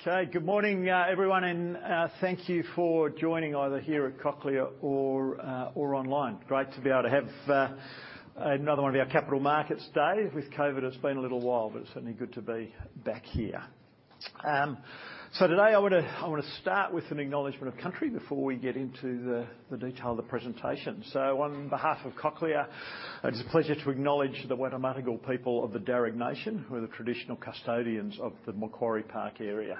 Okay, good morning, everyone, and thank you for joining either here at Cochlear or online. Great to be able to have another one of our Capital Markets Day. With COVID, it's been a little while, but it's certainly good to be back here. So today, I want to start with an acknowledgement of country before we get into the detail of the presentation. So on behalf of Cochlear, it is a pleasure to acknowledge the Wallumattagal people of the Dharug Nation, who are the traditional custodians of the Macquarie Park area,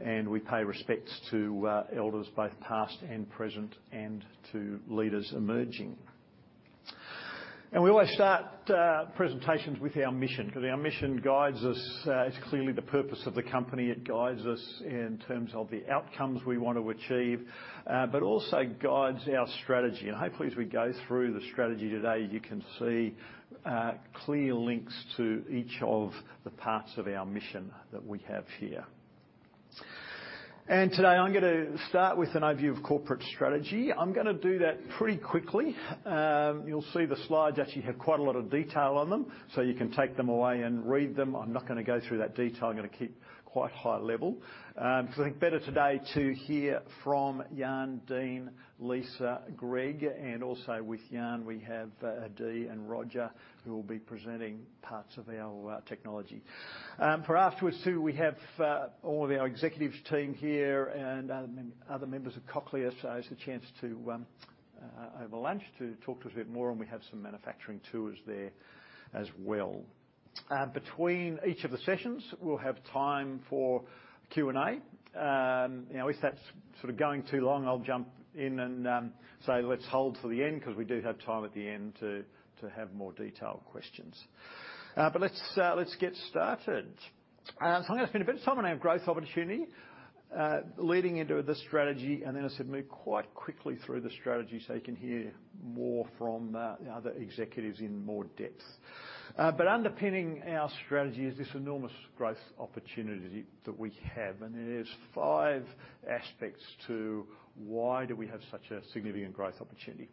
and we pay respects to elders both past and present, and to leaders emerging. We always start presentations with our mission, because our mission guides us. It's clearly the purpose of the company. It guides us in terms of the outcomes we want to achieve, but also guides our strategy. Hopefully, as we go through the strategy today, you can see clear links to each of the parts of our mission that we have here. Today, I'm gonna start with an overview of corporate strategy. I'm gonna do that pretty quickly. You'll see the slides actually have quite a lot of detail on them, so you can take them away and read them. I'm not gonna go through that detail. I'm gonna keep quite high level. Because I think better today to hear from Jan, Dean, Lisa, Greg, and also with Jan, we have Adi and Roger, who will be presenting parts of our technology. For afterwards, too, we have all of our executives team here and other members of Cochlear. So it's a chance to, over lunch, to talk to us a bit more, and we have some manufacturing tours there as well. Between each of the sessions, we'll have time for Q&A. You know, if that's sort of going too long, I'll jump in and, say, "Let's hold till the end," 'cause we do have time at the end to have more detailed questions. But let's get started. So I'm gonna spend a bit of time on our growth opportunity, leading into the strategy, and then I said move quite quickly through the strategy so you can hear more from, the other executives in more depth. But underpinning our strategy is this enormous growth opportunity that we have, and there's five aspects to why do we have such a significant growth opportunity?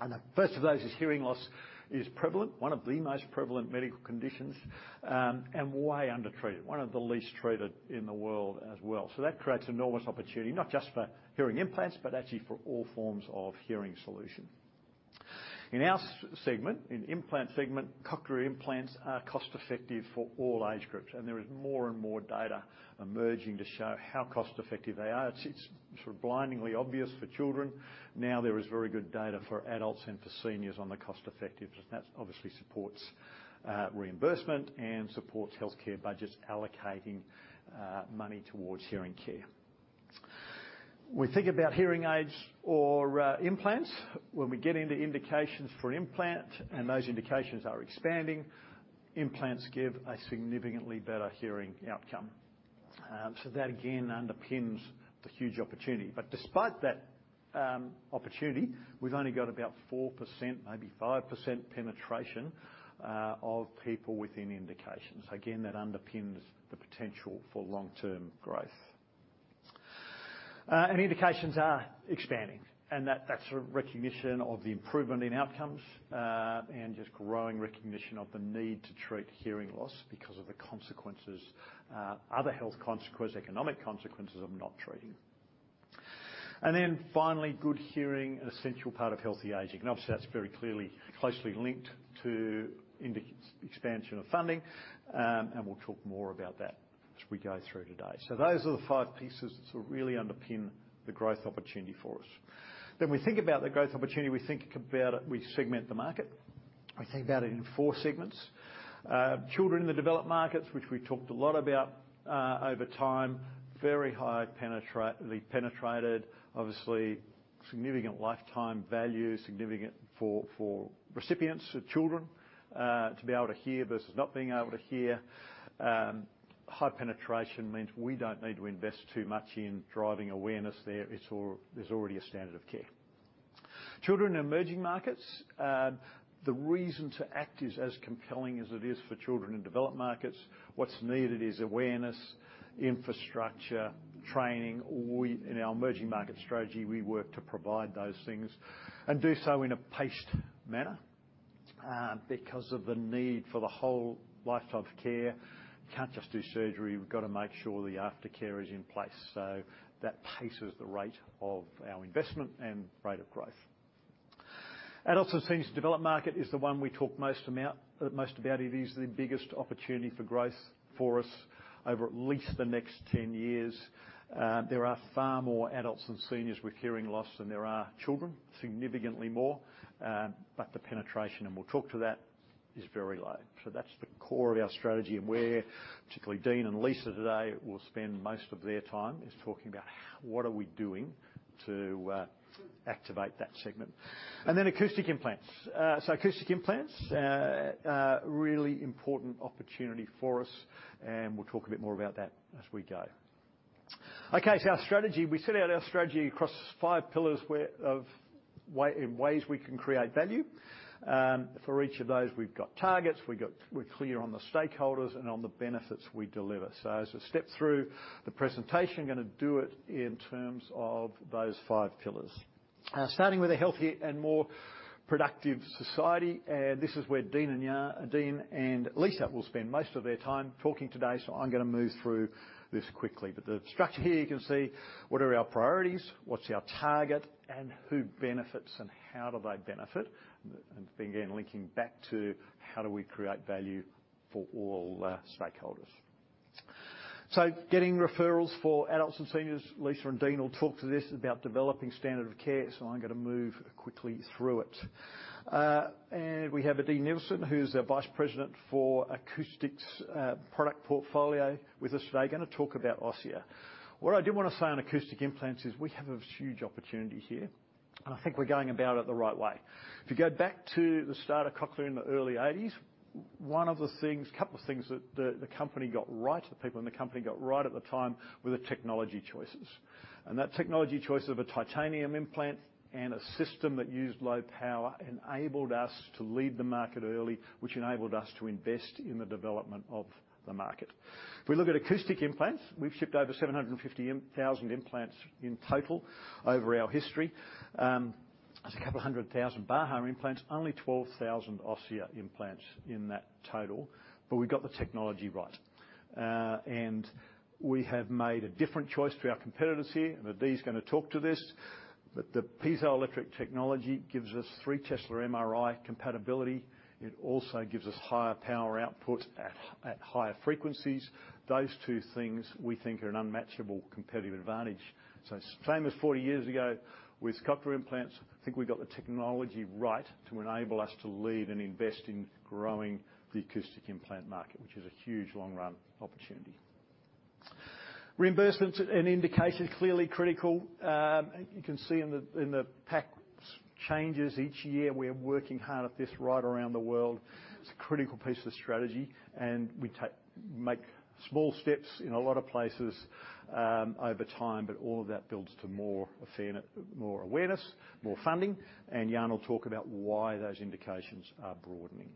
The first of those is hearing loss is prevalent, one of the most prevalent medical conditions, and way undertreated, one of the least treated in the world as well. So that creates enormous opportunity, not just for hearing implants, but actually for all forms of hearing solution. In our segment, in implant segment, cochlear implants are cost effective for all age groups, and there is more and more data emerging to show how cost effective they are. It's, it's sort of blindingly obvious for children. Now, there is very good data for adults and for seniors on the cost effectiveness, and that obviously supports reimbursement and supports healthcare budgets allocating money towards hearing care. We think about hearing aids or implants. When we get into indications for implant, and those indications are expanding, implants give a significantly better hearing outcome. So that again underpins the huge opportunity. But despite that, opportunity, we've only got about 4%, maybe 5% penetration of people within indications. Again, that underpins the potential for long-term growth. And indications are expanding, and that's a recognition of the improvement in outcomes, and just growing recognition of the need to treat hearing loss because of the consequences, other health consequences, economic consequences of not treating. And then finally, good hearing, an essential part of healthy aging, and obviously, that's very clearly, closely linked to indication expansion of funding. And we'll talk more about that as we go through today. So those are the five pieces that sort of really underpin the growth opportunity for us. Then, we think about the growth opportunity, we think about it, we segment the market. We think about it in four segments. Children in the developed markets, which we talked a lot about, over time, very high penetration. Obviously, significant lifetime value, significant for recipients, for children, to be able to hear versus not being able to hear. High penetration means we don't need to invest too much in driving awareness there. There's already a standard of care. Children in emerging markets, the reason to act is as compelling as it is for children in developed markets. What's needed is awareness, infrastructure, training, or we, in our emerging market strategy, we work to provide those things and do so in a paced manner, because of the need for the whole lifetime care. Can't just do surgery. We've got to make sure the aftercare is in place, so that paces the rate of our investment and rate of growth. And also, seniors in developed market is the one we talk most about. It is the biggest opportunity for growth for us over at least the next 10 years. There are far more adults and seniors with hearing loss than there are children, significantly more, but the penetration, and we'll talk to that, is very low. So that's the core of our strategy, and where particularly Dean and Lisa today will spend most of their time, is talking about what are we doing to activate that segment. And then acoustic implants. So acoustic implants are really important opportunity for us, and we'll talk a bit more about that as we go. Okay, so our strategy, we set out our strategy across 5 pillars where of way, in ways we can create value. For each of those, we've got targets, we're clear on the stakeholders and on the benefits we deliver. So as I step through the presentation, gonna do it in terms of those five pillars, starting with a healthier and more productive society. This is where Dean and Lisa will spend most of their time talking today, so I'm gonna move through this quickly. But the structure here, you can see what are our priorities, what's our target, and who benefits and how do they benefit? And then, again, linking back to how do we create value for all stakeholders. So getting referrals for adults and seniors, Lisa and Dean will talk to this about developing standard of care, so I'm gonna move quickly through it. And we have Adi Nilson, who's our Vice President for Acoustics, product portfolio with us today, gonna talk about Osia. What I do wanna say on acoustic implants is we have a huge opportunity here, and I think we're going about it the right way. If you go back to the start of Cochlear in the early 1980s, one of the things, couple of things that the company got right, the people in the company got right at the time, were the technology choices. And that technology choice of a titanium implant and a system that used low power, enabled us to lead the market early, which enabled us to invest in the development of the market. If we look at acoustic implants, we've shipped over 750,000 implants in total over our history. A couple hundred thousand Baha implants, only 12,000 Osia implants in that total, but we got the technology right. And we have made a different choice to our competitors here, and Adi's gonna talk to this, but the piezoelectric technology gives us 3 Tesla MRI compatibility. It also gives us higher power output at higher frequencies. Those two things we think are an unmatchable competitive advantage. So same as 40 years ago with cochlear implants, I think we got the technology right to enable us to lead and invest in growing the acoustic implant market, which is a huge long-run opportunity. Reimbursements and indication, clearly critical. You can see in the pack changes each year, we are working hard at this right around the world. It's a critical piece of the strategy, and we take small steps in a lot of places over time, but all of that builds to more awareness, more funding, and Jan will talk about why those indications are broadening.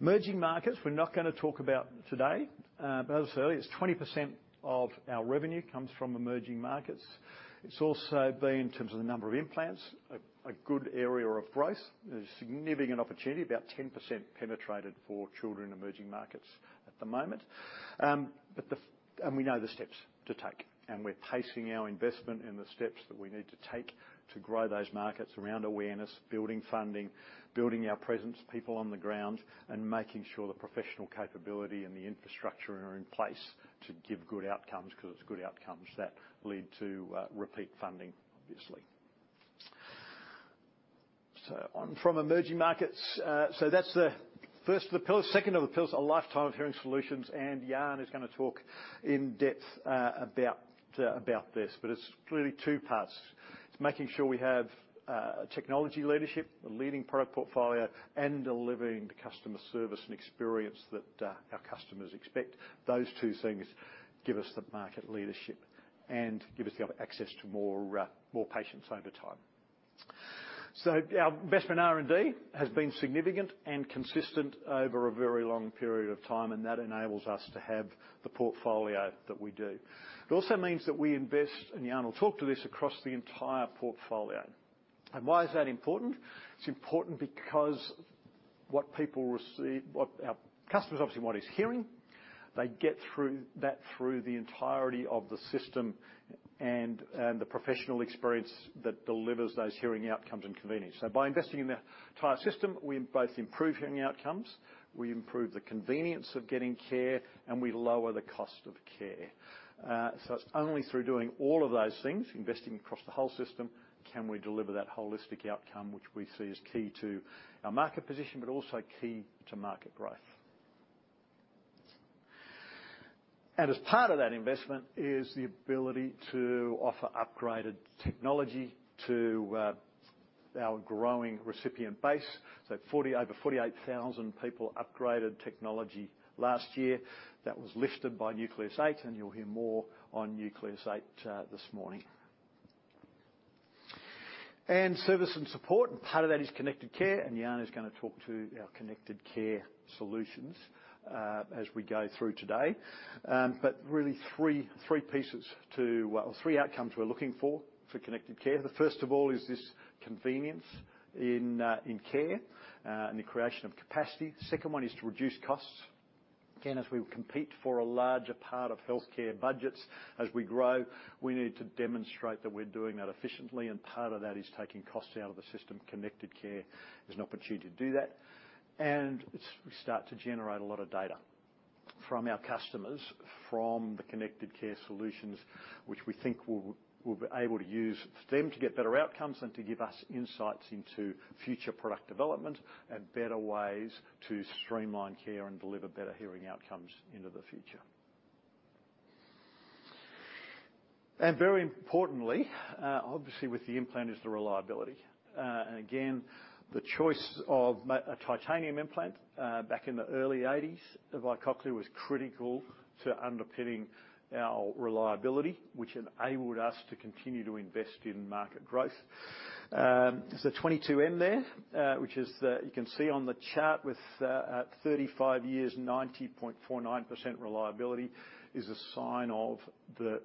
Emerging markets, we're not gonna talk about today, but as I said earlier, it's 20% of our revenue comes from emerging markets. It's also been, in terms of the number of implants, a good area of growth. There's significant opportunity, about 10% penetrated for children in emerging markets at the moment. But we know the steps to take, and we're pacing our investment in the steps that we need to take to grow those markets around awareness, building funding, building our presence, people on the ground, and making sure the professional capability and the infrastructure are in place to give good outcomes, 'cause it's good outcomes that lead to repeat funding, obviously. So on from emerging markets, so that's the first of the pillars. Second of the pillars, a lifetime of hearing solutions, and Jan is gonna talk in depth about about this, but it's clearly two parts. It's making sure we have technology leadership, a leading product portfolio, and delivering the customer service and experience that our customers expect. Those two things give us the market leadership and give us the other access to more more patients over time. So our investment in R&D has been significant and consistent over a very long period of time, and that enables us to have the portfolio that we do. It also means that we invest, and Jan will talk to this, across the entire portfolio. Why is that important? It's important because what people receive, what, our customers, obviously, want is hearing. They get that through the entirety of the system and the professional experience that delivers those hearing outcomes and convenience. So by investing in the entire system, we both improve hearing outcomes, we improve the convenience of getting care, and we lower the cost of care. So it's only through doing all of those things, investing across the whole system, can we deliver that holistic outcome, which we see as key to our market position, but also key to market growth. As part of that investment is the ability to offer upgraded technology to our growing recipient base. So over 48,000 people upgraded technology last year. That was lifted by Nucleus 8, and you'll hear more on Nucleus 8 this morning. And service and support, and part of that is Connected Care, and Jan is gonna talk to our Connected Care solutions as we go through today. But really three pieces to, or three outcomes we're looking for Connected Care. The first of all is this convenience in care and the creation of capacity. The second one is to reduce costs. Again, as we compete for a larger part of healthcare budgets, as we grow, we need to demonstrate that we're doing that efficiently, and part of that is taking costs out of the system. Connected care is an opportunity to do that. And we start to generate a lot of data from our customers, from the Connected Care solutions, which we think we'll be able to use for them to get better outcomes and to give us insights into future product development and better ways to streamline care and deliver better hearing outcomes into the future. And very importantly, obviously, with the implant is the reliability. And again, the choice of a titanium implant, back in the early 1980s, by Cochlear, was critical to underpinning our reliability, which enabled us to continue to invest in market growth. So 22M there, which is the, you can see on the chart with, at 35 years, 90.49% reliability, is a sign of the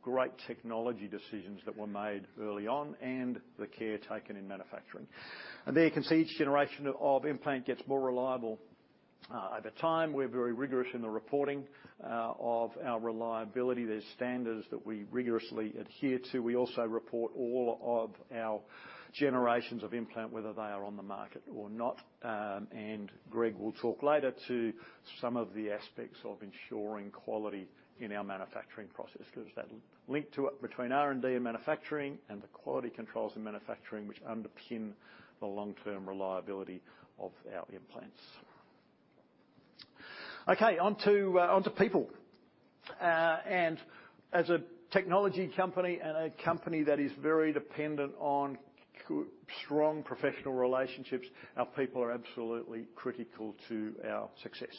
great technology decisions that were made early on and the care taken in manufacturing. And there you can see each generation of implant gets more reliable. At the time, we're very rigorous in the reporting of our reliability. There's standards that we rigorously adhere to. We also report all of our generations of implant, whether they are on the market or not. And Greg will talk later to some of the aspects of ensuring quality in our manufacturing process, 'cause that link to it between R&D and manufacturing and the quality controls in manufacturing, which underpin the long-term reliability of our implants. Okay, on to, on to people. As a technology company and a company that is very dependent on good, strong, professional relationships, our people are absolutely critical to our success.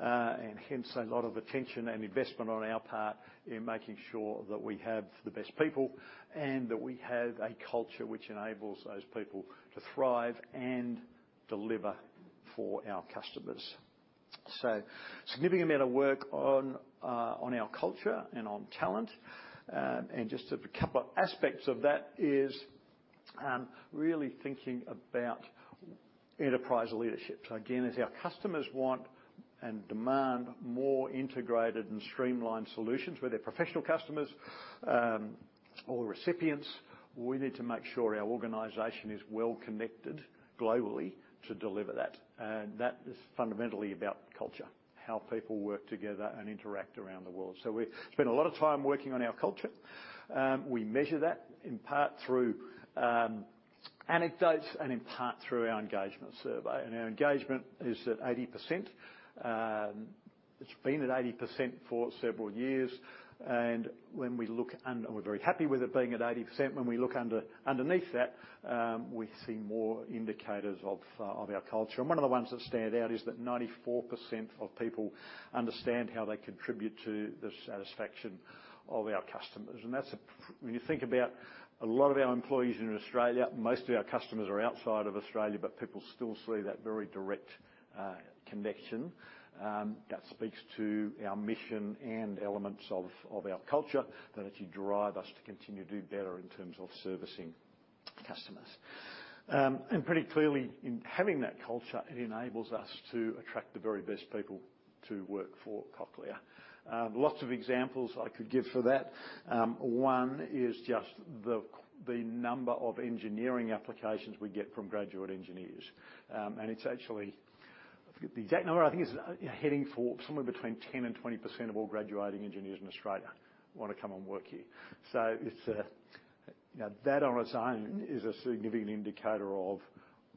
And hence, a lot of attention and investment on our part in making sure that we have the best people, and that we have a culture which enables those people to thrive and deliver for our customers. So significant amount of work on our culture and on talent. And just a couple of aspects of that is really thinking about enterprise leadership. So again, as our customers want and demand more integrated and streamlined solutions, whether professional customers or recipients, we need to make sure our organization is well connected globally to deliver that. And that is fundamentally about culture, how people work together and interact around the world. So we spent a lot of time working on our culture. We measure that in part through anecdotes and in part through our engagement survey. And our engagement is at 80%. It's been at 80% for several years, and when we look under, we're very happy with it being at 80%. When we look underneath that, we see more indicators of our culture. And one of the ones that stand out is that 94% of people understand how they contribute to the satisfaction of our customers. And that's when you think about a lot of our employees in Australia, most of our customers are outside of Australia, but people still see that very direct connection. That speaks to our mission and elements of our culture that actually drive us to continue to do better in terms of servicing customers. And pretty clearly, in having that culture, it enables us to attract the very best people to work for Cochlear. Lots of examples I could give for that. One is just the number of engineering applications we get from graduate engineers. And it's actually, I forget the exact number, I think it's heading for somewhere between 10%-20% of all graduating engineers in Australia want to come and work here. So it's a, you know, that on its own is a significant indicator of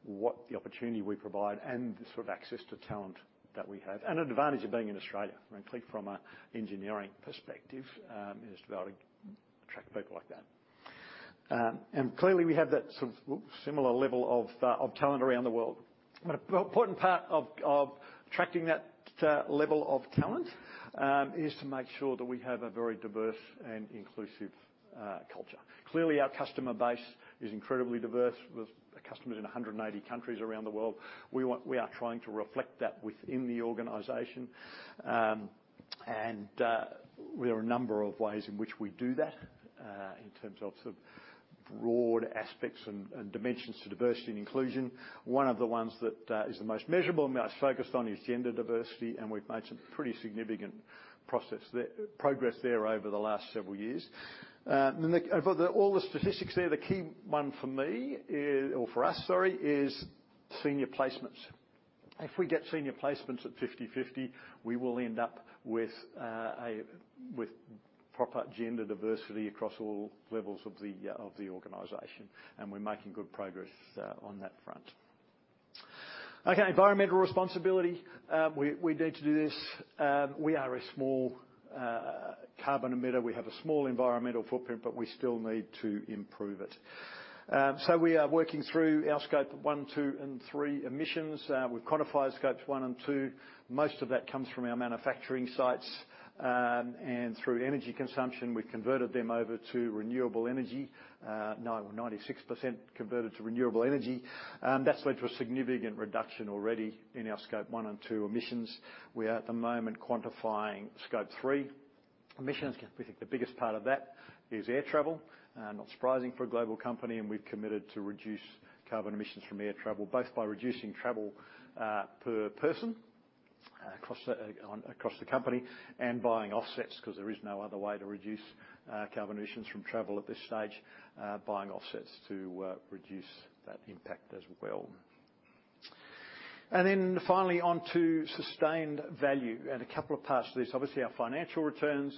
what the opportunity we provide and the sort of access to talent that we have, and advantage of being in Australia, frankly, from an engineering perspective, is to be able to attract people like that. And clearly, we have that sort of similar level of talent around the world. But an important part of attracting that level of talent is to make sure that we have a very diverse and inclusive culture. Clearly, our customer base is incredibly diverse, with customers in 180 countries around the world. We are trying to reflect that within the organization. And, there are a number of ways in which we do that, in terms of sort of broad aspects and, and dimensions to diversity and inclusion. One of the ones that is the most measurable and most focused on is gender diversity, and we've made some pretty significant process there, progress there over the last several years. Then, all the statistics there, the key one for me is, or for us, sorry, is senior placements. If we get senior placements at 50/50, we will end up with proper gender diversity across all levels of the organization, and we're making good progress on that front. Okay, environmental responsibility. We need to do this. We are a small carbon emitter. We have a small environmental footprint, but we still need to improve it. So we are working through our Scope 1, 2, and 3 emissions. We've quantified Scopes 1 and 2. Most of that comes from our manufacturing sites. Through energy consumption, we've converted them over to renewable energy, now 96% converted to renewable energy. That's led to a significant reduction already in our Scope 1 and 2 emissions. We are at the moment quantifying Scope 3 emissions. We think the biggest part of that is air travel, not surprising for a global company, and we've committed to reduce carbon emissions from air travel, both by reducing travel, per person across the company, and buying offsets, because there is no other way to reduce carbon emissions from travel at this stage, buying offsets to reduce that impact as well. And then finally, on to sustained value, and a couple of parts to this. Obviously, our financial returns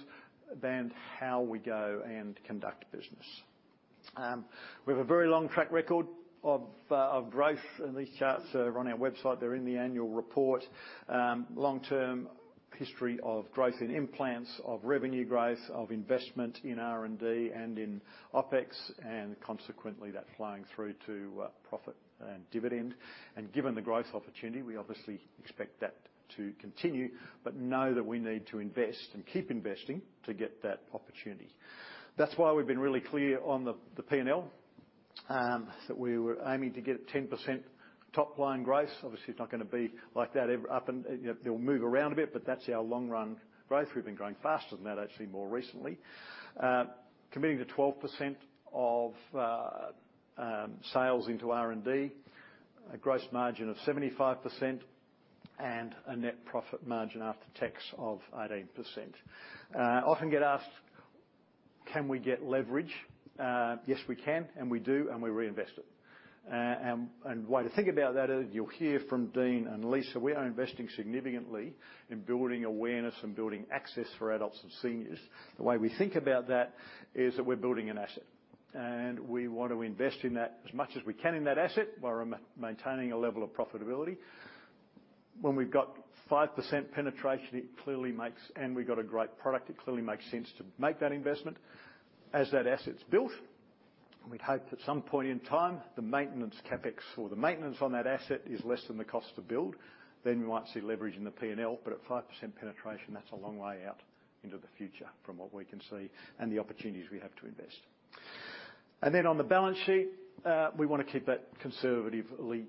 and how we go and conduct business. We have a very long track record of growth, and these charts are on our website. They're in the annual report. Long-term history of growth in implants, of revenue growth, of investment in R&D and in OpEx, and consequently, that flowing through to profit and dividend. And given the growth opportunity, we obviously expect that to continue, but know that we need to invest and keep investing to get that opportunity. That's why we've been really clear on the P&L that we were aiming to get 10% top line growth. Obviously, it's not gonna be like that every, you know, it'll move around a bit, but that's our long run growth. We've been growing faster than that, actually, more recently. Committing to 12% of sales into R&D, a gross margin of 75%, and a net profit margin after tax of 18%. I often get asked, can we get leverage? Yes, we can, and we do, and we reinvest it. And way to think about that is you'll hear from Dean and Lisa, we are investing significantly in building awareness and building access for adults and seniors. The way we think about that is that we're building an asset, and we want to invest in that as much as we can in that asset, while maintaining a level of profitability. When we've got 5% penetration, it clearly makes. And we've got a great product, it clearly makes sense to make that investment. As that asset's built, we'd hope at some point in time, the maintenance CapEx or the maintenance on that asset is less than the cost to build, then we might see leverage in the P&L. But at 5% penetration, that's a long way out into the future from what we can see and the opportunities we have to invest. And then on the balance sheet, we wanna keep that conservatively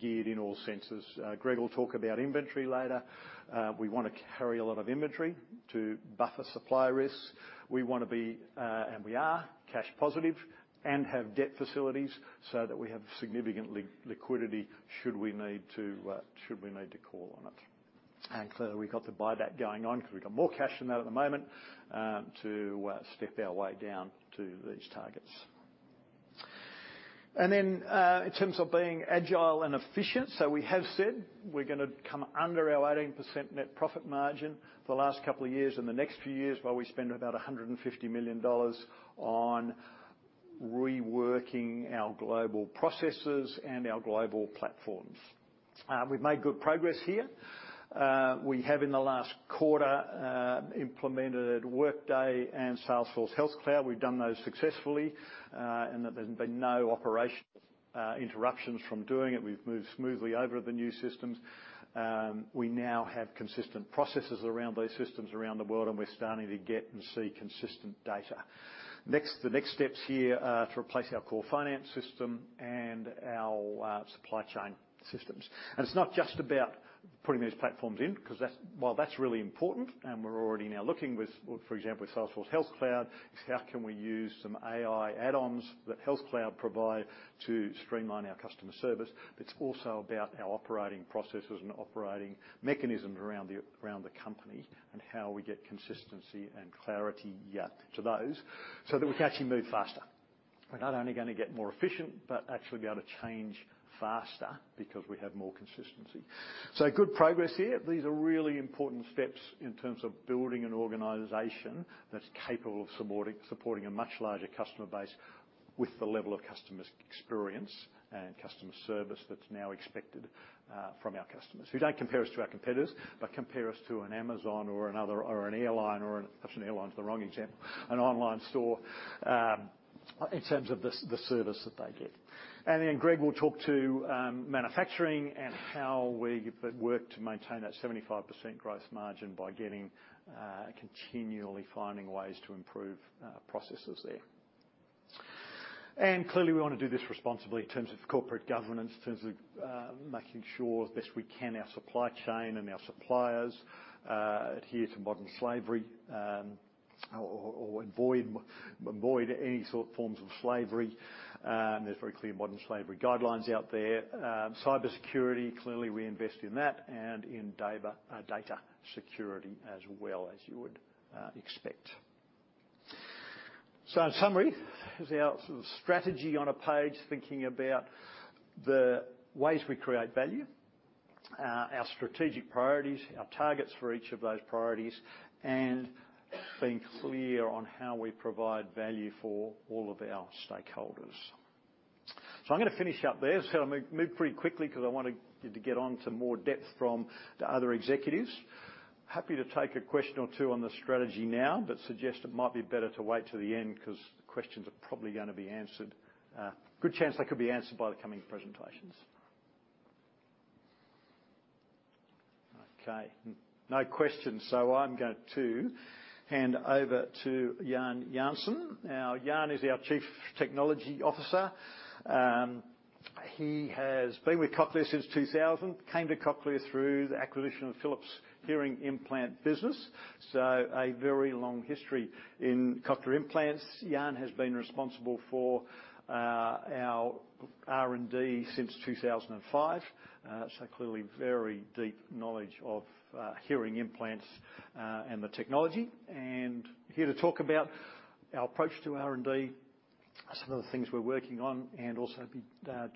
geared in all senses. Greg will talk about inventory later. We want to carry a lot of inventory to buffer supply risks. We wanna be, and we are, cash positive and have debt facilities so that we have significant liquidity, should we need to call on it. Clearly, we've got the buyback going on, because we've got more cash than that at the moment, to step our way down to these targets. Then, in terms of being agile and efficient, so we have said we're gonna come under our 18% net profit margin for the last couple of years and the next few years, while we spend about 150 million dollars on reworking our global processes and our global platforms. We've made good progress here. We have, in the last quarter, implemented Workday and Salesforce Health Cloud. We've done those successfully, and that there's been no operation interruptions from doing it. We've moved smoothly over the new systems. We now have consistent processes around these systems around the world, and we're starting to get and see consistent data. Next, the next steps here are to replace our core finance system and our supply chain systems. It's not just about putting these platforms in, 'cause that's, while that's really important, and we're already now looking with, for example, with Salesforce Health Cloud, is how can we use some AI add-ons that Health Cloud provide to streamline our customer service. It's also about our operating processes and operating mechanisms around the, around the company, and how we get consistency and clarity, yeah, to those, so that we can actually move faster. We're not only gonna get more efficient, but actually be able to change faster because we have more consistency. Good progress here. These are really important steps in terms of building an organization that's capable of supporting a much larger customer base with the level of customer experience and customer service that's now expected from our customers, who don't compare us to our competitors, but compare us to an Amazon or another, or actually, an airline is the wrong example. An online store in terms of the service that they get. And then Greg will talk to manufacturing and how we work to maintain that 75% gross margin by continually finding ways to improve processes there. Clearly, we want to do this responsibly in terms of corporate governance, in terms of making sure as best we can, our supply chain and our suppliers adhere to modern slavery, or avoid any sort of forms of slavery. There's very clear modern slavery guidelines out there. Cybersecurity, clearly, we invest in that and in data security as well, as you would expect. So in summary, here's our sort of strategy on a page, thinking about the ways we create value, our strategic priorities, our targets for each of those priorities, and being clear on how we provide value for all of our stakeholders. So I'm gonna finish up there. So I'm gonna move pretty quickly, 'cause I want you to get on to more depth from the other executives. Happy to take a question or two on the strategy now, but suggest it might be better to wait till the end, 'cause questions are probably gonna be answered. Good chance they could be answered by the coming presentations. Okay, no questions. So I'm going to hand over to Jan Janssen. Now, Jan is our Chief Technology Officer. He has been with Cochlear since 2000. Came to Cochlear through the acquisition of Philips Hearing Implant Business, so a very long history in cochlear implants. Jan has been responsible for our R&D since 2005, so clearly very deep knowledge of hearing implants and the technology. And here to talk about our approach to R&D, some of the things we're working on, and also be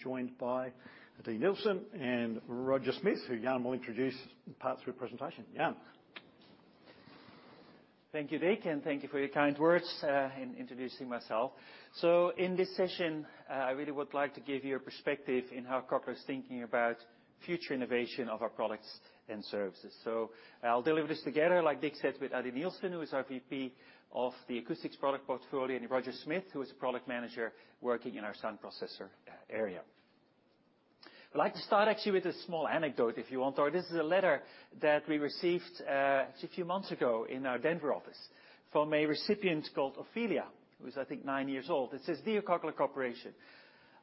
joined by Adi Nilsson and Roger Smith, who Jan will introduce part through presentation. Jan? Thank you, Dig, and thank you for your kind words in introducing myself. So in this session, I really would like to give you a perspective in how Cochlear is thinking about future innovation of our products and services. So I'll deliver this together, like Dig said, with Adi Nilsson, who is our VP of the Acoustics product portfolio, and Roger Smith, who is Product Manager working in our sound processor area. I'd like to start actually with a small anecdote, if you want. So this is a letter that we received a few months ago in our Denver office from a recipient called Ophelia, who is, I think, nine years old. It says, "Dear Cochlear Corporation,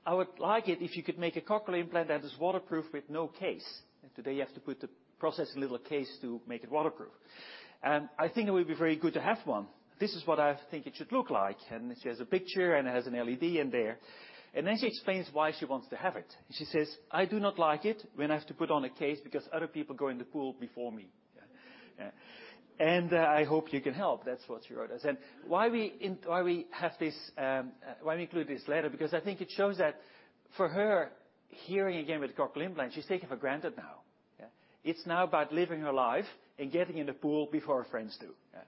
I would like it if you could make a cochlear implant that is waterproof with no case." And today, you have to put the processor in a little case to make it waterproof. "I think it would be very good to have one. This is what I think it should look like." And she has a picture, and it has an LED in there. And then she explains why she wants to have it. She says, "I do not like it when I have to put on a case because other people go in the pool before me." Yeah, yeah. And, I hope you can help." That's what she wrote us. And why we have this, why we include this letter, because I think it shows that for her, hearing again with a cochlear implant, she's taking for granted now, yeah? It's now about living her life and getting in the pool before her friends do. Yeah.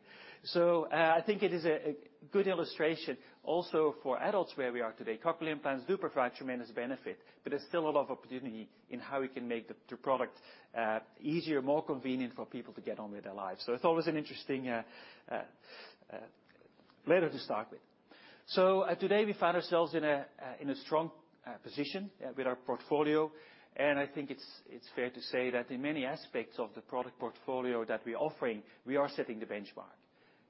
So, I think it is a good illustration also for adults, where we today. Cochlear implants do provide tremendous benefit, but there's still a lot of opportunity in how we can make the product easier, more convenient for people to get on with their lives. So it's always an interesting letter to start with. So, today, we find ourselves in a strong position with our portfolio, and I think it's fair to say that in many aspects of the product portfolio that we're offering, we are setting the benchmark.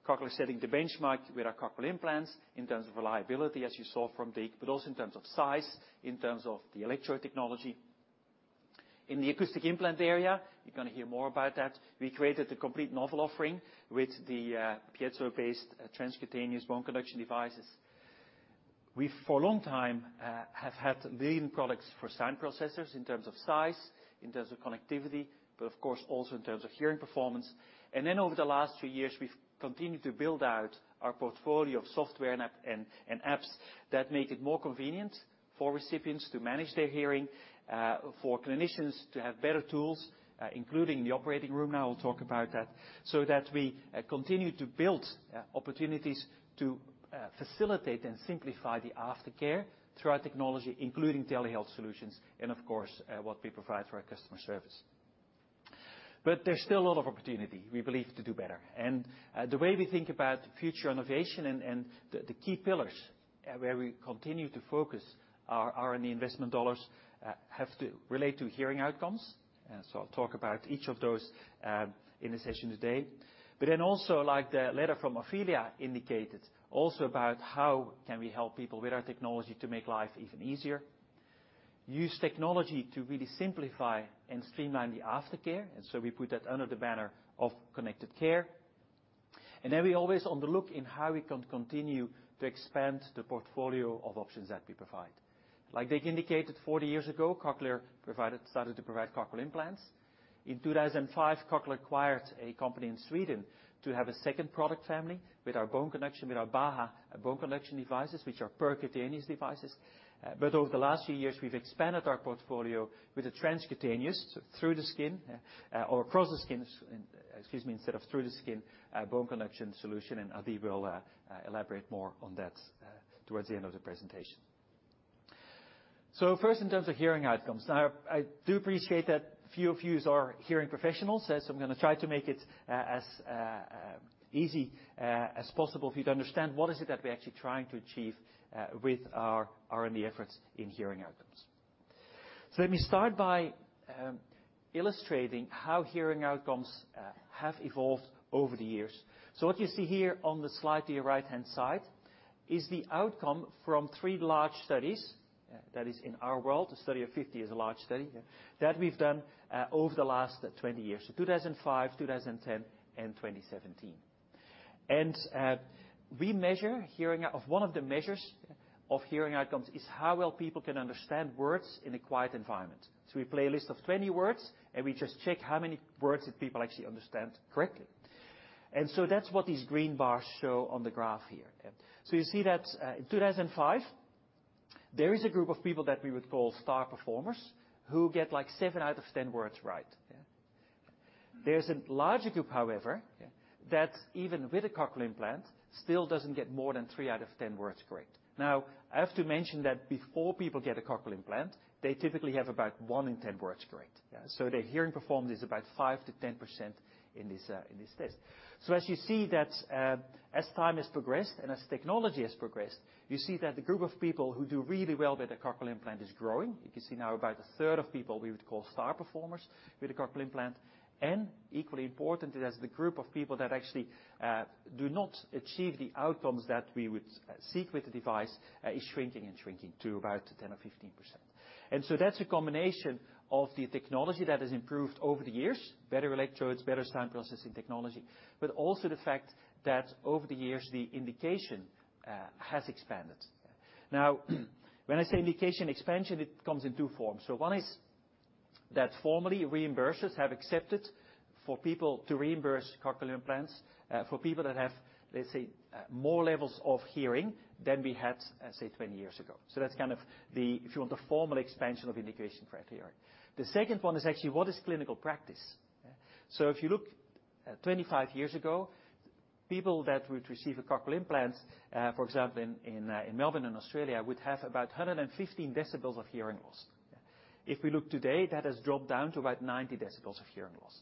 Cochlear is setting the benchmark with our cochlear implants in terms of reliability, as you saw from Dig, but also in terms of size, in terms of the electrode technology. In the acoustic implant area, you're gonna hear more about that. We created a complete novel offering with the piezo-based transcutaneous bone conduction devices. We, for a long time, have had leading products for sound processors in terms of size, in terms of connectivity, but of course, also in terms of hearing performance. Over the last few years, we've continued to build out our portfolio of software and apps that make it more convenient for recipients to manage their hearing, for clinicians to have better tools, including the operating room. Now, I'll talk about that so that we continue to build opportunities to facilitate and simplify the aftercare through our technology, including telehealth solutions and of course, what we provide for our customer service. But there's still a lot of opportunity we believe to do better. The way we think about future innovation and the key pillars where we continue to focus our R&D investment dollars have to relate to hearing outcomes, and so I'll talk about each of those in the session today. But then also, like the letter from Ophelia indicated, also about how can we help people with our technology to make life even easier? Use technology to really simplify and streamline the aftercare, and so we put that under the banner of Connected Care. And then we're always on the lookout in how we can continue to expand the portfolio of options that we provide. Like Dig indicated, 40 years ago, Cochlear provided, started to provide cochlear implants. In 2005, Cochlear acquired a company in Sweden to have a second product family with our bone conduction, with our Baha bone conduction devices, which are percutaneous devices. But over the last few years, we've expanded our portfolio with the transcutaneous through the skin, or across the skin, excuse me, instead of through the skin, bone conduction solution, and Adi will elaborate more on that towards the end of the presentation. So first, in terms of hearing outcomes, now, I do appreciate that few of you are hearing professionals, so I'm gonna try to make it as easy as possible for you to understand what is it that we're actually trying to achieve with our R&D efforts in hearing outcomes. So let me start by illustrating how hearing outcomes have evolved over the years. So what you see here on the slide to your right-hand side is the outcome from three large studies. That is, in our world, a study of 50 is a large study that we've done over the last 20 years. So 2005, 2010, and 2017. We measure hearing. One of the measures of hearing outcomes is how well people can understand words in a quiet environment. So we play a list of 20 words, and we just check how many words that people actually understand correctly. And so that's what these green bars show on the graph here, yeah. So you see that, in 2005, there is a group of people that we would call star performers, who get, like, 7 out of 10 words right, yeah? There's a larger group, however, yeah, that even with a cochlear implant, still doesn't get more than 3 out of 10 words correct. Now, I have to mention that before people get a cochlear implant, they typically have about 1 in 10 words correct, yeah. So their hearing performance is about 5%-10% in this test. So as you see that, as time has progressed and as technology has progressed, you see that the group of people who do really well with a cochlear implant is growing. You can see now about a third of people we would call star performers with a cochlear implant. And equally important, it has the group of people that actually do not achieve the outcomes that we would seek with the device is shrinking and shrinking to about 10% or 15%. And so that's a combination of the technology that has improved over the years, better electrodes, better sound processing technology, but also the fact that over the years, the indication has expanded. Now, when I say indication expansion, it comes in two forms. So one is that formerly, reimbursers have accepted for people to reimburse cochlear implants for people that have, let's say, more levels of hearing than we had, say, 20 years ago. So that's kind of the, if you want, the formal expansion of indication for aftercare. The second one is actually, what is clinical practice, yeah? So if you look, 25 years ago, people that would receive a cochlear implant, for example, in, in Melbourne and Australia, would have about 115 decibels of hearing loss. If we look today, that has dropped down to about 90 decibels of hearing loss.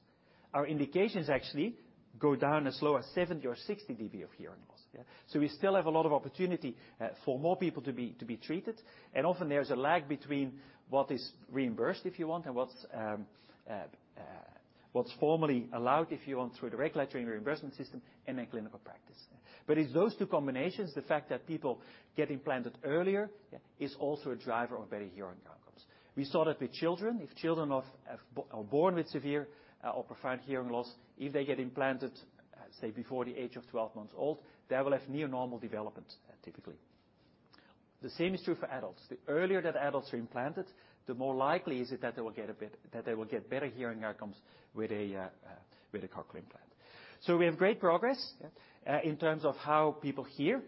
Our indications actually go down as low as 70 or 60 dB of hearing loss, yeah. So we still have a lot of opportunity, for more people to be, to be treated. And often there's a lag between what is reimbursed, if you want, and what's formally allowed, if you want, through the regulatory reimbursement system and then clinical practice. But it's those two combinations, the fact that people get implanted earlier, yeah, is also a driver of better hearing outcomes. We saw that with children. If children of, are born with severe, or profound hearing loss, if they get implanted, say, before the age of 12 months old, they will have near normal development, typically. The same is true for adults. The earlier that adults are implanted, the more likely is it that they will get better hearing outcomes with a cochlear implant. So we have great progress, yeah, in terms of how people hear,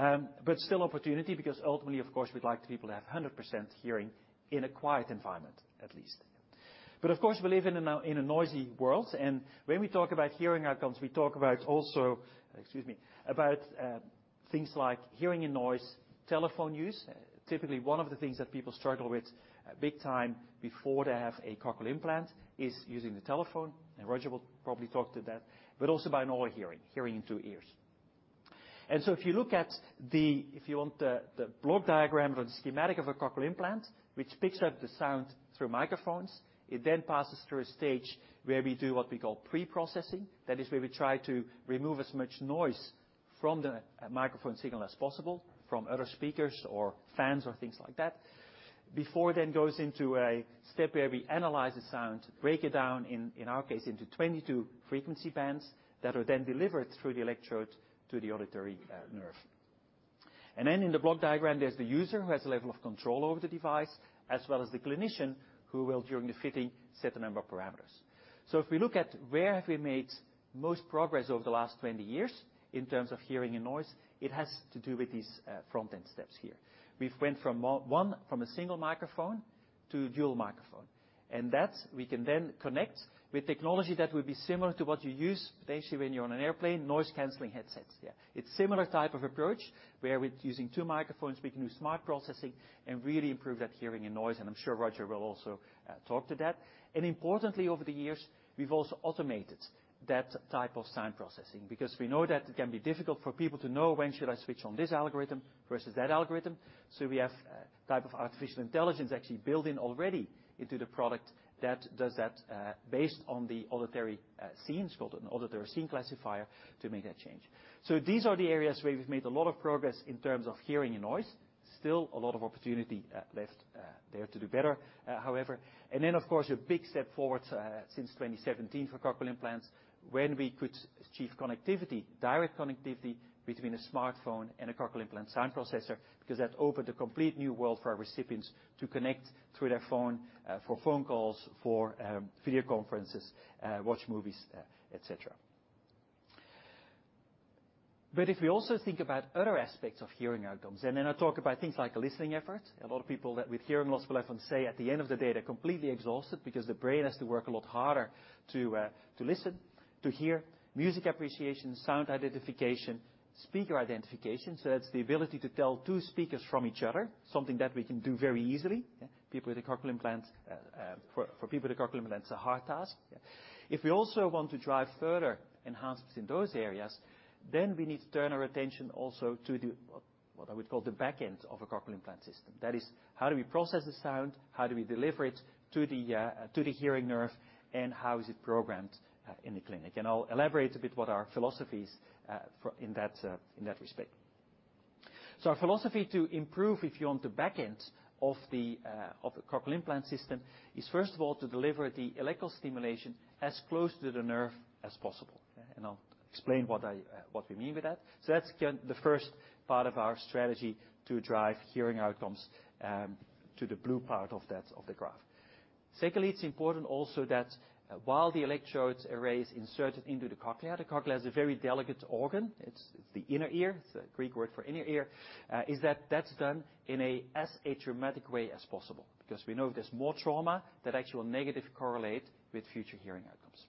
yeah. But still opportunity, because ultimately, of course, we'd like people to have 100% hearing in a quiet environment, at least. But of course, we live in a noisy world, and when we talk about hearing outcomes, we talk about also, excuse me, about things like hearing in noise, telephone use. Typically, one of the things that people struggle with big time before they have a cochlear implant is using the telephone, and Roger will probably talk to that, but also about binaural hearing, hearing in two ears. And so if you look at the, if you want, the block diagram or the schematic of a cochlear implant, which picks up the sound through microphones, it then passes through a stage where we do what we call pre-processing. That is where we try to remove as much noise from the microphone signal as possible from other speakers or fans or things like that, before then goes into a step where we analyze the sound, break it down, in our case, into 22 frequency bands, that are then delivered through the electrode to the auditory nerve. And then in the block diagram, there's the user, who has a level of control over the device, as well as the clinician, who will, during the fitting, set the number of parameters. So if we look at where we have made most progress over the last 20 years in terms of hearing and noise, it has to do with these front-end steps here. We've went from a single microphone to dual microphone, and that we can then connect with technology that would be similar to what you use, basically, when you're on an airplane, noise-canceling headsets, yeah. It's similar type of approach, where with using two microphones, we can do smart processing and really improve that hearing and noise, and I'm sure Roger will also talk to that. And importantly, over the years, we've also automated that type of sound processing, because we know that it can be difficult for people to know when should I switch on this algorithm versus that algorithm. So we have a type of artificial intelligence actually built-in already into the product that does that, based on the auditory scene. It's called an auditory scene classifier to make that change. So these are the areas where we've made a lot of progress in terms of hearing and noise. Still a lot of opportunity left there to do better. However, and then, of course, a big step forward since 2017 for cochlear implants, when we could achieve connectivity, direct connectivity between a smartphone and a cochlear implant sound processor, because that opened a complete new world for our recipients to connect through their phone for phone calls, for video conferences, watch movies, et cetera. But if we also think about other aspects of hearing outcomes, and then I talk about things like listening effort. A lot of people that with hearing loss will often say at the end of the day, they're completely exhausted because the brain has to work a lot harder to listen, to hear. Music appreciation, sound identification, speaker identification, so that's the ability to tell two speakers from each other, something that we can do very easily, yeah? People with a cochlear implant, for people with a cochlear implant, it's a hard task. If we also want to drive further enhancements in those areas, then we need to turn our attention also to the what I would call the back end of a cochlear implant system. That is, how do we process the sound? How do we deliver it to the hearing nerve, and how is it programmed in the clinic? And I'll elaborate a bit what our philosophy is, for in that, in that respect. So our philosophy to improve, if you want, the back end of the, of the cochlear implant system, is first of all, to deliver the electrical stimulation as close to the nerve as possible, yeah? And I'll explain what I, what we mean by that. So that's again, the first part of our strategy to drive hearing outcomes, to the blue part of that, of the graph. Secondly, it's important also that while the electrodes arrays inserted into the cochlear, the cochlear is a very delicate organ. It's the inner ear. It's a Greek word for inner ear. Is that that's done in a as atraumatic way as possible, because we know there's more trauma that actually will negatively correlate with future hearing outcomes.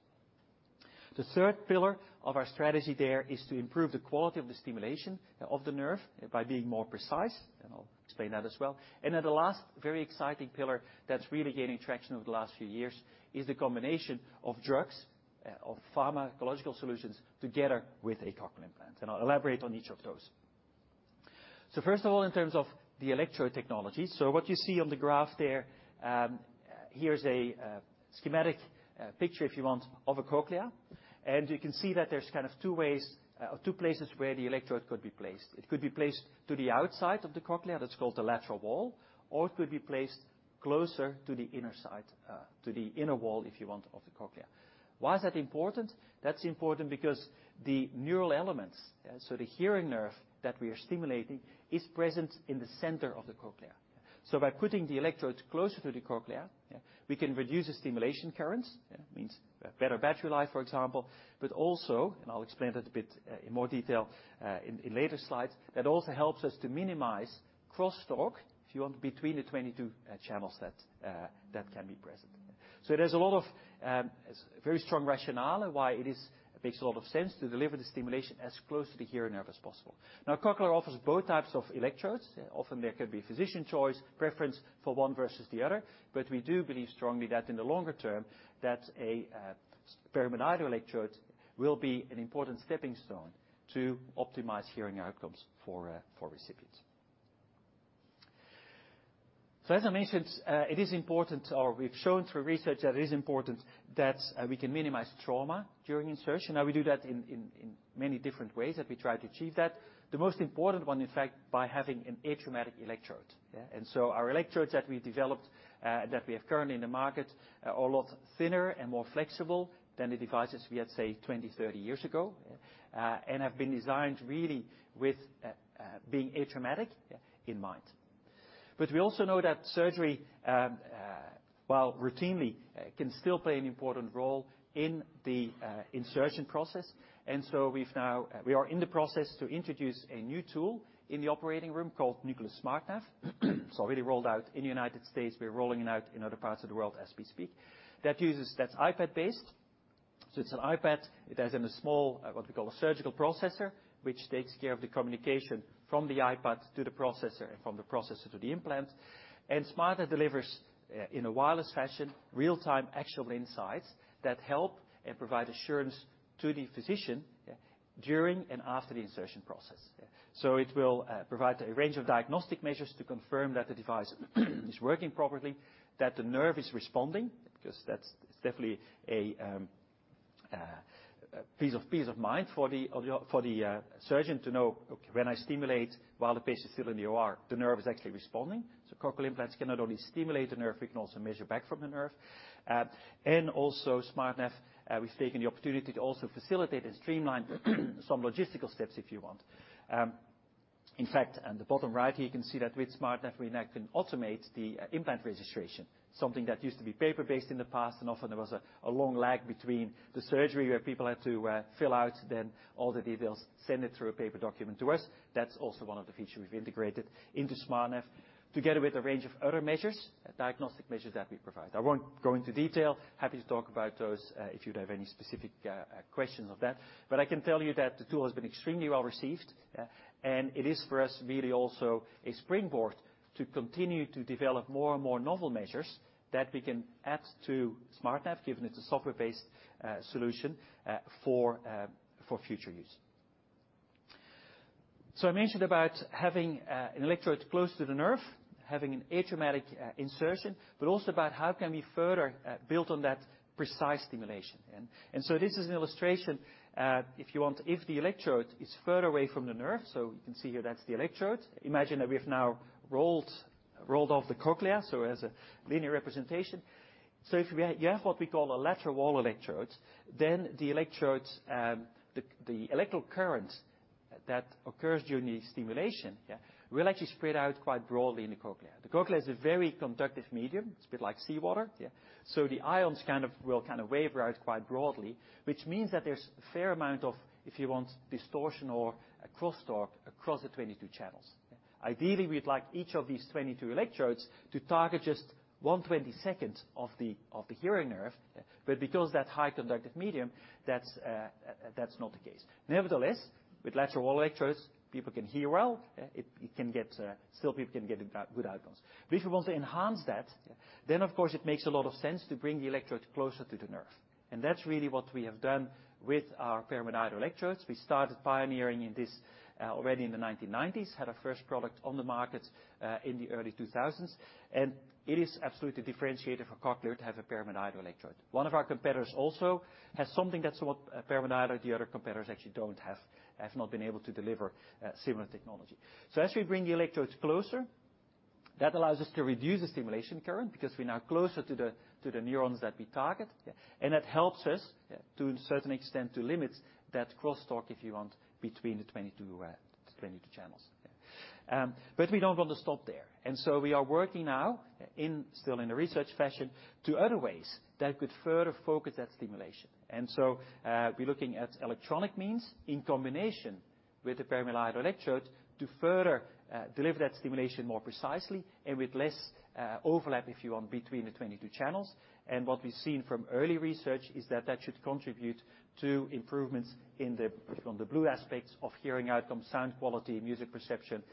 The third pillar of our strategy there is to improve the quality of the stimulation of the nerve by being more precise, and I'll explain that as well. Then the last very exciting pillar that's really gaining traction over the last few years is the combination of drugs, of pharmacological solutions together with a cochlear implant, and I'll elaborate on each of those. So first of all, in terms of the electrode technology, so what you see on the graph there, here's a schematic picture, if you want, of a cochlea, and you can see that there's kind of two ways, or two places where the electrode could be placed. It could be placed to the outside of the cochlea, that's called the lateral wall, or it could be placed closer to the inner side, to the inner wall, if you want, of the cochlea. Why is that important? That's important because the neural elements, so the hearing nerve that we are stimulating is present in the center of the cochlea. So by putting the electrodes closer to the cochlea, yeah, we can reduce the stimulation currents. Yeah, means better battery life, for example, but also, and I'll explain that a bit, in more detail, in later slides, that also helps us to minimize crosstalk, if you want, between the 22 channels that can be present. So there's a lot of very strong rationale on why it is, makes a lot of sense to deliver the stimulation as close to the hearing nerve as possible. Now, Cochlear offers both types of electrodes. Often there can be physician choice, preference for one versus the other, but we do believe strongly that in the longer term, perimodiolar electrodes will be an important stepping stone to optimize hearing outcomes for recipients. So as I mentioned, it is important, or we've shown through research that it is important, that we can minimize trauma during insertion. Now, we do that in many different ways that we try to achieve that. The most important one, in fact, by having an atraumatic electrode, yeah. So our electrodes that we've developed, that we have currently in the market, are a lot thinner and more flexible than the devices we had, say, 20, 30 years ago, and have been designed really with being atraumatic, yeah, in mind. But we also know that surgery, while routinely, can still play an important role in the insertion process. So we are in the process to introduce a new tool in the operating room called Nucleus SmartNav. It's already rolled out in the United States. We're rolling it out in other parts of the world as we speak. That's iPad-based. So it's an iPad. It has in a small, what we call a surgical processor, which takes care of the communication from the iPad to the processor and from the processor to the implant. SmartNav delivers in a wireless fashion real-time actionable insights that help and provide assurance to the physician, yeah, during and after the insertion process. So it will provide a range of diagnostic measures to confirm that the device is working properly, that the nerve is responding, because that's definitely a peace of mind for the surgeon to know, "When I stimulate while the patient is still in the OR, the nerve is actually responding." So cochlear implants can not only stimulate the nerve, we can also measure back from the nerve. And also SmartNav, we've taken the opportunity to also facilitate and streamline some logistical steps, if you want. In fact, on the bottom right here, you can see that with SmartNav, we now can automate the implant registration, something that used to be paper-based in the past, and often there was a long lag between the surgery, where people had to fill out then all the details, send it through a paper document to us. That's also one of the features we've integrated into SmartNav, together with a range of other measures, diagnostic measures that we provide. I won't go into detail. Happy to talk about those if you'd have any specific questions of that. But I can tell you that the tool has been extremely well received, and it is for us, really also a springboard to continue to develop more and more novel measures that we can add to SmartNav, given it's a software-based solution for future use. So I mentioned about having an electrode close to the nerve, having an atraumatic insertion, but also about how can we further build on that precise stimulation. And so this is an illustration, if you want, if the electrode is further away from the nerve, so you can see here, that's the electrode. Imagine that we have now rolled off the cochlea, so as a linear representation. So if we have, you have what we call a lateral wall electrodes, then the electrodes, the electrical current that occurs during the stimulation, yeah, will actually spread out quite broadly in the cochlea. The cochlea is a very conductive medium. It's a bit like seawater, yeah. So the ions kind of will kind of wave around quite broadly, which means that there's a fair amount of, if you want, distortion or a crosstalk across the 22 channels. Ideally, we'd like each of these 22 electrodes to target just one twenty-second of the, of the hearing nerve, yeah. But because that high conductive medium, that's not the case. Nevertheless, with lateral wall electrodes, people can hear well, yeah. It can get... Still, people can get good outcomes. But if you want to enhance that, then, of course, it makes a lot of sense to bring the electrode closer to the nerve. And that's really what we have done with our perimodiolar electrodes. We started pioneering in this already in the 1990s, had our first product on the market in the early 2000s, and it is absolutely differentiated for Cochlear to have a perimodiolar electrode. One of our competitors also has something that's what perimodiolar, the other competitors actually don't have, has not been able to deliver a similar technology. So as we bring the electrodes closer, that allows us to reduce the stimulation current because we're now closer to the neurons that we target, yeah. And that helps us, yeah, to a certain extent, to limit that crosstalk, if you want, between the 22 channels. But we don't want to stop there. And so we are working now, in still in a research fashion, to other ways that could further focus that stimulation. And so, we're looking at electronic means in combination with the perimodiolar electrode to further deliver that stimulation more precisely and with less overlap, if you want, between the 22 channels. And what we've seen from early research is that that should contribute to improvements in the, on the blue aspects of hearing outcome, sound quality, music perception,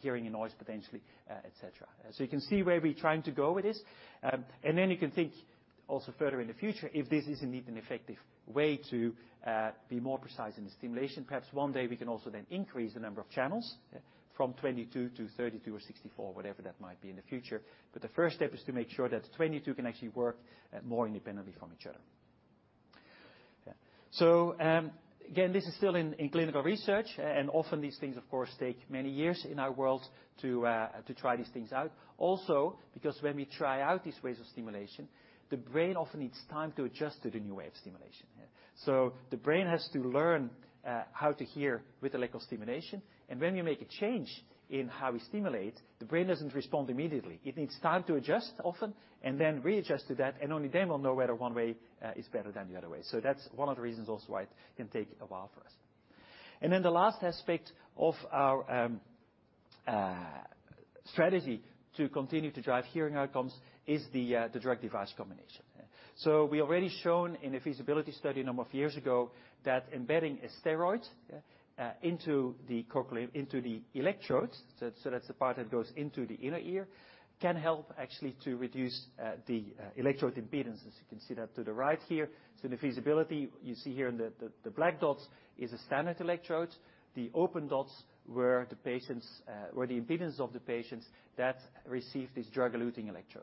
hearing in noise potentially, et cetera. So you can see where we're trying to go with this. And then you can think also further in the future, if this is indeed an effective way to be more precise in the stimulation. Perhaps one day, we can also then increase the number of channels, yeah, from 22 to 32 or 64, whatever that might be in the future. But the first step is to make sure that the 22 can actually work more independently from each other. Yeah. So, again, this is still in clinical research, and often these things, of course, take many years in our world to try these things out. Also, because when we try out these ways of stimulation, the brain often needs time to adjust to the new way of stimulation. So the brain has to learn how to hear with electrical stimulation, and when you make a change in how we stimulate, the brain doesn't respond immediately. It needs time to adjust often, and then readjust to that, and only then we'll know whether one way is better than the other way. So that's one of the reasons also why it can take a while for us. And then the last aspect of our strategy to continue to drive hearing outcomes is the drug-device combination, yeah. So we already shown in a feasibility study a number of years ago, that embedding a steroid, yeah, into the cochlea, into the electrodes, so that's the part that goes into the inner ear, can help actually to reduce the electrode impedance, as you can see that to the right here. So the feasibility you see here in the black dots is a standard electrode. The open dots were the patients, or the impedance of the patients that received this drug-eluting electrode.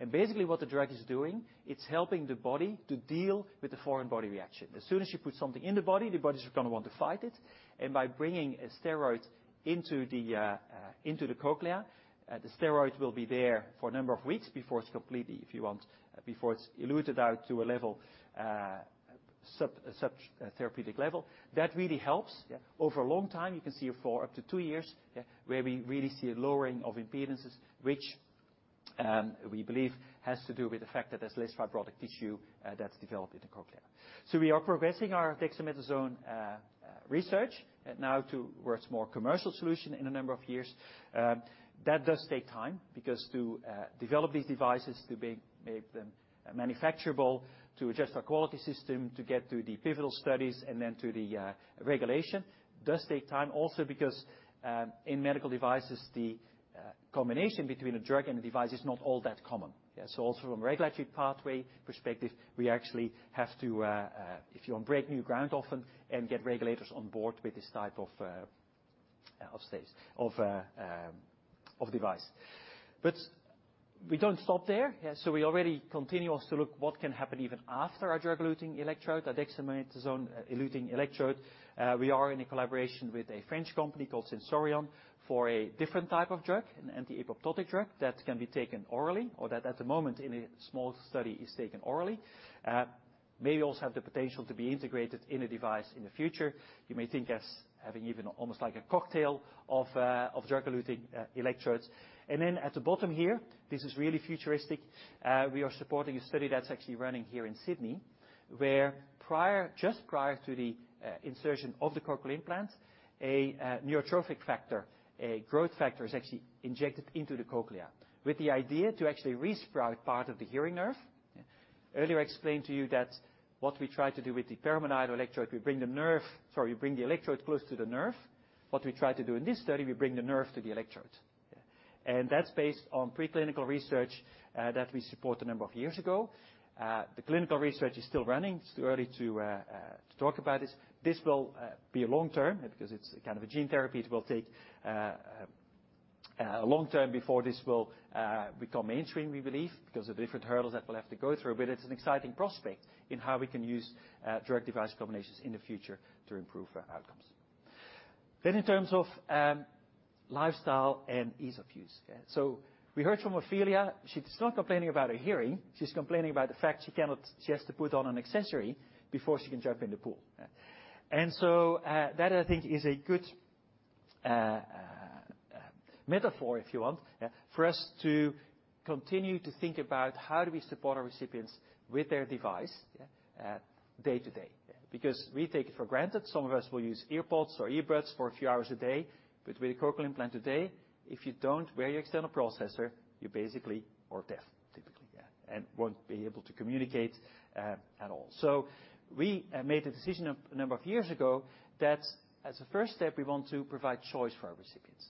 And basically, what the drug is doing, it's helping the body to deal with the foreign body reaction. As soon as you put something in the body, the body's gonna want to fight it, and by bringing a steroid into the cochlea, the steroid will be there for a number of weeks before it's completely, if you want, before it's eluted out to a level sub-therapeutic level. That really helps, yeah, over a long time. You can see it for up to two years, yeah, where we really see a lowering of impedances, which we believe has to do with the fact that there's less fibrotic tissue that's developed in the cochlea. So we are progressing our dexamethasone research, and now towards more commercial solution in a number of years. That does take time, because to develop these devices, to make them manufacturable, to adjust our quality system, to get through the pivotal studies and then to the regulation, does take time. Also, because in medical devices, the combination between a drug and a device is not all that common. Yeah, so also from a regulatory pathway perspective, we actually have to, if you want to break new ground often and get regulators on board with this type of device. But we don't stop there, yeah. So we already continue also to look what can happen even after our drug-eluting electrode, a dexamethasone-eluting electrode. We are in a collaboration with a French company called Sensorion for a different type of drug, an anti-apoptotic drug, that can be taken orally, or that at the moment in a small study, is taken orally. May also have the potential to be integrated in a device in the future. You may think as having even almost like a cocktail of, of drug-eluting, electrodes. And then at the bottom here, this is really futuristic. We are supporting a study that's actually running here in Sydney, where prior, just prior to the, insertion of the cochlear implant, a, neurotrophic factor, a growth factor, is actually injected into the cochlea with the idea to actually resprout part of the hearing nerve, yeah. Earlier, I explained to you that what we try to do with the perimodiolar electrode, we bring the nerve. Sorry, we bring the electrode close to the nerve. What we try to do in this study, we bring the nerve to the electrode, yeah. That's based on preclinical research that we support a number of years ago. The clinical research is still running. It's too early to talk about this. This will be a long term, because it's kind of a gene therapy. It will take a long term before this will become mainstream, we believe, because of the different hurdles that we'll have to go through. But it's an exciting prospect in how we can use drug device combinations in the future to improve our outcomes. In terms of lifestyle and ease of use, yeah. So we heard from Ophelia. She's not complaining about her hearing. She's complaining about the fact she cannot, she has to put on an accessory before she can jump in the pool, yeah. And so, that, I think, is a good, metaphor, if you want, yeah, for us to continue to think about how do we support our recipients with their device, yeah, day to day, yeah. Because we take it for granted, some of us will use EarPods or earbuds for a few hours a day. But with a cochlear implant today, if you don't wear your external processor, you basically are deaf, typically, yeah, and won't be able to communicate, at all. So we made a decision a number of years ago that as a first step, we want to provide choice for our recipients.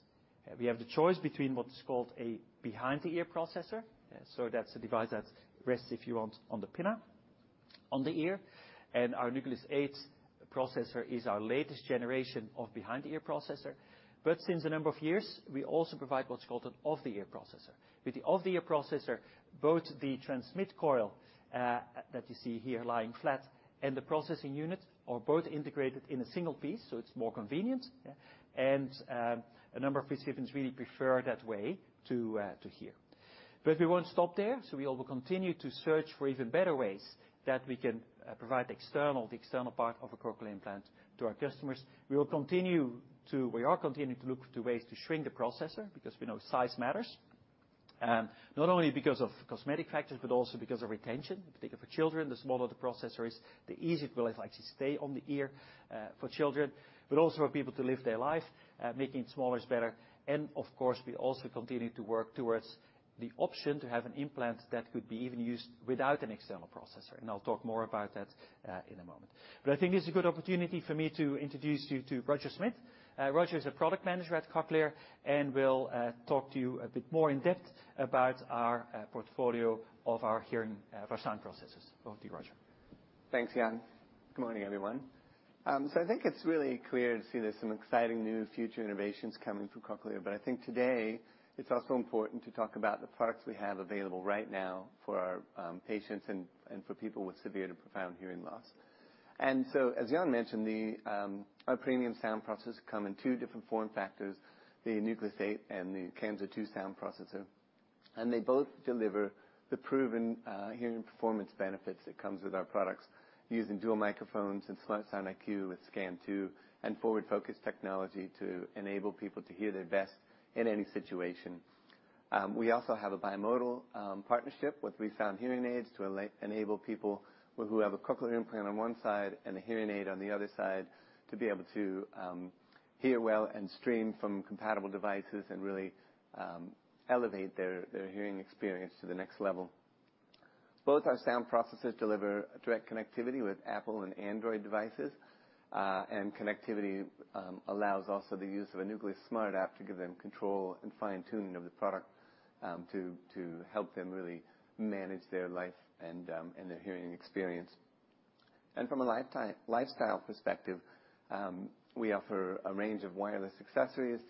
We have the choice between what is called a behind-the-ear processor. That's a device that rests, if you want, on the pinna, on the ear. Our Nucleus 8 processor is our latest generation of behind-the-ear processor. Since a number of years, we also provide what's called an off-the-ear processor. With the off-the-ear processor, both the transmit coil that you see here lying flat, and the processing unit are both integrated in a single piece, so it's more convenient, yeah. A number of recipients really prefer that way to to hear. We won't stop there, so we will continue to search for even better ways that we can provide the external, the external part of a cochlear implant to our customers. We are continuing to look to ways to shrink the processor because we know size matters. Not only because of cosmetic factors, but also because of retention, particularly for children. The smaller the processor is, the easier it will actually stay on the ear, for children, but also for people to live their life, making it smaller is better. And of course, we also continue to work towards the option to have an implant that could be even used without an external processor, and I'll talk more about that, in a moment. But I think this is a good opportunity for me to introduce you to Roger Smith. Roger is a product manager at Cochlear and will talk to you a bit more in depth about our portfolio of our hearing, of our sound processors. Over to you, Roger. Thanks, Jan. Good morning, everyone. So I think it's really clear to see there's some exciting new future innovations coming from Cochlear, but I think today it's also important to talk about the products we have available right now for our patients and for people with severe to profound hearing loss. And so, as Jan mentioned, our premium sound processors come in two different form factors, the Nucleus 8 and the Kanso 2 sound processor, and they both deliver the proven hearing and performance benefits that comes with our products, using dual microphones and SmartSound iQ with SCAN 2 and ForwardFocus technology to enable people to hear their best in any situation. We also have a bimodal partnership with ReSound hearing aids to enable people who have a cochlear implant on one side and a hearing aid on the other side, to be able to hear well and stream from compatible devices, and really elevate their hearing experience to the next level. Both our sound processors deliver direct connectivity with Apple and Android devices. And connectivity allows also the use of a Nucleus Smart App to give them control and fine-tuning of the product, to help them really manage their life and their hearing experience. And from a lifestyle perspective, we offer a range of wireless accessories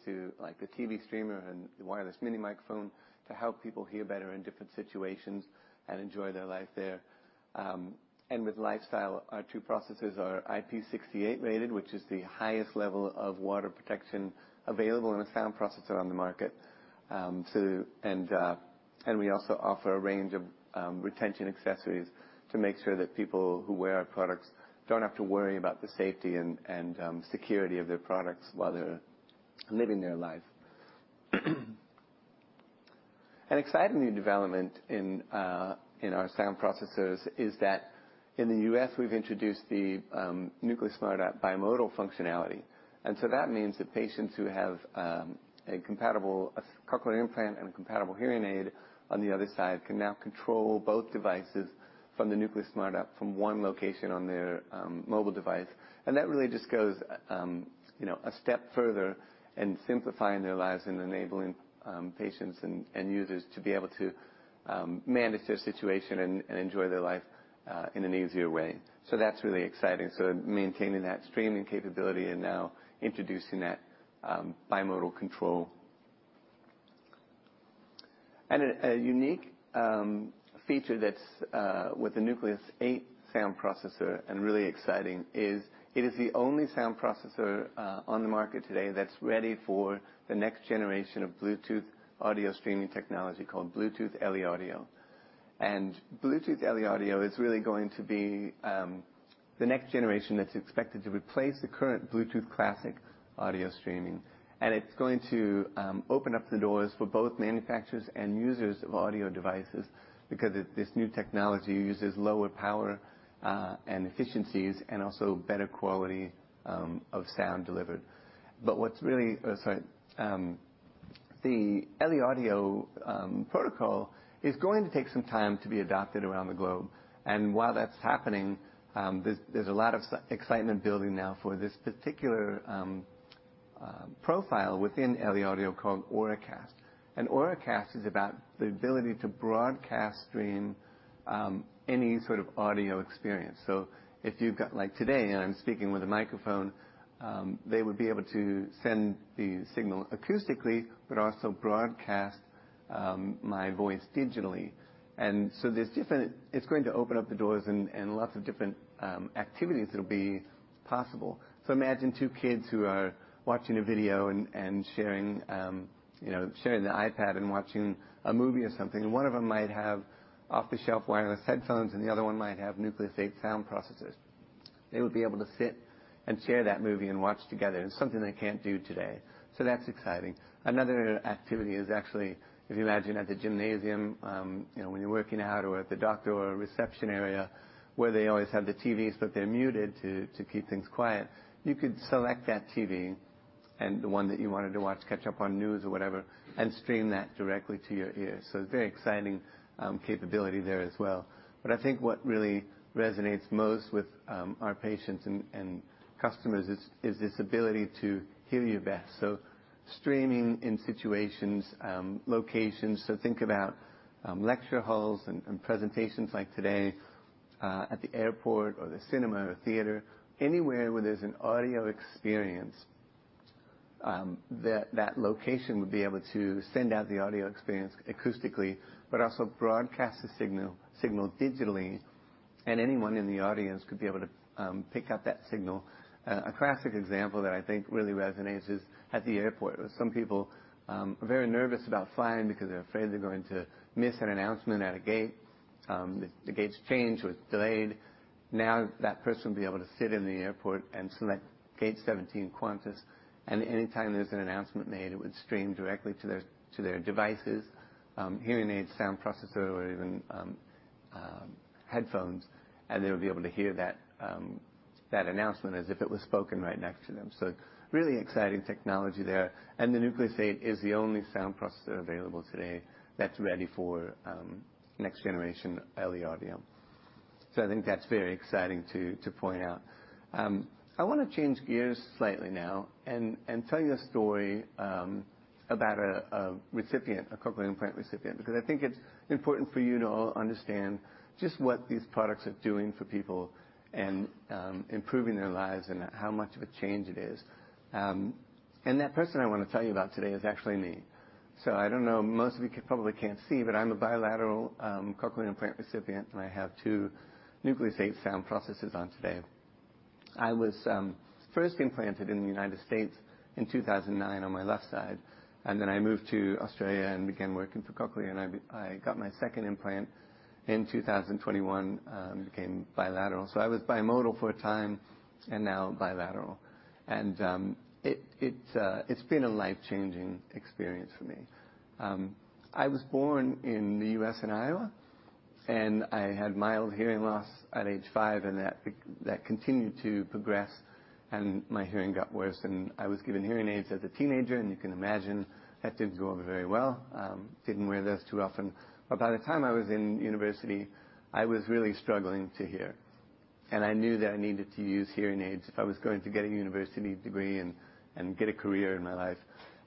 like the TV Streamer and the Wireless Mini Microphone, to help people hear better in different situations and enjoy their life there. With lifestyle, our two processors are IP68 rated, which is the highest level of water protection available in a sound processor on the market. We also offer a range of retention accessories to make sure that people who wear our products don't have to worry about the safety and security of their products while they're living their life. An exciting new development in our sound processors is that in the U.S., we've introduced the Nucleus Smart App bimodal functionality. And so that means that patients who have a compatible cochlear implant and a compatible hearing aid on the other side can now control both devices from the Nucleus Smart App from one location on their mobile device. And that really just goes, you know, a step further in simplifying their lives and enabling patients and users to be able to manage their situation and enjoy their life in an easier way. So that's really exciting. So maintaining that streaming capability and now introducing that bimodal control. And a unique feature that's with the Nucleus 8 sound processor, and really exciting, is the only sound processor on the market today that's ready for the next generation of Bluetooth audio streaming technology called Bluetooth LE Audio. And Bluetooth LE Audio is really going to be the next generation that's expected to replace the current Bluetooth Classic audio streaming. And it's going to open up the doors for both manufacturers and users of audio devices, because it... This new technology uses lower power, and efficiencies, and also better quality, of sound delivered. But what's really, sorry, the LE Audio protocol is going to take some time to be adopted around the globe. And while that's happening, there's a lot of excitement building now for this particular, profile within LE Audio called Auracast. And Auracast is about the ability to broadcast stream, any sort of audio experience. So if you've got, like, today, and I'm speaking with a microphone, they would be able to send the signal acoustically, but also broadcast, my voice digitally. And so there's different—it's going to open up the doors and, and lots of different, activities that'll be possible. So imagine two kids who are watching a video and, you know, sharing an iPad and watching a movie or something. And one of them might have off-the-shelf wireless headphones, and the other one might have Nucleus 8 sound processors. They would be able to sit and share that movie and watch together. It's something they can't do today, so that's exciting. Another activity is actually, if you imagine at the gymnasium, you know, when you're working out, or at the doctor or a reception area where they always have the TVs, but they're muted to keep things quiet, you could select that TV and the one that you wanted to watch, catch up on news or whatever, and stream that directly to your ears. So it's a very exciting capability there as well. But I think what really resonates most with our patients and customers is this ability to hear you best. So streaming in situations, locations, so think about lecture halls and presentations like today, at the airport or the cinema or theater, anywhere where there's an audio experience, that location would be able to send out the audio experience acoustically, but also broadcast the signal digitally, and anyone in the audience could be able to pick up that signal. A classic example that I think really resonates is at the airport, where some people are very nervous about flying because they're afraid they're going to miss an announcement at a gate. The gate's changed or it's delayed. Now, that person will be able to sit in the airport and select gate 17 Qantas, and anytime there's an announcement made, it would stream directly to their devices, hearing aid, sound processor, or even headphones, and they would be able to hear that announcement as if it was spoken right next to them. So really exciting technology there. And the Nucleus 8 is the only sound processor available today that's ready for next generation LE Audio. So I think that's very exciting to point out. I wanna change gears slightly now and tell you a story about a recipient, a cochlear implant recipient, because I think it's important for you to all understand just what these products are doing for people and improving their lives and how much of a change it is. And that person I wanna tell you about today is actually me. So I don't know, most of you probably can't see, but I'm a bilateral cochlear implant recipient, and I have two Nucleus 8 sound processors on today. I was first implanted in the United States in 2009 on my left side, and then I moved to Australia and began working for Cochlear, and I got my second implant in 2021, became bilateral. So I was bimodal for a time, and now bilateral. And it, it's been a life-changing experience for me. I was born in the U.S., in Iowa, and I had mild hearing loss at age five, and that continued to progress, and my hearing got worse, and I was given hearing aids as a teenager. You can imagine that didn't go over very well. Didn't wear those too often, but by the time I was in university, I was really struggling to hear, and I knew that I needed to use hearing aids if I was going to get a university degree and get a career in my life.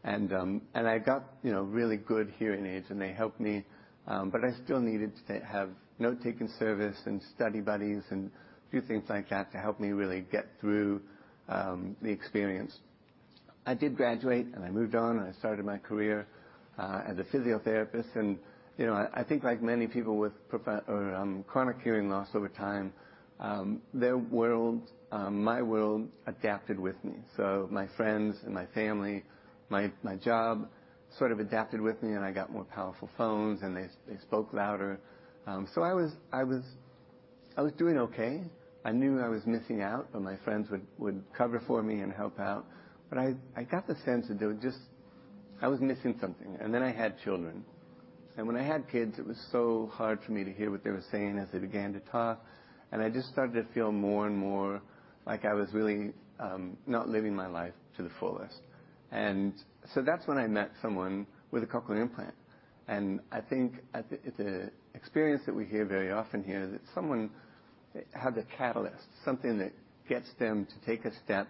And I got, you know, really good hearing aids, and they helped me, but I still needed to have note-taking service and study buddies and a few things like that to help me really get through the experience. I did graduate, and I moved on, and I started my career as a physiotherapist. And, you know, I think like many people with chronic hearing loss over time, their world, my world adapted with me. So my friends and my family, my job sort of adapted with me, and I got more powerful phones, and they spoke louder. So I was doing okay. I knew I was missing out, but my friends would cover for me and help out. But I got the sense that there was just... I was missing something. And then I had children. And when I had kids, it was so hard for me to hear what they were saying as they began to talk, and I just started to feel more and more like I was really not living my life to the fullest. And so that's when I met someone with a cochlear implant. And I think the experience that we hear very often here is that someone had the catalyst, something that gets them to take a step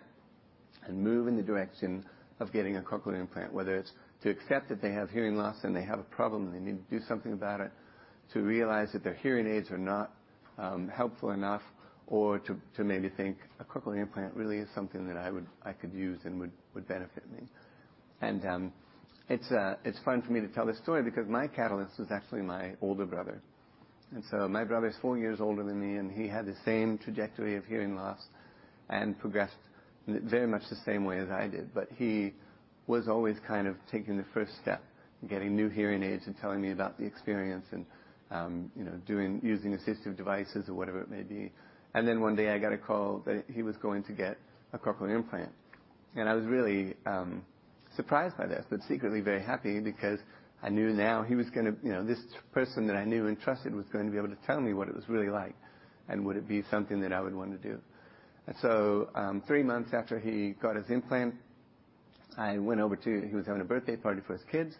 and move in the direction of getting a cochlear implant, whether it's to accept that they have hearing loss and they have a problem and they need to do something about it, to realize that their hearing aids are not helpful enough or to maybe think a cochlear implant really is something that I would, I could use and would benefit me. It's fun for me to tell this story because my catalyst was actually my older brother. And so my brother is four years older than me, and he had the same trajectory of hearing loss and progressed very much the same way as I did, but he was always kind of taking the first step, getting new hearing aids and telling me about the experience and, you know, doing, using assistive devices or whatever it may be. And then one day, I got a call that he was going to get a cochlear implant, and I was really surprised by this, but secretly very happy because I knew now he was gonna, you know, this person that I knew and trusted was going to be able to tell me what it was really like and would it be something that I would want to do. And so, three months after he got his implant, I went over to... He was having a birthday party for his kids,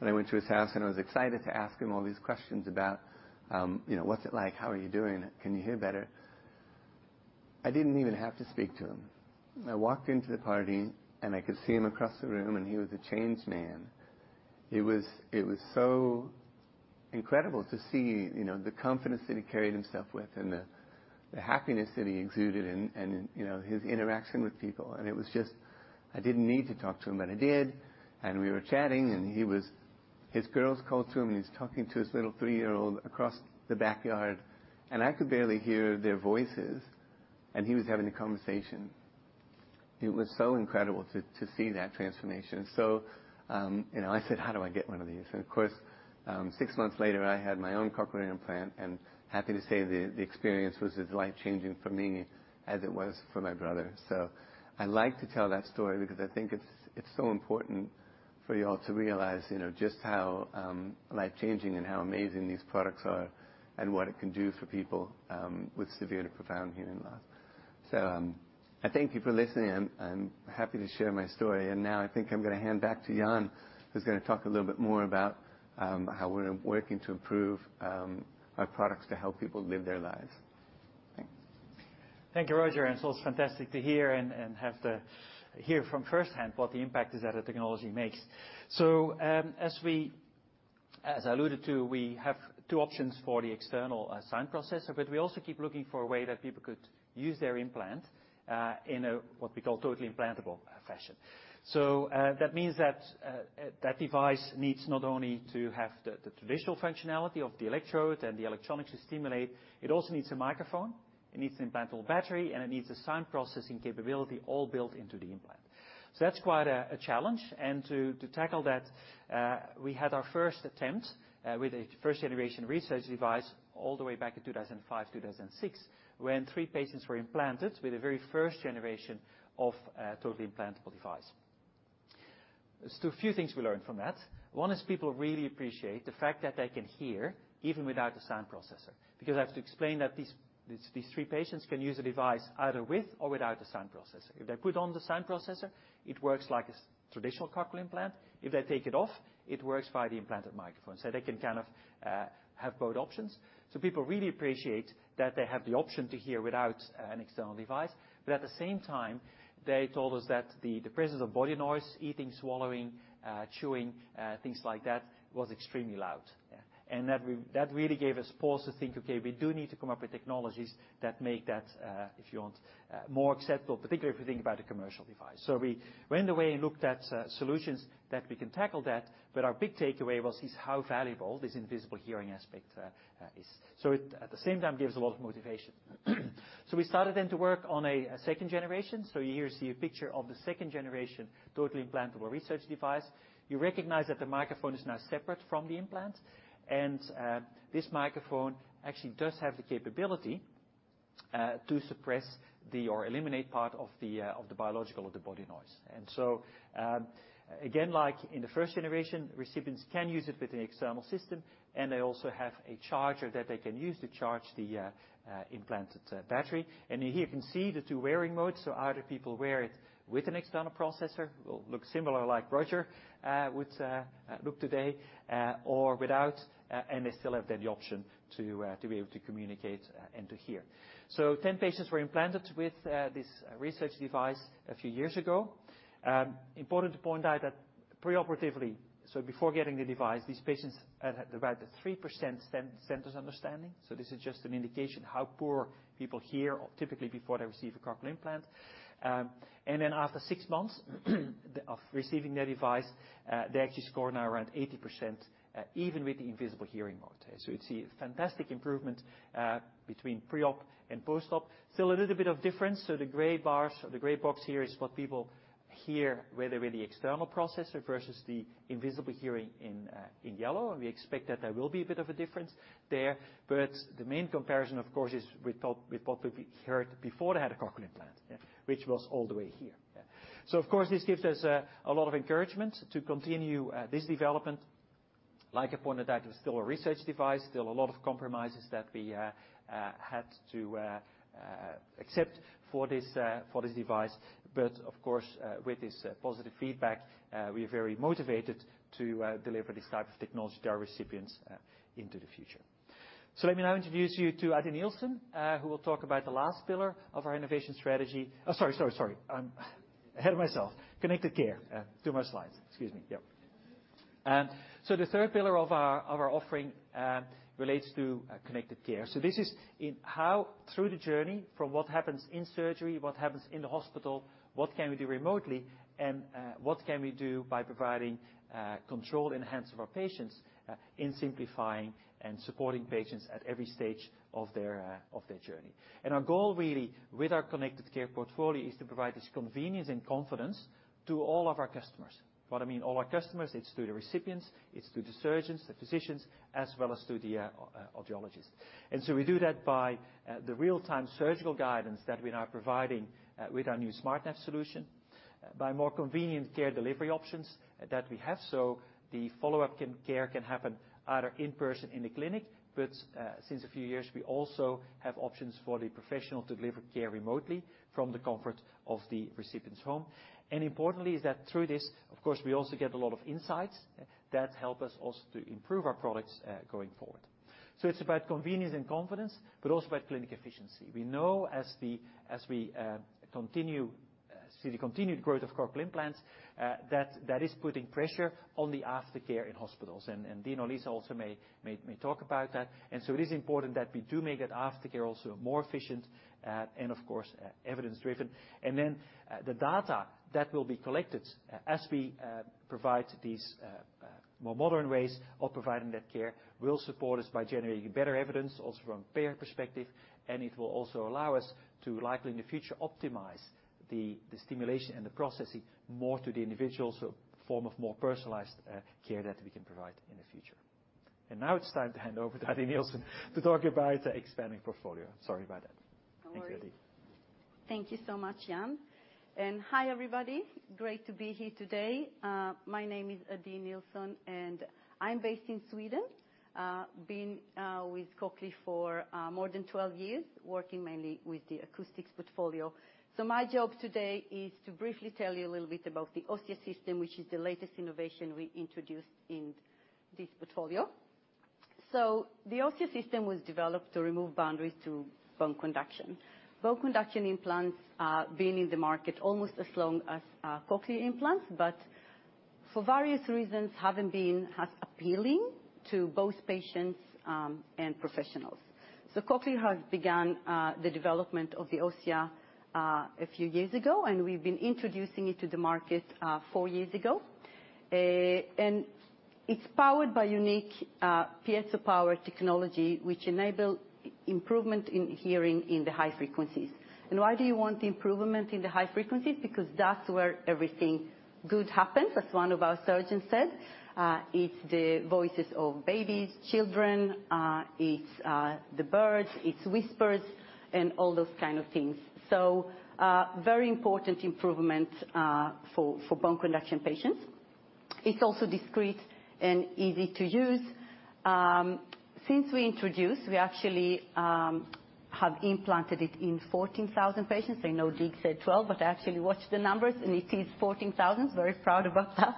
and I went to his house, and I was excited to ask him all these questions about, you know, "What's it like? How are you doing? Can you hear better?" I didn't even have to speak to him. I walked into the party, and I could see him across the room, and he was a changed man. It was, it was so incredible to see, you know, the confidence that he carried himself with and the, the happiness that he exuded and, and, you know, his interaction with people. And it was just, I didn't need to talk to him, but I did. And we were chatting, and he was, his girls called to him, and he's talking to his little 3-year-old across the backyard, and I could barely hear their voices, and he was having a conversation. It was so incredible to see that transformation. So, you know, I said, "How do I get one of these?" And of course, six months later, I had my own cochlear implant, and happy to say, the experience was as life-changing for me as it was for my brother. So I like to tell that story because I think it's so important for you all to realize, you know, just how life-changing and how amazing these products are and what it can do for people with severe to profound hearing loss. So, I thank you for listening. I'm happy to share my story. And now I think I'm gonna hand back to Jan, who's gonna talk a little bit more about how we're working to improve our products to help people live their lives. Thanks. Thank you, Roger, and it's always fantastic to hear from firsthand what the impact is that the technology makes. So, as I alluded to, we have two options for the external sound processor, but we also keep looking for a way that people could use their implant in a, what we call, totally implantable fashion. So, that means that device needs not only to have the traditional functionality of the electrode and the electronics to stimulate, it also needs a microphone, it needs an implantable battery, and it needs a sound processing capability all built into the implant. So that's quite a challenge, and to tackle that, we had our first attempt with a first-generation research device all the way back in 2005, 2006, when three patients were implanted with the very first generation of totally implantable device. So a few things we learned from that. One is people really appreciate the fact that they can hear even without a sound processor, because I have to explain that these three patients can use a device either with or without a sound processor. If they put on the sound processor, it works like a traditional cochlear implant. If they take it off, it works via the implanted microphone. So they can kind of have both options. So people really appreciate that they have the option to hear without an external device, but at the same time, they told us that the presence of body noise, eating, swallowing, chewing, things like that, was extremely loud. And that really gave us pause to think, okay, we do need to come up with technologies that make that, if you want, more acceptable, particularly if we think about a commercial device. So we went away and looked at solutions that we can tackle that, but our big takeaway was is how valuable this invisible hearing aspect is. So it, at the same time, gives a lot of motivation. So we started then to work on a second generation. So here you see a picture of the second-generation, totally implantable research device. You recognize that the microphone is now separate from the implant, and this microphone actually does have the capability to suppress or eliminate part of the biological body noise. And so, again, like in the first generation, recipients can use it with an external system, and they also have a charger that they can use to charge the implanted battery. And here you can see the two wearing modes. So either people wear it with an external processor, will look similar, like Roger will look today, or without, and they still have the option to be able to communicate and to hear. So 10 patients were implanted with this research device a few years ago. Important to point out that preoperatively, so before getting the device, these patients had about a 3% sentence understanding. So this is just an indication how poor people hear, typically, before they receive a cochlear implant. And then after 6 months of receiving their device, they actually score now around 80%, even with the invisible hearing mode. So you'd see a fantastic improvement between pre-op and post-op. Still a little bit of difference. So the gray bars or the gray box here is what people hear when they wear the external processor versus the invisible hearing in yellow. And we expect that there will be a bit of a difference there. But the main comparison, of course, is with what we heard before they had a cochlear implant, yeah, which was all the way here. Yeah. So of course, this gives us a lot of encouragement to continue this development. Like I pointed out, it's still a research device, still a lot of compromises that we had to accept for this device. But of course, with this positive feedback, we are very motivated to deliver this type of technology to our recipients into the future. So let me now introduce you to Adi Nilsson, who will talk about the last pillar of our innovation strategy. Oh, sorry, sorry, sorry. I'm ahead of myself. Connected care. Too many slides. Excuse me. Yeah. So the third pillar of our offering relates to Connected Care. So this is how, through the journey, from what happens in surgery, what happens in the hospital, what can we do remotely, and what can we do by providing control in the hands of our patients, in simplifying and supporting patients at every stage of their journey. And our goal really, with our Connected Care portfolio, is to provide this convenience and confidence to all of our customers. What I mean, all our customers, it's to the recipients, it's to the surgeons, the physicians, as well as to the audiologists. And so we do that by the real-time surgical guidance that we are now providing with our new SmartNav solution, by more convenient care delivery options that we have. So the follow-up can... Care can happen either in person in the clinic, but since a few years, we also have options for the professional to deliver care remotely from the comfort of the recipient's home. And importantly, is that through this, of course, we also get a lot of insights that help us also to improve our products going forward. So it's about convenience and confidence, but also about clinic efficiency. We know as we continue to see the continued growth of cochlear implants, that that is putting pressure on the aftercare in hospitals. And Dig and Lisa also may talk about that. And so it is important that we do make that aftercare also more efficient, and of course, evidence driven. Then, the data that will be collected as we provide these more modern ways of providing that care will support us by generating better evidence, also from payer perspective. And it will also allow us to, likely in the future, optimize the stimulation and the processing more to the individual. So form of more personalized care that we can provide in the future. And now it's time to hand over to Adi Nilsson to talk about the expanding portfolio. Sorry about that. No worry. Thanks, Adi. Thank you so much, Jan, and hi, everybody. Great to be here today. My name is Adi Nilsson, and I'm based in Sweden. Been with Cochlear for more than 12 years, working mainly with the acoustics portfolio. So my job today is to briefly tell you a little bit about the Osia System, which is the latest innovation we introduced in this portfolio. So the Osia System was developed to remove boundaries to bone conduction. Bone conduction implants been in the market almost as long as cochlear implants, but for various reasons, haven't been as appealing to both patients and professionals. So Cochlear have began the development of the Osia a few years ago, and we've been introducing it to the market 4 years ago. And it's powered by unique Piezo Power technology, which enables improvement in hearing in the high frequencies. And why do you want improvement in the high frequencies? Because that's where everything good happens, as one of our surgeons said. It's the voices of babies, children, the birds, it's whispers and all those kind of things. So, very important improvement for bone conduction patients. It's also discreet and easy to use. Since we introduced, we actually have implanted it in 14,000 patients. I know Dig said 12, but I actually watched the numbers, and it is 14,000. Very proud about that.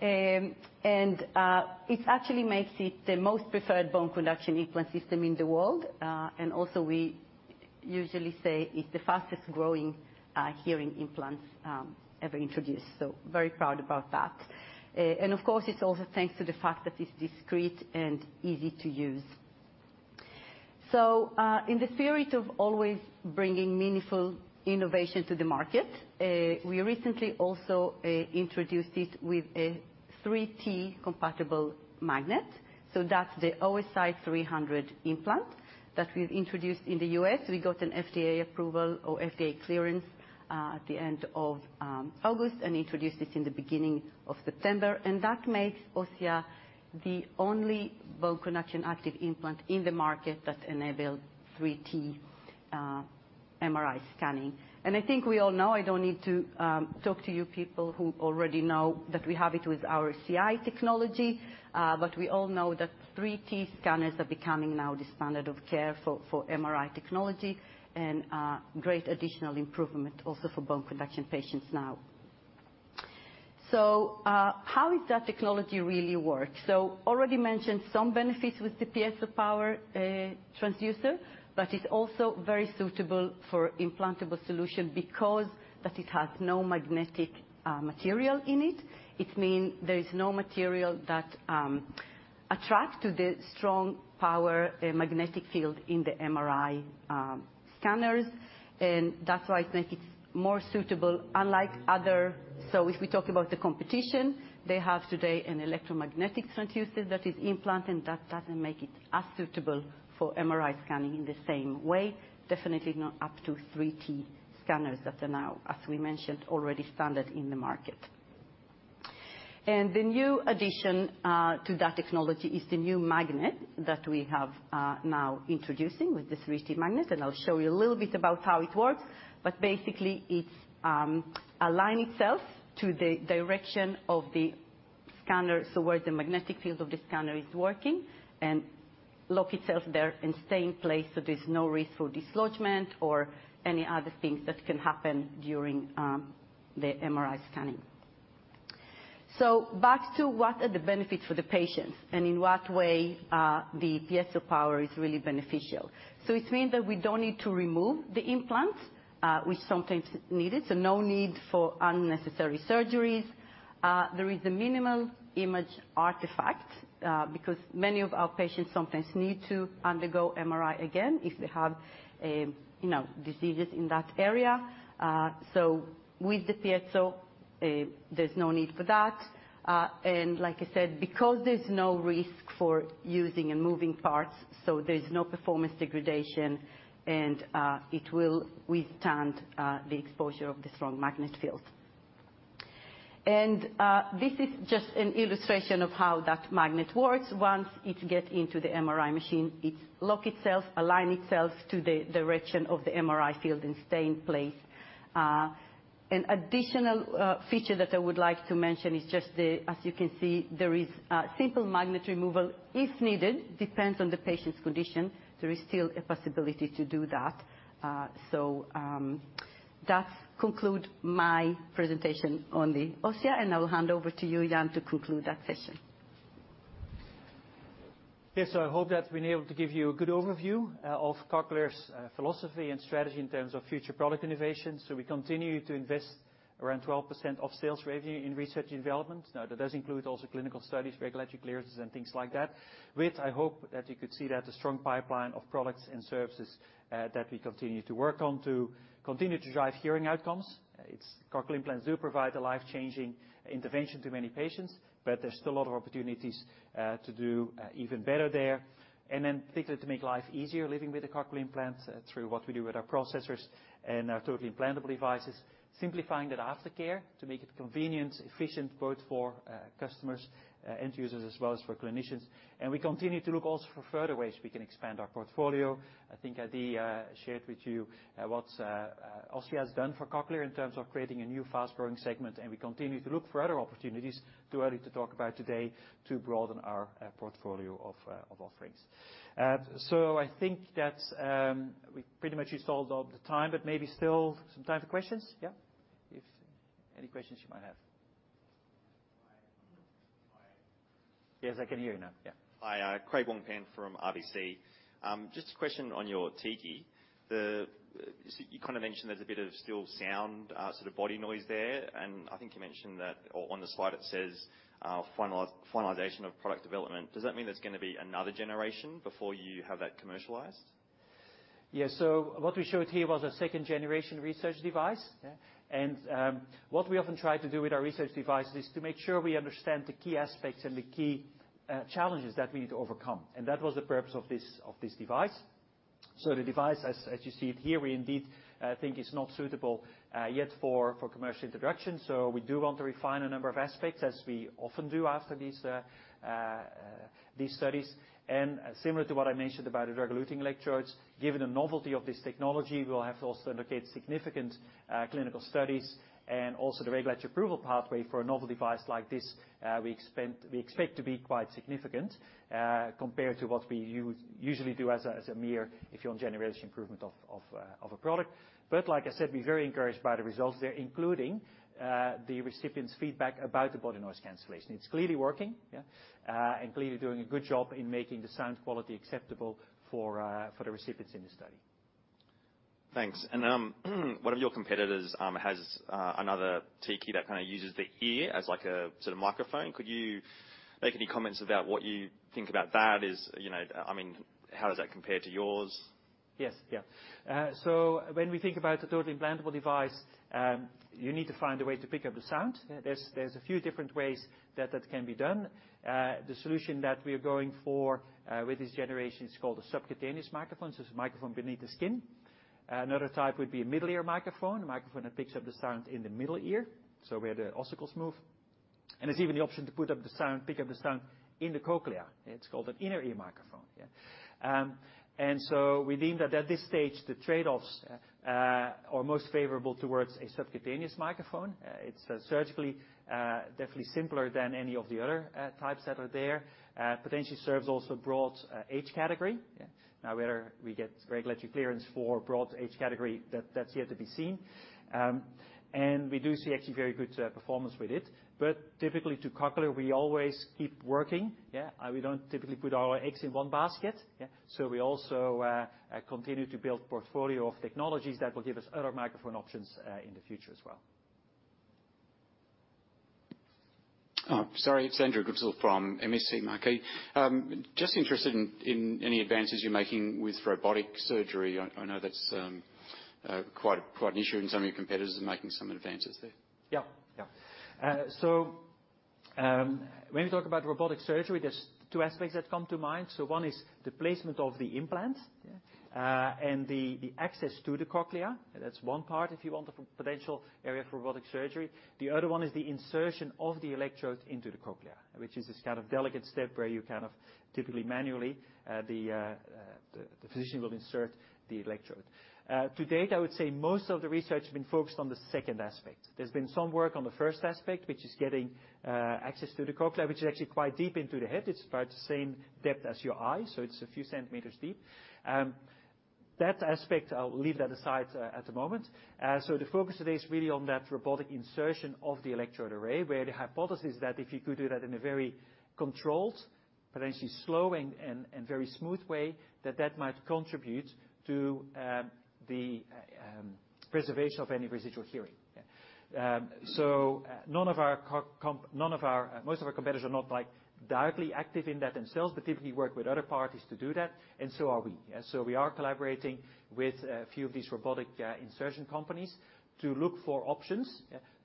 It actually makes it the most preferred bone conduction implant system in the world. And also, we usually say, it's the fastest growing hearing implants ever introduced. So very proud about that. And of course, it's also thanks to the fact that it's discreet and easy to use. So, in the spirit of always bringing meaningful innovation to the market, we recently also introduced it with a 3T-compatible magnet. So that's the OSI300 implant that we've introduced in the U.S. We got an FDA approval or FDA clearance at the end of August and introduced it in the beginning of September. And that makes Osia the only bone conduction active implant in the market that enable 3T MRI scanning. And I think we all know, I don't need to talk to you people who already know that we have it with our CI technology. But we all know that 3T scanners are becoming now the standard of care for MRI technology, and great additional improvement also for bone conduction patients now. So, how does that technology really work? So already mentioned some benefits with the Piezo Power transducer, but it's also very suitable for implantable solution because that it has no magnetic material in it. It mean there is no material that attract to the strong power magnetic field in the MRI scanners. And that's why it make it more suitable, unlike other. So if we talk about the competition, they have today an electromagnetic transducer that is implanted, and that doesn't make it as suitable for MRI scanning in the same way. Definitely not up to 3T scanners that are now, as we mentioned, already standard in the market. And the new addition to that technology is the new magnet that we have now introducing with the 3T magnet, and I'll show you a little bit about how it works. But basically, it's align itself to the direction of the scanner, so where the magnetic field of the scanner is working, and lock itself there and stay in place, so there's no risk for dislodgement or any other things that can happen during the MRI scanning. So back to what are the benefits for the patients, and in what way the Piezo Power is really beneficial. So it's mean that we don't need to remove the implant, which sometimes is needed, so no need for unnecessary surgeries. There is a minimal image artifact, because many of our patients sometimes need to undergo MRI again if they have, you know, diseases in that area. So with the Piezo, there's no need for that. And like I said, because there's no risk for using and moving parts, so there's no performance degradation, and it will withstand the exposure of the strong magnet field. This is just an illustration of how that magnet works. Once it gets into the MRI machine, it locks itself, aligns itself to the direction of the MRI field and stays in place. An additional feature that I would like to mention is just the, as you can see, there is simple magnet removal, if needed, depending on the patient's condition. There is still a possibility to do that. That conclude my presentation on the Osia, and I will hand over to you, Jan, to conclude that session. Yes, so I hope that I've been able to give you a good overview of Cochlear's philosophy and strategy in terms of future product innovation. So we continue to invest around 12% of sales revenue in research and development. Now, that does include also clinical studies, regulatory clearances, and things like that. Which I hope that you could see that the strong pipeline of products and services that we continue to work on to continue to drive hearing outcomes. It's cochlear implants do provide a life-changing intervention to many patients, but there's still a lot of opportunities to do even better there. And then particularly, to make life easier living with a cochlear implant through what we do with our processors and our totally implantable devices. Simplifying that aftercare to make it convenient, efficient, both for customers, end users, as well as for clinicians. We continue to look also for further ways we can expand our portfolio. I think Adi shared with you what Osia has done for Cochlear in terms of creating a new fast-growing segment, and we continue to look for other opportunities, too early to talk about today, to broaden our portfolio of offerings. So I think that we pretty much used all the time, but maybe still some time for questions. Yeah. If any questions you might have. Hi. Hi. Yes, I can hear you now. Yeah. Hi, Craig Wong-Pan from RBC. Just a question on your TICI. So you kinda mentioned there's a bit of still sound, sort of body noise there, and I think you mentioned that, or on the slide it says, finalization of product development. Does that mean there's gonna be another generation before you have that commercialized? Yeah. What we showed here was a second-generation research device. Yeah. What we often try to do with our research device is to make sure we understand the key aspects and the key challenges that we need to overcome, and that was the purpose of this device. So the device, as you see it here, we indeed think it's not suitable yet for commercial introduction. So we do want to refine a number of aspects, as we often do after these studies. And similar to what I mentioned about the drug-eluting electrodes, given the novelty of this technology, we'll have to also indicate significant clinical studies. And also the regulatory approval pathway for a novel device like this, we expect to be quite significant, compared to what we usually do as a mere, if you want, generation improvement of a product. But like I said, we're very encouraged by the results there, including the recipient's feedback about the body noise cancellation. It's clearly working, yeah, and clearly doing a good job in making the sound quality acceptable for the recipients in the study. Thanks. And, one of your competitors has another TICI that kinda uses the ear as like a sort of microphone. Could you make any comments about what you think about that? Is, you know, I mean, how does that compare to yours? Yes. So when we think about a totally implantable device, you need to find a way to pick up the sound. There's a few different ways that that can be done. The solution that we are going for with this generation is called a subcutaneous microphone. So it's a microphone beneath the skin. Another type would be a middle ear microphone, a microphone that picks up the sound in the middle ear, so where the ossicles move... and there's even the option to put up the sound, pick up the sound in the cochlea. It's called an inner ear microphone, yeah. And so we deemed that at this stage, the trade-offs are most favorable towards a subcutaneous microphone. It's surgically definitely simpler than any of the other types that are there. Potentially serves also broad age category, yeah. Now, whether we get regulatory clearance for broad age category, that, that's yet to be seen. And we do see actually very good performance with it. But typically, to Cochlear, we always keep working, yeah, and we don't typically put all our eggs in one basket, yeah. So we also continue to build portfolio of technologies that will give us other microphone options in the future as well. Sorry, it's Andrew Goodsall from MST Marquee. Just interested in any advances you're making with robotic surgery. I know that's quite an issue, and some of your competitors are making some advances there. Yeah. Yeah. So, when you talk about robotic surgery, there's two aspects that come to mind. So one is the placement of the implant, yeah, and the access to the cochlea. That's one part, if you want a potential area for robotic surgery. The other one is the insertion of the electrode into the cochlea, which is this kind of delicate step where you kind of typically, manually, the physician will insert the electrode. To date, I would say most of the research has been focused on the second aspect. There's been some work on the first aspect, which is getting access to the cochlea, which is actually quite deep into the head. It's about the same depth as your eye, so it's a few centimeters deep. That aspect, I'll leave that aside at the moment. So the focus today is really on that robotic insertion of the electrode array, where the hypothesis that if you could do that in a very controlled, potentially slow and very smooth way, that that might contribute to the preservation of any residual hearing. So none of our competitors are not, like, directly active in that themselves, but typically work with other parties to do that, and so are we. So we are collaborating with a few of these robotic insertion companies to look for options,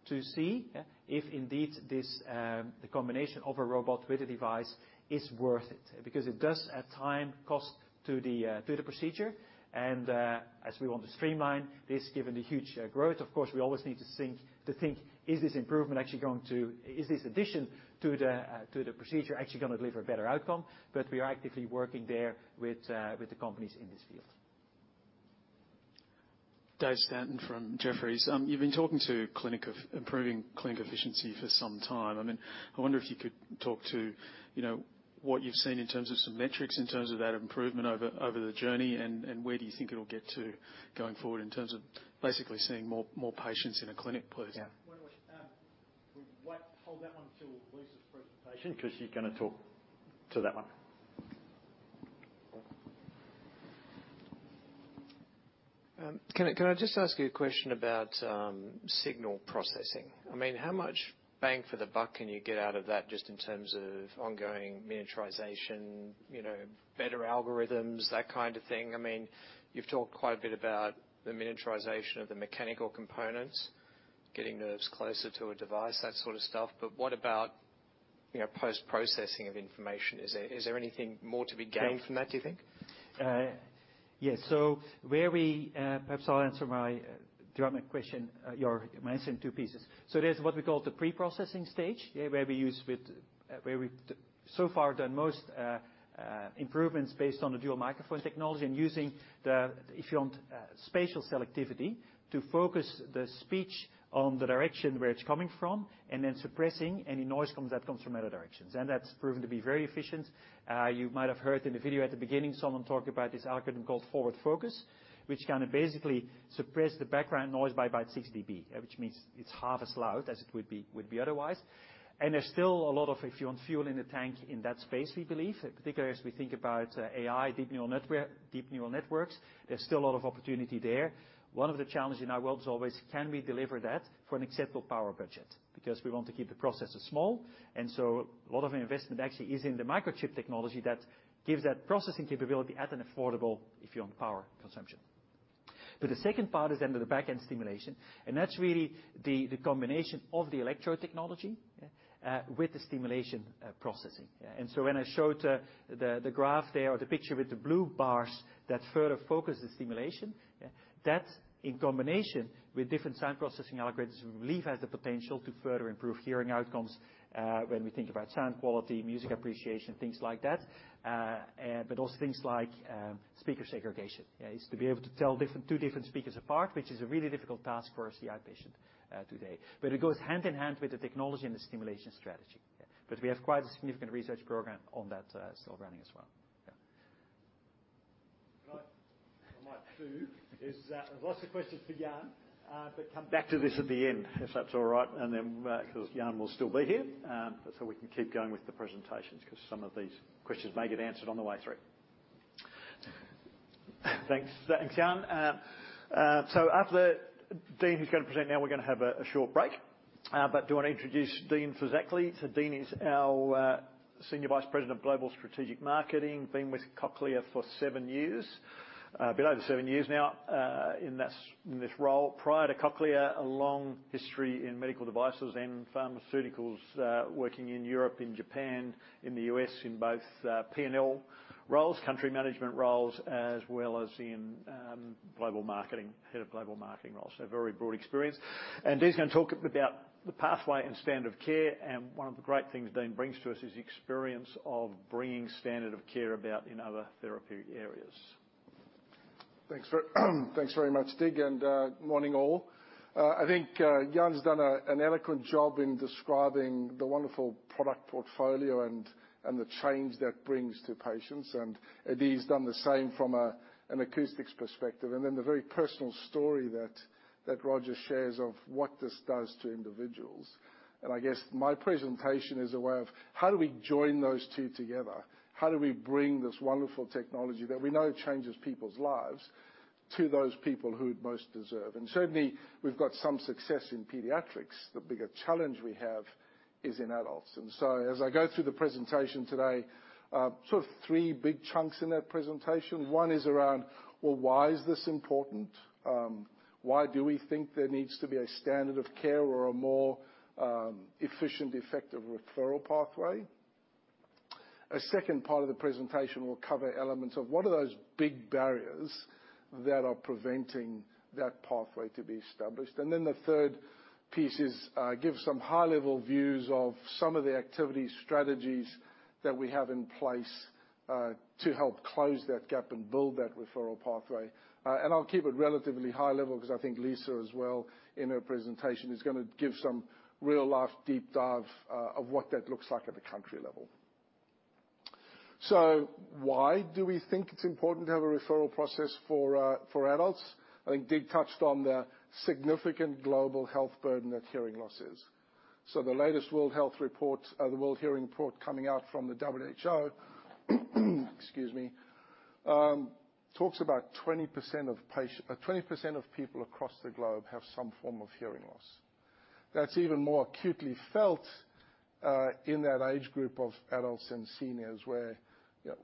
to see if indeed this the combination of a robot with a device is worth it. Because it does add time, cost to the procedure, and as we want to streamline this, given the huge growth, of course, we always need to think, is this improvement actually going to... Is this addition to the procedure actually gonna deliver a better outcome? But we are actively working there with the companies in this field. Dave Stanton from Jefferies. You've been talking to clinic efficiency, improving clinic efficiency for some time. I mean, I wonder if you could talk to, you know, what you've seen in terms of some metrics, in terms of that improvement over, over the journey, and where do you think it'll get to going forward, in terms of basically seeing more, more patients in a clinic, please? Yeah. Wait, wait. Hold that one till Lisa's presentation, 'cause she's gonna talk to that one. Can I just ask you a question about signal processing? I mean, how much bang for the buck can you get out of that, just in terms of ongoing miniaturization, you know, better algorithms, that kind of thing? I mean, you've talked quite a bit about the miniaturization of the mechanical components, getting nerves closer to a device, that sort of stuff. But what about, you know, post-processing of information? Is there anything more to be gained from that, do you think? Yes. Perhaps I'll answer my dramatic question, your question in two pieces. So there's what we call the pre-processing stage, yeah, where we use with, where we've so far done most improvements based on the dual microphone technology and using the, if you want, spatial selectivity to focus the speech on the direction where it's coming from, and then suppressing any noise comes, that comes from other directions, and that's proven to be very efficient. You might have heard in the video at the beginning, someone talked about this algorithm called ForwardFocus, which can basically suppress the background noise by about 6 dB, which means it's half as loud as it would be, would be otherwise. There's still a lot of, if you want, fuel in the tank in that space, we believe, particularly as we think about AI, deep neural networks. There's still a lot of opportunity there. One of the challenges in our world is always, can we deliver that for an acceptable power budget? Because we want to keep the processors small, and so a lot of investment actually is in the microchip technology that gives that processing capability at an affordable, if you want, power consumption. But the second part is then the back end stimulation, and that's really the combination of the electrode technology, yeah, with the stimulation processing. Yeah, and so when I showed the graph there, or the picture with the blue bars that further focus the stimulation, yeah, that, in combination with different sound processing algorithms, we believe has the potential to further improve hearing outcomes, when we think about sound quality, music appreciation, things like that. But also things like speaker segregation, yeah, is to be able to tell two different speakers apart, which is a really difficult task for a CI patient today. But it goes hand in hand with the technology and the stimulation strategy, yeah. But we have quite a significant research program on that, still running as well. Yeah. I might too. There's lots of questions for Jan, but come back to this at the end, if that's all right, and then, 'cause Jan will still be here. But so we can keep going with the presentations, 'cause some of these questions may get answered on the way through. Thanks. Thanks, Jan. So after Dean, who's going to present now, we're gonna have a short break. But do want to introduce Dean Phizacklea. So Dean is our Senior Vice President of Global Strategic Marketing, been with Cochlear for seven years, been over seven years now, in this role. Prior to Cochlear, a long history in medical devices and pharmaceuticals, working in Europe, in Japan, in the U.S., in both, P&L roles, country management roles, as well as in, global marketing, head of global marketing roles. So very broad experience. Dean's gonna talk about the pathway and standard of care, and one of the great things Dean brings to us is experience of bringing standard of care about in other therapeutic areas. Thanks very much, Dig, and morning, all. I think Jan's done an eloquent job in describing the wonderful product portfolio and the change that brings to patients, and Adi's done the same from an acoustics perspective, and then the very personal story that Roger shares of what this does to individuals. And I guess my presentation is a way of how do we join those two together? How do we bring this wonderful technology that we know changes people's lives to those people who'd most deserve? And certainly, we've got some success in pediatrics. The bigger challenge we have is in adults. And so as I go through the presentation today, sort of three big chunks in that presentation. One is around, well, why is this important? Why do we think there needs to be a standard of care or a more efficient, effective referral pathway? A second part of the presentation will cover elements of what are those big barriers that are preventing that pathway to be established. Then the third piece is give some high-level views of some of the activities, strategies that we have in place to help close that gap and build that referral pathway. And I'll keep it relatively high level because I think Lisa as well, in her presentation, is gonna give some real-life, deep dive of what that looks like at the country level. So why do we think it's important to have a referral process for adults? I think Dig touched on the significant global health burden that hearing loss is. So the latest World Health Report, the World Hearing Report coming out from the WHO, excuse me, talks about 20% of people across the globe have some form of hearing loss. That's even more acutely felt, in that age group of adults and seniors, where,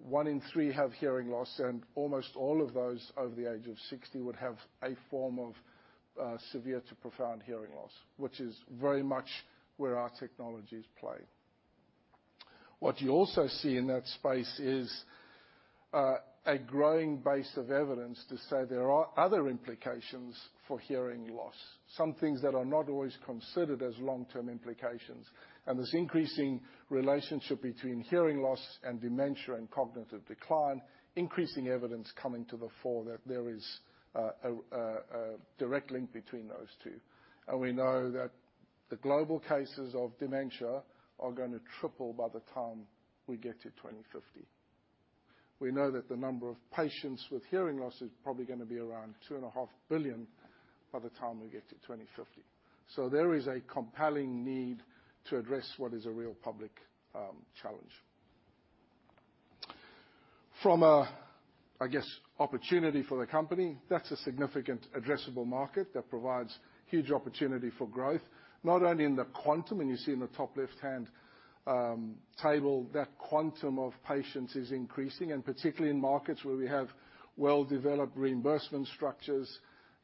one in three have hearing loss, and almost all of those over the age of 60 would have a form of, severe to profound hearing loss, which is very much where our technologies play. What you also see in that space is, a growing base of evidence to say there are other implications for hearing loss, some things that are not always considered as long-term implications. This increasing relationship between hearing loss and dementia and cognitive decline, increasing evidence coming to the fore that there is a direct link between those two. We know that the global cases of dementia are gonna triple by the time we get to 2050. We know that the number of patients with hearing loss is probably gonna be around 2.5 billion by the time we get to 2050. There is a compelling need to address what is a real public challenge. From a, I guess, opportunity for the company, that's a significant addressable market that provides huge opportunity for growth, not only in the quantum, and you see in the top left-hand table, that quantum of patients is increasing, and particularly in markets where we have well-developed reimbursement structures.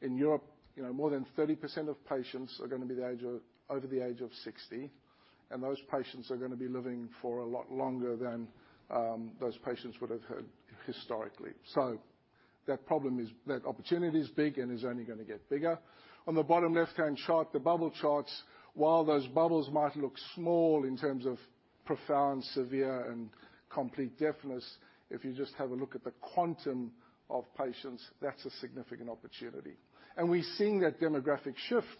In Europe, you know, more than 30% of patients are gonna be the age of- over the age of 60, and those patients are gonna be living for a lot longer than those patients would have historically. So that problem is, that opportunity is big and is only gonna get bigger. On the bottom left-hand chart, the bubble charts, while those bubbles might look small in terms of profound, severe, and complete deafness, if you just have a look at the quantum of patients, that's a significant opportunity. And we've seen that demographic shift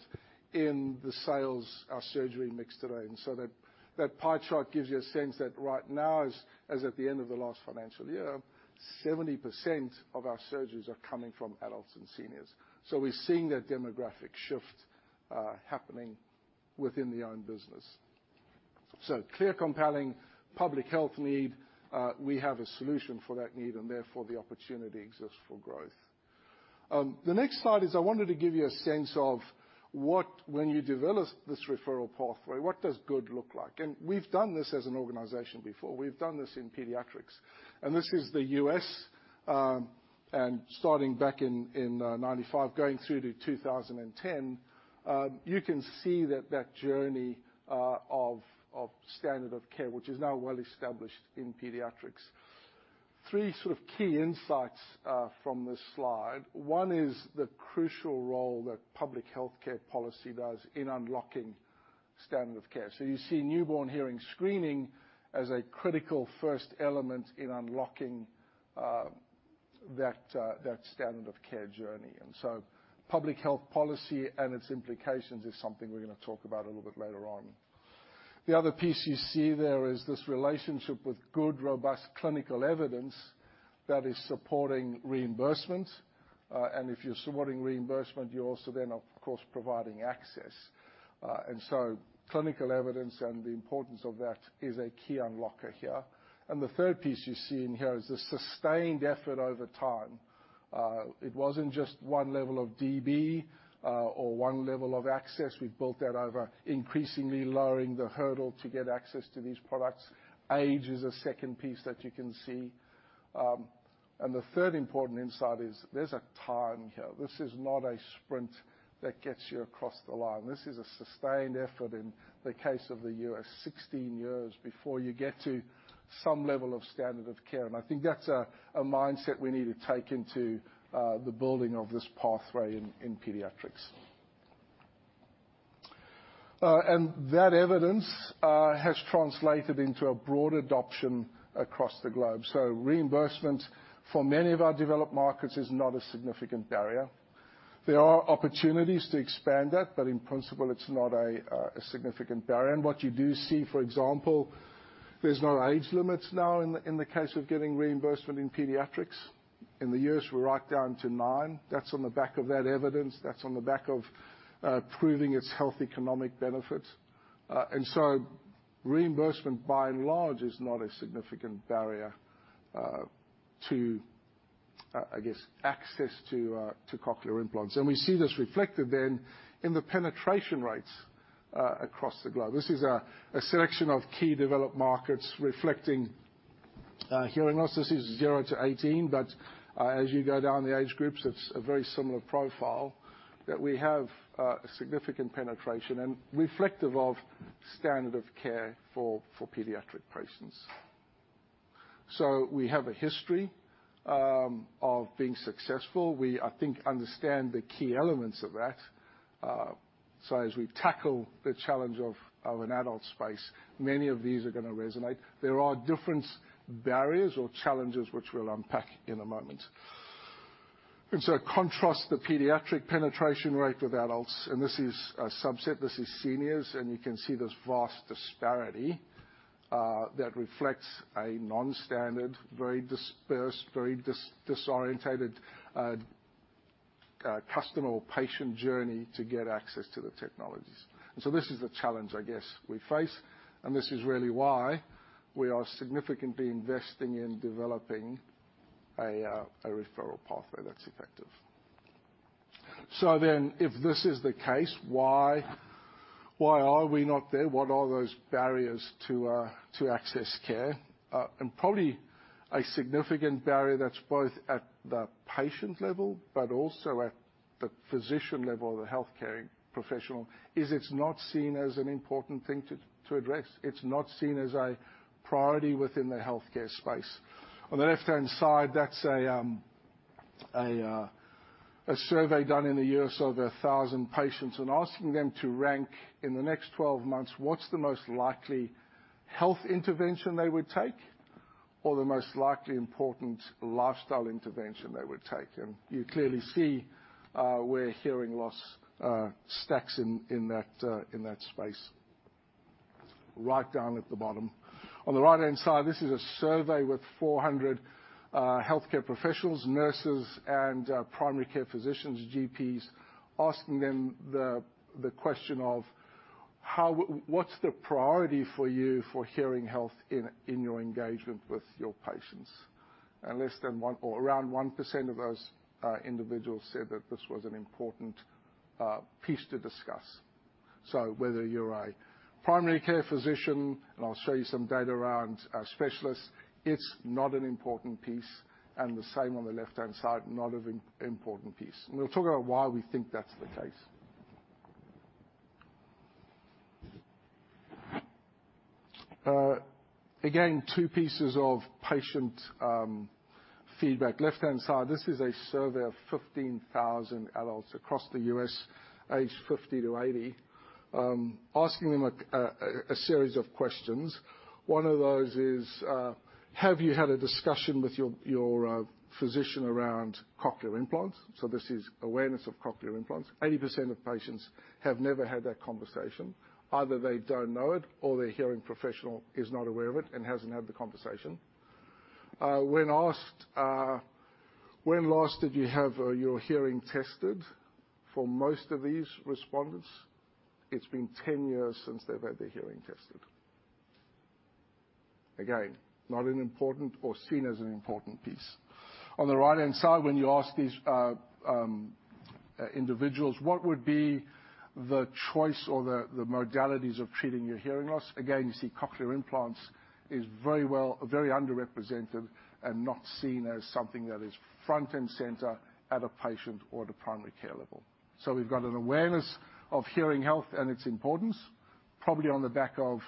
in the sales, our surgery mix today. So that, that pie chart gives you a sense that right now, as, as at the end of the last financial year, 70% of our surgeries are coming from adults and seniors. So we're seeing that demographic shift happening within the own business. Clear, compelling public health need, we have a solution for that need, and therefore, the opportunity exists for growth. The next slide is I wanted to give you a sense of what, when you develop this referral pathway, what does good look like? And we've done this as an organization before. We've done this in pediatrics, and this is the U.S., and starting back in 1995, going through to 2010, you can see that journey of standard of care, which is now well established in pediatrics. Three sort of key insights from this slide. One is the crucial role that public healthcare policy does in unlocking standard of care. So you see newborn hearing screening as a critical first element in unlocking that standard of care journey. Public health policy and its implications is something we're gonna talk about a little bit later on. The other piece you see there is this relationship with good, robust clinical evidence that is supporting reimbursement, and if you're supporting reimbursement, you're also then, of course, providing access. Clinical evidence and the importance of that is a key unlocker here. The third piece you see in here is the sustained effort over time. It wasn't just one level of dB, or one level of access. We've built that over increasingly lowering the hurdle to get access to these products. Age is a second piece that you can see. The third important insight is there's a time here. This is not a sprint that gets you across the line. This is a sustained effort, in the case of the U.S., 16 years before you get to some level of standard of care. I think that's a mindset we need to take into the building of this pathway in pediatrics. And that evidence has translated into a broad adoption across the globe. So reimbursement for many of our developed markets is not a significant barrier. There are opportunities to expand that, but in principle, it's not a significant barrier. And what you do see, for example, there's no age limits now in the case of getting reimbursement in pediatrics. In the U.S., we're right down to nine. That's on the back of that evidence, that's on the back of proving its health economic benefits. And so reimbursement, by and large, is not a significant barrier to access to cochlear implants. And we see this reflected then in the penetration rates across the globe. This is a selection of key developed markets reflecting hearing loss. This is 0-18, but as you go down the age groups, it's a very similar profile that we have a significant penetration and reflective of standard of care for pediatric patients. So we have a history of being successful. We, I think, understand the key elements of that. So as we tackle the challenge of an adult space, many of these are gonna resonate. There are different barriers or challenges, which we'll unpack in a moment. Contrast the pediatric penetration rate with adults, and this is a subset, this is seniors, and you can see this vast disparity that reflects a non-standard, very dispersed, very disoriented customer or patient journey to get access to the technologies. This is the challenge, I guess, we face, and this is really why we are significantly investing in developing a referral pathway that's effective. If this is the case, why are we not there? What are those barriers to access care? Probably a significant barrier that's both at the patient level, but also at the physician level, or the healthcare professional, is it's not seen as an important thing to address. It's not seen as a priority within the healthcare space. On the left-hand side, that's a survey done in the U.S. of 1,000 patients, and asking them to rank, in the next 12 months, what's the most likely health intervention they would take, or the most likely important lifestyle intervention they would take? And you clearly see where hearing loss stacks in, in that space. Right down at the bottom. On the right-hand side, this is a survey with 400 healthcare professionals, nurses, and primary care physicians, GPs, asking them the question of how-- "What's the priority for you for hearing health in your engagement with your patients?" And less than one, or around 1% of those individuals said that this was an important piece to discuss. So whether you're a primary care physician, and I'll show you some data around our specialists, it's not an important piece, and the same on the left-hand side, not an important piece. We'll talk about why we think that's the case. Again, two pieces of patient feedback. Left-hand side, this is a survey of 15,000 adults across the U.S., aged 50-80, asking them a series of questions. One of those is, "Have you had a discussion with your physician around cochlear implants?" So this is awareness of cochlear implants. 80% of patients have never had that conversation. Either they don't know it, or their hearing professional is not aware of it and hasn't had the conversation. When asked, "When last did you have your hearing tested?" For most of these respondents, it's been 10 years since they've had their hearing tested. Again, not an important or seen as an important piece. On the right-hand side, when you ask these individuals, "What would be the choice or the modalities of treating your hearing loss?" Again, you see cochlear implants is very well, very underrepresented and not seen as something that is front and center at a patient or at a primary care level. So we've got an awareness of hearing health and its importance, probably on the back of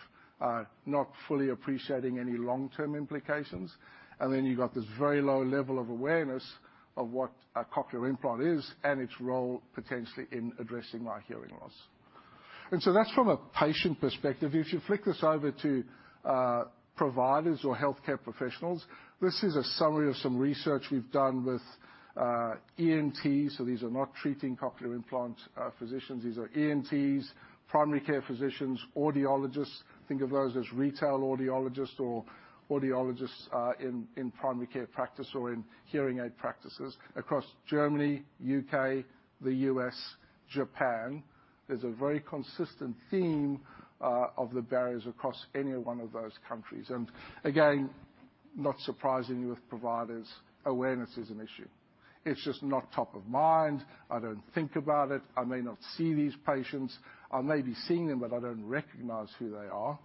not fully appreciating any long-term implications. And then you've got this very low level of awareness of what a cochlear implant is and its role, potentially, in addressing our hearing loss. And so that's from a patient perspective. If you flick this over to providers or healthcare professionals, this is a summary of some research we've done with ENT. So these are not treating cochlear implant physicians. These are ENTs, primary care physicians, audiologists, think of those as retail audiologists or audiologists in primary care practice or in hearing aid practices across Germany, U.K., the U.S., Japan. There's a very consistent theme of the barriers across any one of those countries. And again, not surprisingly, with providers, awareness is an issue.... It's just not top of mind. I don't think about it. I may not see these patients. I may be seeing them, but I don't recognize who they are.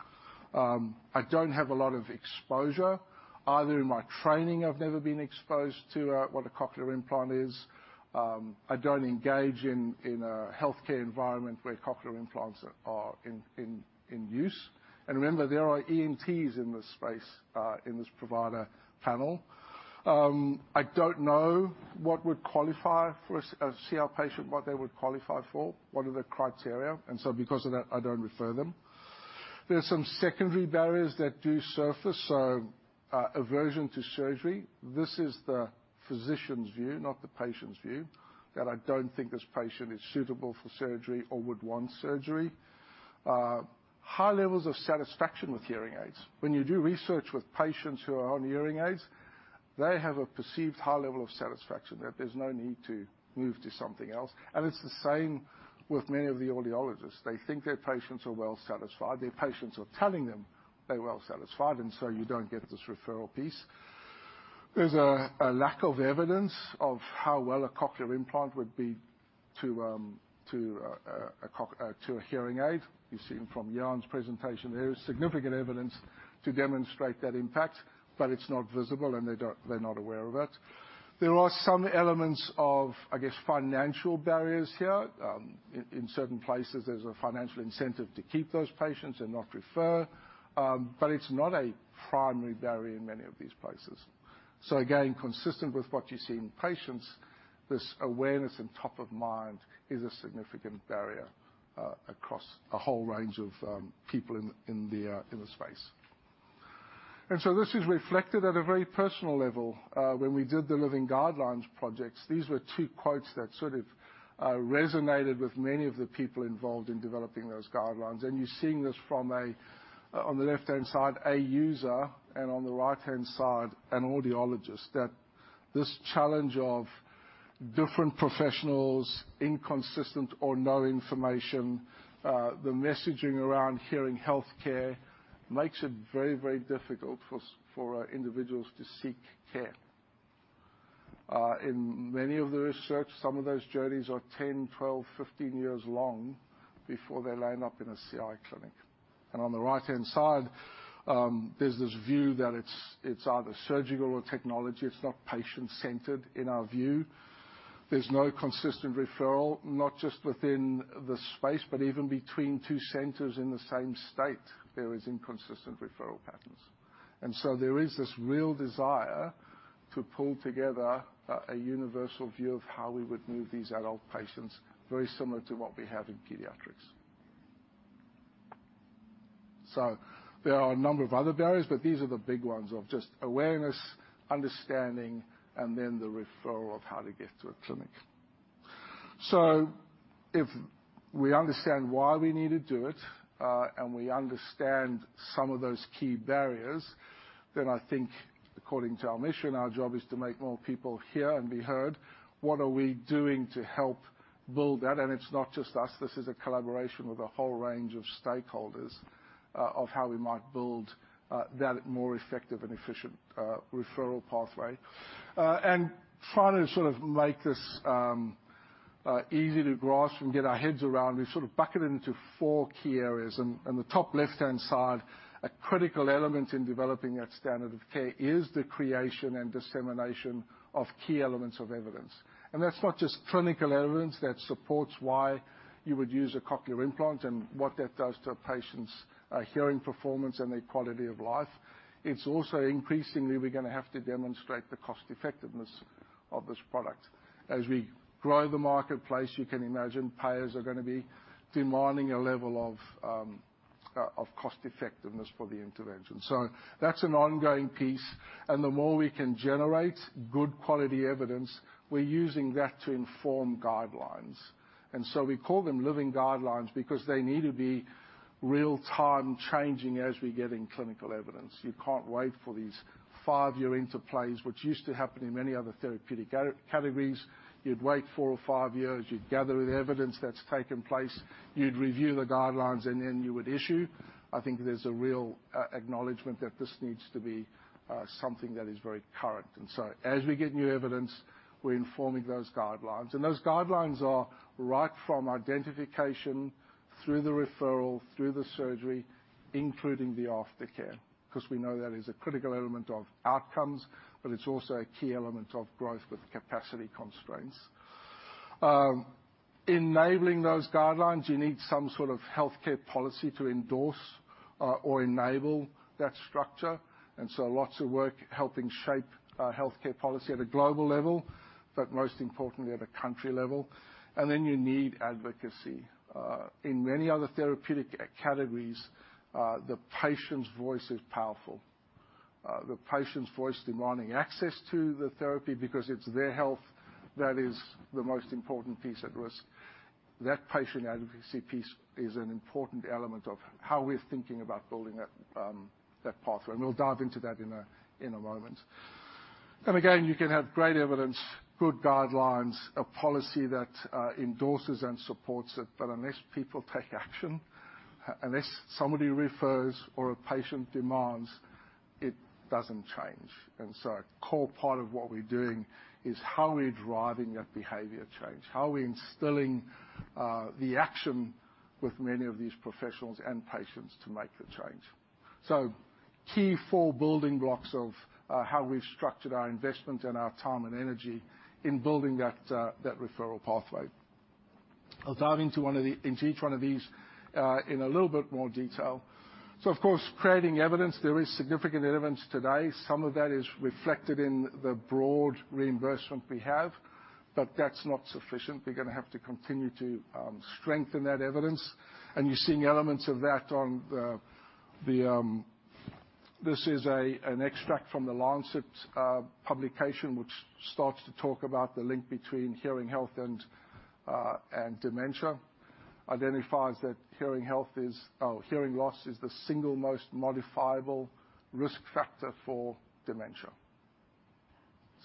I don't have a lot of exposure, either in my training. I've never been exposed to what a cochlear implant is. I don't engage in a healthcare environment where cochlear implants are in use. And remember, there are ENTs in this space, in this provider panel. I don't know what would qualify for a CI patient, what they would qualify for, what are the criteria, and so because of that, I don't refer them. There are some secondary barriers that do surface, aversion to surgery. This is the physician's view, not the patient's view, that I don't think this patient is suitable for surgery or would want surgery. High levels of satisfaction with hearing aids. When you do research with patients who are on hearing aids, they have a perceived high level of satisfaction, that there's no need to move to something else, and it's the same with many of the audiologists. They think their patients are well satisfied. Their patients are telling them they're well satisfied, and so you don't get this referral piece. There's a lack of evidence of how well a cochlear implant would be to a hearing aid. You've seen from Jan's presentation, there is significant evidence to demonstrate that impact, but it's not visible, and they're not aware of it. There are some elements of, I guess, financial barriers here. In certain places, there's a financial incentive to keep those patients and not refer, but it's not a primary barrier in many of these places. So again, consistent with what you see in patients, this awareness and top of mind is a significant barrier across a whole range of people in the space. And so this is reflected at a very personal level. When we did the living guidelines projects, these were two quotes that sort of resonated with many of the people involved in developing those guidelines. And you're seeing this from a user on the left-hand side, and on the right-hand side, an audiologist, that this challenge of different professionals, inconsistent or no information, the messaging around hearing healthcare makes it very, very difficult for individuals to seek care. In many of the research, some of those journeys are 10, 12, 15 years long before they land up in a CI clinic. And on the right-hand side, there's this view that it's either surgical or technology. It's not patient-centered, in our view. There's no consistent referral, not just within the space, but even between two centers in the same state, there is inconsistent referral patterns. And so there is this real desire to pull together, a universal view of how we would move these adult patients, very similar to what we have in pediatrics. So there are a number of other barriers, but these are the big ones of just awareness, understanding, and then the referral of how to get to a clinic. So if we understand why we need to do it, and we understand some of those key barriers, then I think, according to our mission, our job is to make more people hear and be heard. What are we doing to help build that? And it's not just us. This is a collaboration with a whole range of stakeholders, of how we might build, that more effective and efficient, referral pathway. Finally, to sort of make this easy to grasp and get our heads around, we sort of bucket it into four key areas. And the top left-hand side, a critical element in developing that standard of care is the creation and dissemination of key elements of evidence. And that's not just clinical evidence that supports why you would use a cochlear implant and what that does to a patient's hearing performance and their quality of life. It's also increasingly, we're gonna have to demonstrate the cost-effectiveness of this product. As we grow the marketplace, you can imagine payers are gonna be demanding a level of cost effectiveness for the intervention. So that's an ongoing piece, and the more we can generate good quality evidence, we're using that to inform guidelines. And so we call them living guidelines because they need to be real-time changing as we're getting clinical evidence. You can't wait for these five-year interplays, which used to happen in many other therapeutic categories. You'd wait four or five years, you'd gather the evidence that's taken place, you'd review the guidelines, and then you would issue. I think there's a real acknowledgment that this needs to be something that is very current. And so as we get new evidence, we're informing those guidelines. And those guidelines are right from identification through the referral, through the surgery, including the aftercare, 'cause we know that is a critical element of outcomes, but it's also a key element of growth with capacity constraints. Enabling those guidelines, you need some sort of healthcare policy to endorse or enable that structure, and so lots of work helping shape healthcare policy at a global level, but most importantly, at a country level. Then you need advocacy. In many other therapeutic categories, the patient's voice is powerful. The patient's voice demanding access to the therapy because it's their health that is the most important piece at risk. That patient advocacy piece is an important element of how we're thinking about building that pathway, and we'll dive into that in a moment. Again, you can have great evidence, good guidelines, a policy that endorses and supports it, but unless people take action, unless somebody refers or a patient demands... It doesn't change, and so a core part of what we're doing is how are we driving that behavior change? How are we instilling the action with many of these professionals and patients to make the change? So key four building blocks of how we've structured our investment and our time and energy in building that that referral pathway. I'll dive into each one of these in a little bit more detail. So of course, creating evidence, there is significant evidence today. Some of that is reflected in the broad reimbursement we have, but that's not sufficient. We're gonna have to continue to strengthen that evidence, and you're seeing elements of that on the... This is an extract from The Lancet publication, which starts to talk about the link between hearing health and dementia. Identifies that hearing health is, oh, hearing loss is the single most modifiable risk factor for dementia.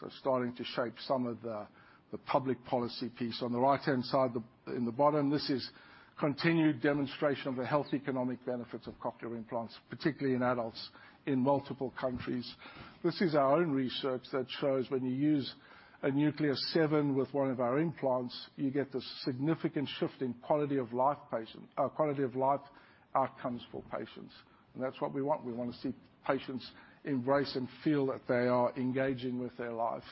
So starting to shape some of the, the public policy piece. On the right-hand side, the, in the bottom, this is continued demonstration of the health economic benefits of cochlear implants, particularly in adults in multiple countries. This is our own research that shows when you use a Nucleus 7 with one of our implants, you get this significant shift in quality of life patient, quality of life outcomes for patients, and that's what we want. We wanna see patients embrace and feel that they are engaging with their life.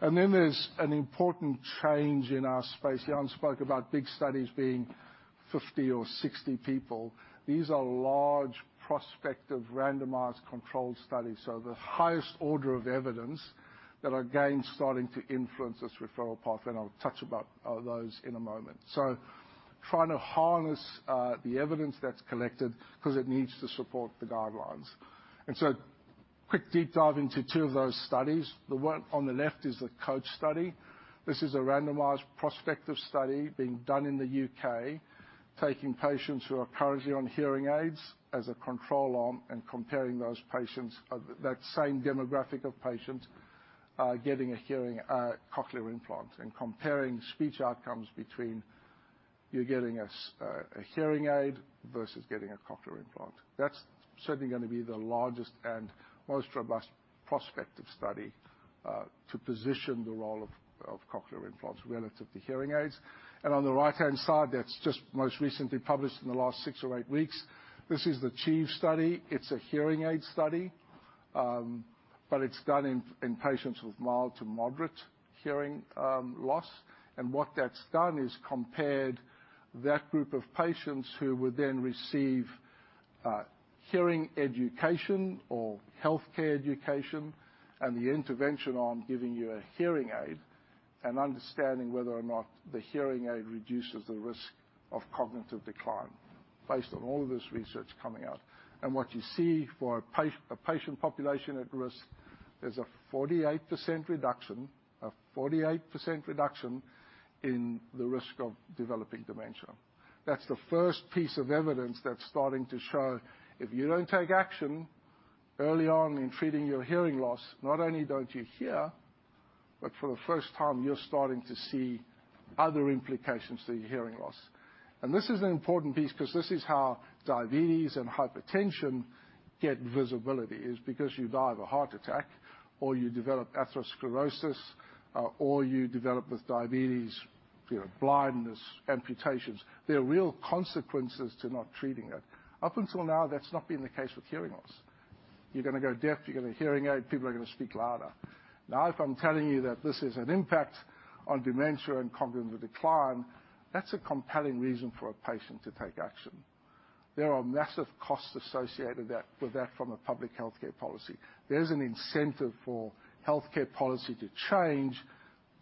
And then there's an important change in our space. Jan spoke about big studies being 50 or 60 people. These are large, prospective, randomized, controlled studies, so the highest order of evidence that are, again, starting to influence this referral path, and I'll touch about those in a moment. So trying to harness the evidence that's collected 'cause it needs to support the guidelines. So quick deep dive into two of those studies. The one on the left is the COACH study. This is a randomized prospective study being done in the U.K., taking patients who are currently on hearing aids as a control arm and comparing those patients that same demographic of patients getting a hearing cochlear implant, and comparing speech outcomes between you getting a hearing aid versus getting a cochlear implant. That's certainly gonna be the largest and most robust prospective study to position the role of cochlear implants relative to hearing aids. On the right-hand side, that's just most recently published in the last 6 or 8 weeks. This is the ACHIEVE study. It's a hearing aid study, but it's done in, in patients with mild to moderate hearing loss. And what that's done is compared that group of patients who would then receive, hearing education or healthcare education, and the intervention arm giving you a hearing aid, and understanding whether or not the hearing aid reduces the risk of cognitive decline, based on all of this research coming out. And what you see for a patient population at risk, there's a 48% reduction, a 48% reduction in the risk of developing dementia. That's the first piece of evidence that's starting to show if you don't take action early on in treating your hearing loss, not only don't you hear, but for the first time, you're starting to see other implications to your hearing loss. And this is an important piece because this is how diabetes and hypertension get visibility, is because you die of a heart attack, or you develop atherosclerosis, or you develop this diabetes, you know, blindness, amputations. There are real consequences to not treating it. Up until now, that's not been the case with hearing loss. You're gonna go deaf, you get a hearing aid, people are gonna speak louder. Now, if I'm telling you that this is an impact on dementia and cognitive decline, that's a compelling reason for a patient to take action. There are massive costs associated that, with that from a public healthcare policy. There's an incentive for healthcare policy to change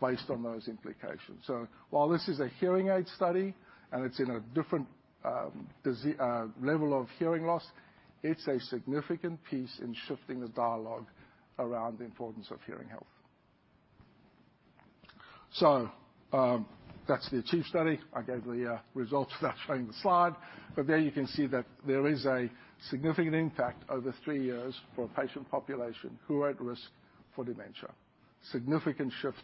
based on those implications. So while this is a hearing aid study, and it's in a different level of hearing loss, it's a significant piece in shifting the dialogue around the importance of hearing health. So, that's the ACHIEVE study. I gave the results without showing the slide, but there you can see that there is a significant impact over three years for a patient population who are at risk for dementia. Significant shift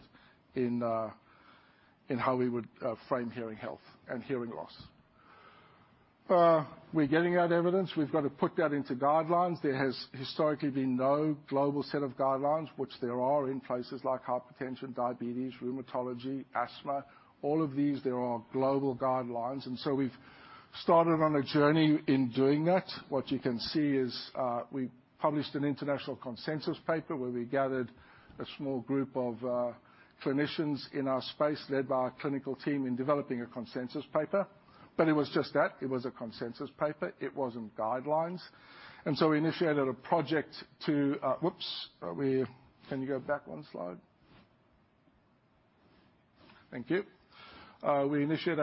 in how we would frame hearing health and hearing loss. We're getting that evidence. We've got to put that into guidelines. There has historically been no global set of guidelines, which there are in places like hypertension, diabetes, rheumatology, asthma. All of these, there are global guidelines, and so we've started on a journey in doing that. What you can see is, we published an international consensus paper, where we gathered a small group of clinicians in our space, led by our clinical team in developing a consensus paper. But it was just that, it was a consensus paper. It wasn't guidelines. And so we initiated a project to. We initiated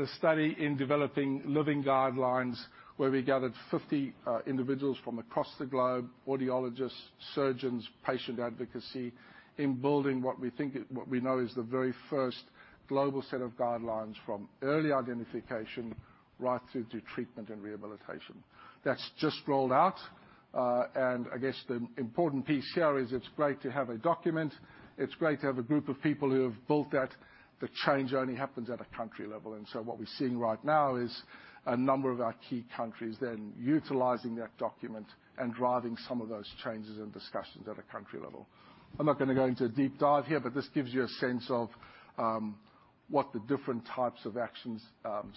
a study in developing living guidelines, where we gathered 50 individuals from across the globe, audiologists, surgeons, patient advocacy, in building what we think is, what we know is the very first global set of guidelines from early identification right through to treatment and rehabilitation. That's just rolled out. I guess the important piece here is it's great to have a document, it's great to have a group of people who have built that. The change only happens at a country level, and so what we're seeing right now is a number of our key countries, then, utilizing that document and driving some of those changes and discussions at a country level. I'm not gonna go into a deep dive here, but this gives you a sense of what the different types of actions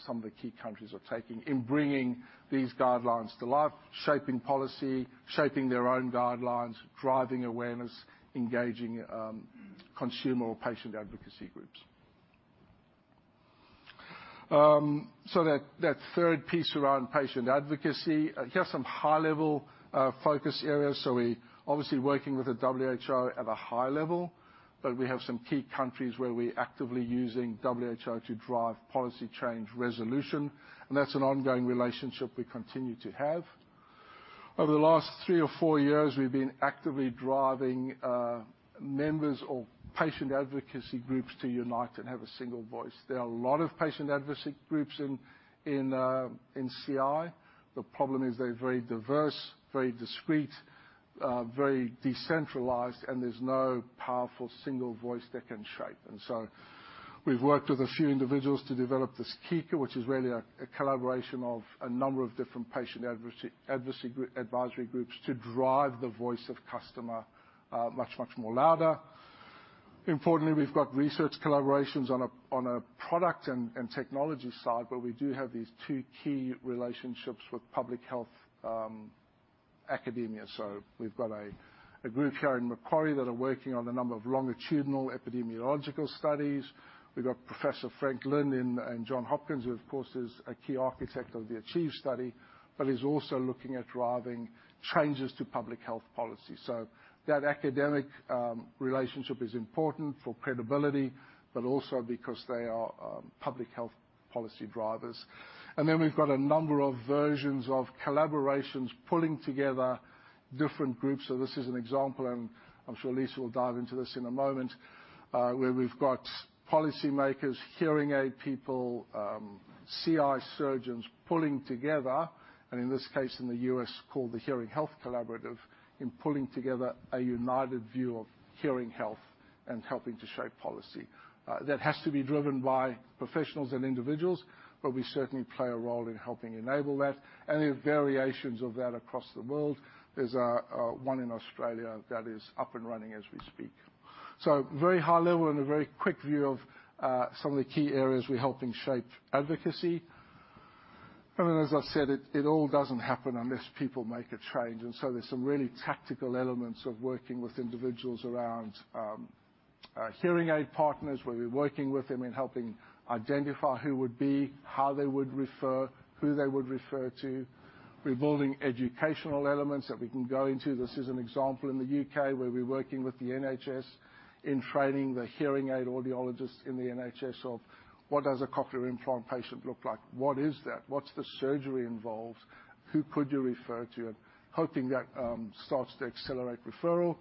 some of the key countries are taking in bringing these guidelines to life, shaping policy, shaping their own guidelines, driving awareness, engaging consumer or patient advocacy groups. So that, that third piece around patient advocacy, here are some high-level focus areas. So we obviously working with the WHO at a high level, but we have some key countries where we're actively using WHO to drive policy change resolution, and that's an ongoing relationship we continue to have. Over the last three or four years, we've been actively driving members of patient advocacy groups to unite and have a single voice. There are a lot of patient advocacy groups in CI. The problem is they're very diverse, very discrete, very decentralized, and there's no powerful single voice they can shape. And so we've worked with a few individuals to develop this CIICA, which is really a collaboration of a number of different patient advocacy advisory groups to drive the voice of customer much, much more louder. Importantly, we've got research collaborations on a product and technology side, but we do have these two key relationships with public health academia. So we've got a group here in Macquarie that are working on a number of longitudinal epidemiological studies. We've got Professor Frank Lin in Johns Hopkins, who, of course, is a key architect of the ACHIEVE study, but is also looking at driving changes to public health policy. So that academic relationship is important for credibility, but also because they are public health policy drivers. And then we've got a number of versions of collaborations pulling together different groups. So this is an example, and I'm sure Lisa will dive into this in a moment, where we've got policymakers, hearing aid people, CI surgeons, pulling together, and in this case, in the U.S., called the Hearing Health Collaborative, in pulling together a united view of hearing health and helping to shape policy. That has to be driven by professionals and individuals, but we certainly play a role in helping enable that, and there are variations of that across the world. There's one in Australia that is up and running as we speak. So very high level and a very quick view of some of the key areas we're helping shape advocacy. And as I said, it all doesn't happen unless people make a change, and so there's some really tactical elements of working with individuals around our hearing aid partners, where we're working with them in helping identify who would be, how they would refer, who they would refer to. We're building educational elements that we can go into. This is an example in the U.K., where we're working with the NHS in training the hearing aid audiologists in the NHS of what does a cochlear implant patient look like? What is that? What's the surgery involved? Who could you refer to? And hoping that starts to accelerate referral.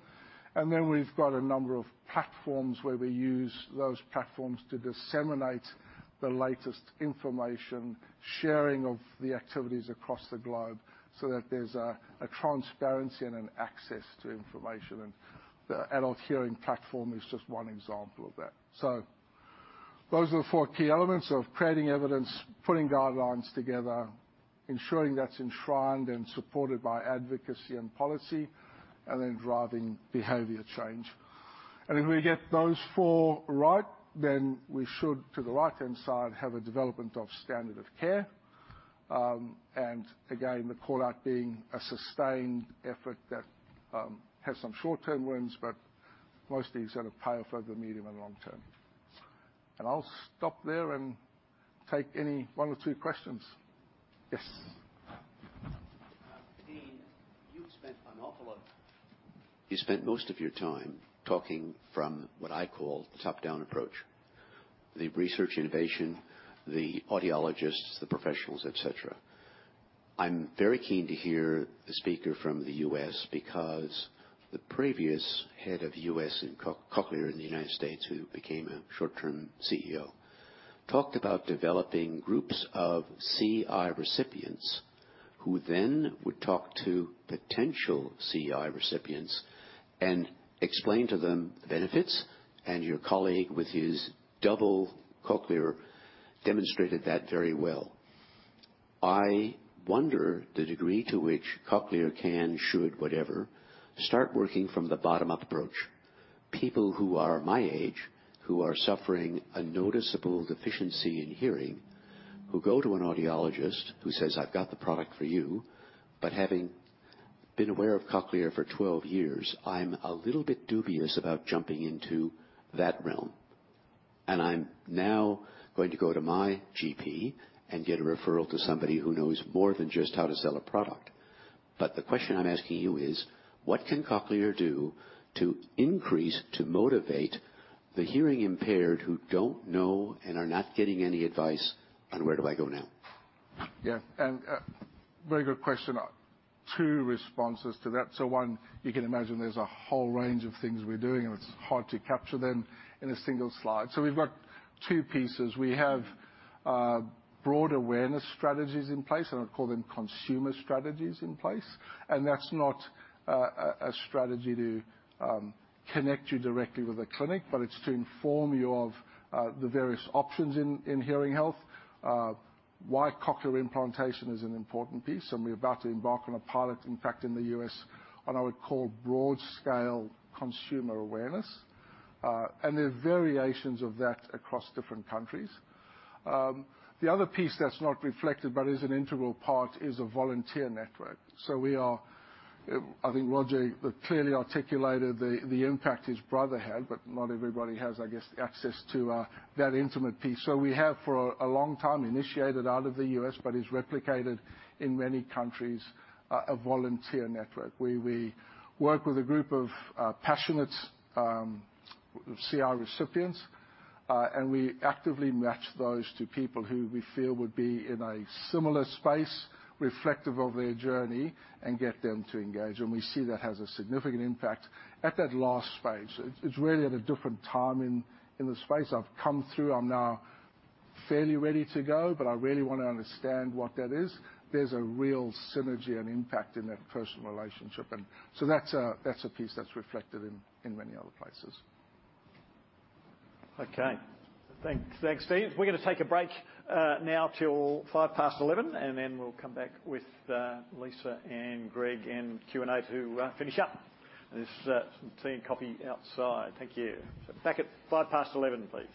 And then we've got a number of platforms where we use those platforms to disseminate the latest information, sharing of the activities across the globe, so that there's a transparency and an access to information. And the Adult Hearing Platform is just one example of that. So those are the four key elements of creating evidence, putting guidelines together, ensuring that's enshrined and supported by advocacy and policy, and then driving behavior change. And if we get those four right, then we should, to the right-hand side, have a development of standard of care. And again, the call out being a sustained effort that has some short-term wins, but mostly sort of pay off over the medium and long term. And I'll stop there and take any one or two questions. Yes. Dean, you've spent an awful lot... You spent most of your time talking from what I call the top-down approach. The research innovation, the audiologists, the professionals, et cetera. I'm very keen to hear the speaker from the U.S., because the previous head of U.S. and Cochlear in the United States, who became a short-term CEO, talked about developing groups of CI recipients, who then would talk to potential CI recipients and explain to them the benefits, and your colleague, with his double cochlear, demonstrated that very well. I wonder the degree to which Cochlear can, should, whatever, start working from the bottom-up approach. People who are my age, who are suffering a noticeable deficiency in hearing, who go to an audiologist, who says, "I've got the product for you," but having been aware of Cochlear for 12 years, I'm a little bit dubious about jumping into that realm. I'm now going to go to my GP and get a referral to somebody who knows more than just how to sell a product. But the question I'm asking you is: what can Cochlear do to increase, to motivate the hearing impaired who don't know and are not getting any advice on where do I go now? Yeah, and very good question. Two responses to that. So one, you can imagine there's a whole range of things we're doing, and it's hard to capture them in a single slide. So we've got two pieces. We have broad awareness strategies in place, and I call them consumer strategies in place. And that's not a strategy to connect you directly with a clinic, but it's to inform you of the various options in hearing health, why cochlear implantation is an important piece. And we're about to embark on a pilot, in fact, in the U.S., on what I would call broad scale consumer awareness. And there are variations of that across different countries. The other piece that's not reflected, but is an integral part, is a volunteer network. So we are... I think Roger clearly articulated the impact his brother had, but not everybody has, I guess, access to that intimate piece. So we have for a long time initiated out of the U.S., but is replicated in many countries, a volunteer network, where we work with a group of passionate CI recipients, and we actively match those to people who we feel would be in a similar space, reflective of their journey, and get them to engage. And we see that has a significant impact at that last phase. It's really at a different time in the space. I've come through. I'm now fairly ready to go, but I really want to understand what that is. There's a real synergy and impact in that personal relationship, and so that's a piece that's reflected in many other places. Okay. Thanks. Thanks, Steve. We're going to take a break now till five past eleven, and then we'll come back with Lisa and Greg in Q&A to finish up. There's some tea and coffee outside. Thank you. Back at five past eleven, please.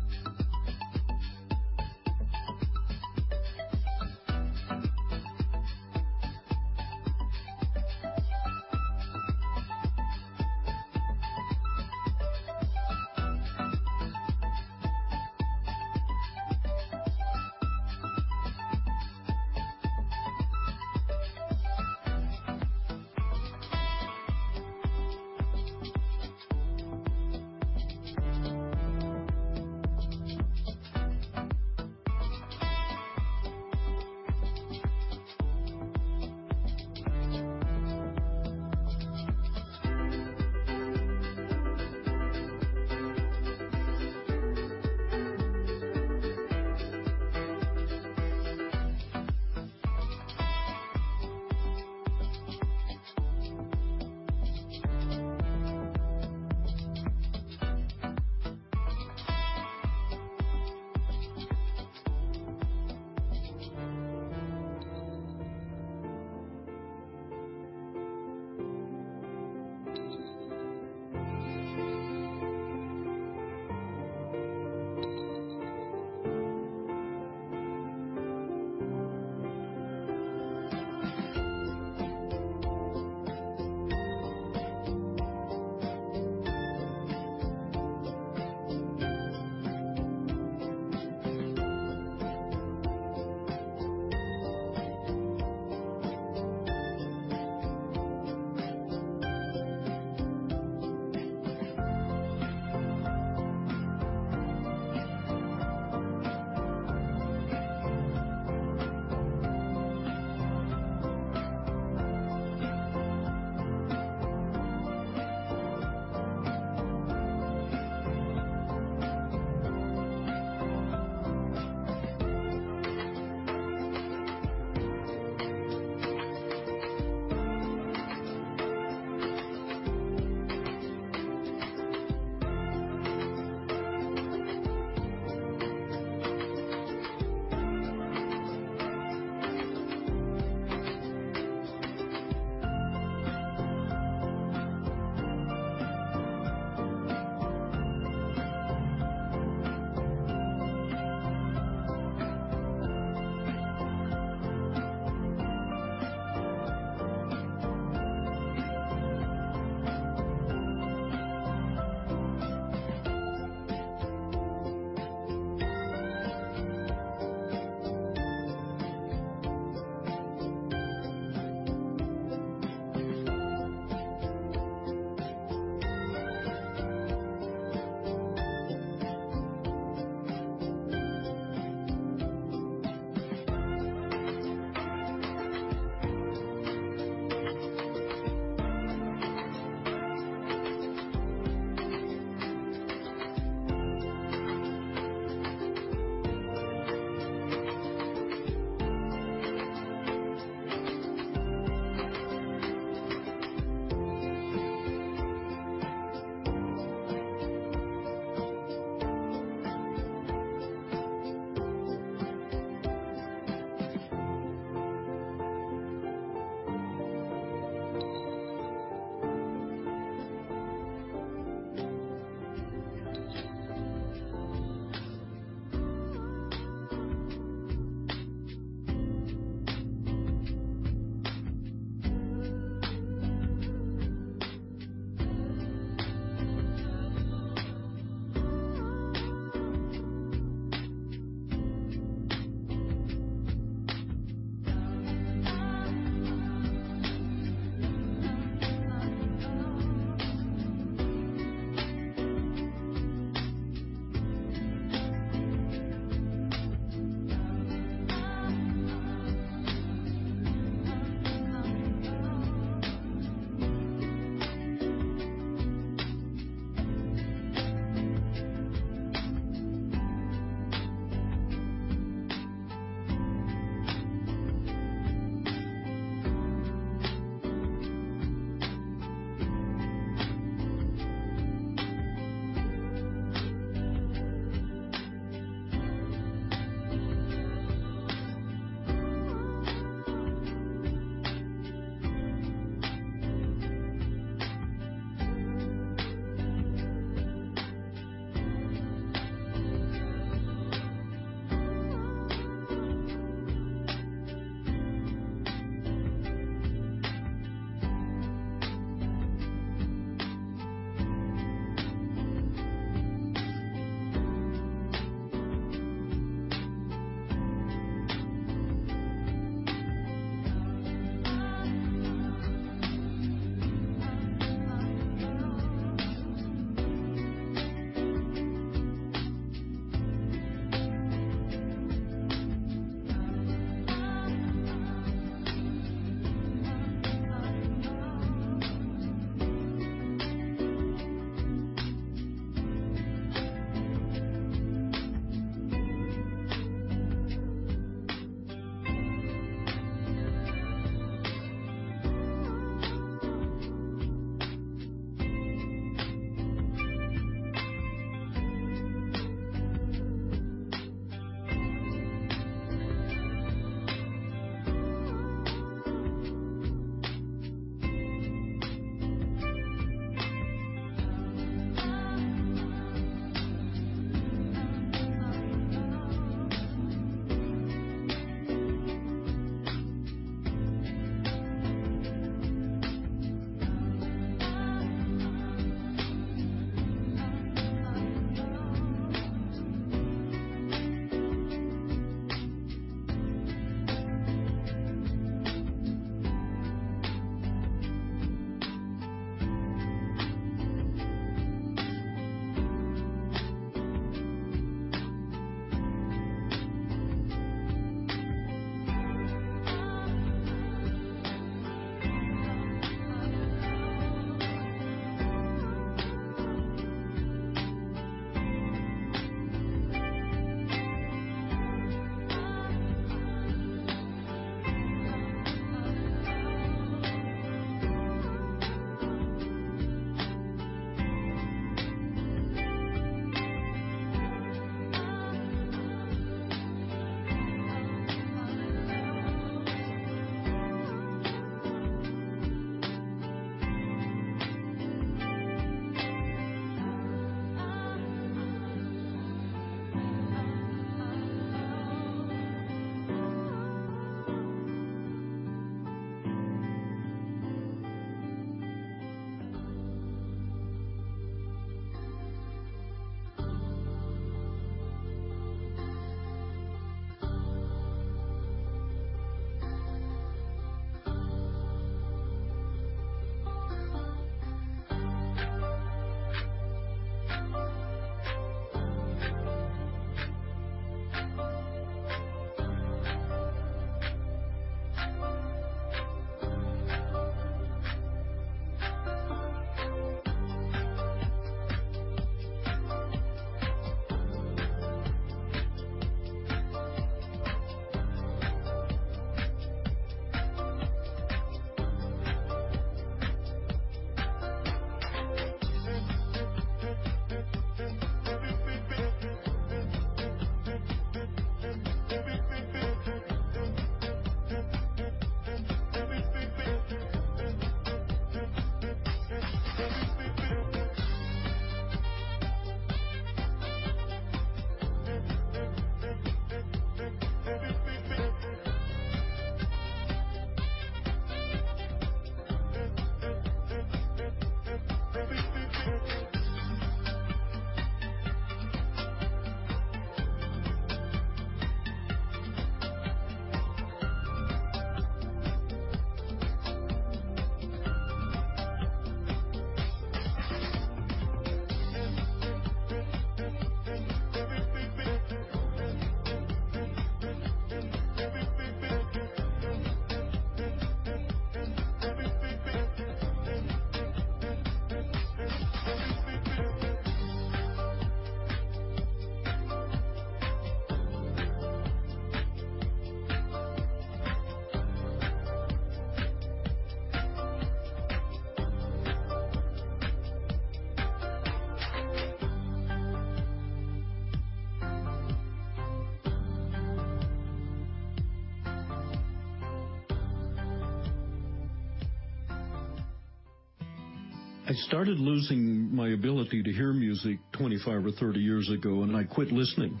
I started losing my ability to hear music 25 or 30 years ago, and I quit listening.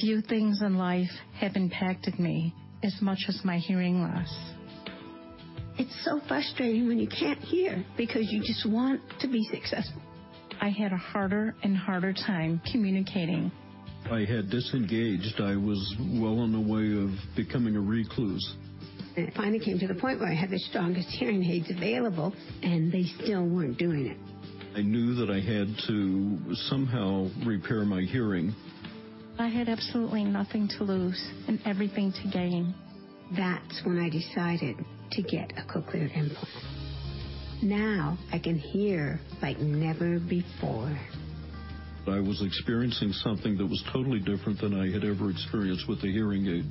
Few things in life have impacted me as much as my hearing loss. It's so frustrating when you can't hear, because you just want to be successful. I had a harder and harder time communicating. I had disengaged. I was well on the way of becoming a recluse. It finally came to the point where I had the strongest hearing aids available, and they still weren't doing it. I knew that I had to somehow repair my hearing. I had absolutely nothing to lose and everything to gain. That's when I decided to get a cochlear implant. Now I can hear like never before. I was experiencing something that was totally different than I had ever experienced with a hearing aid.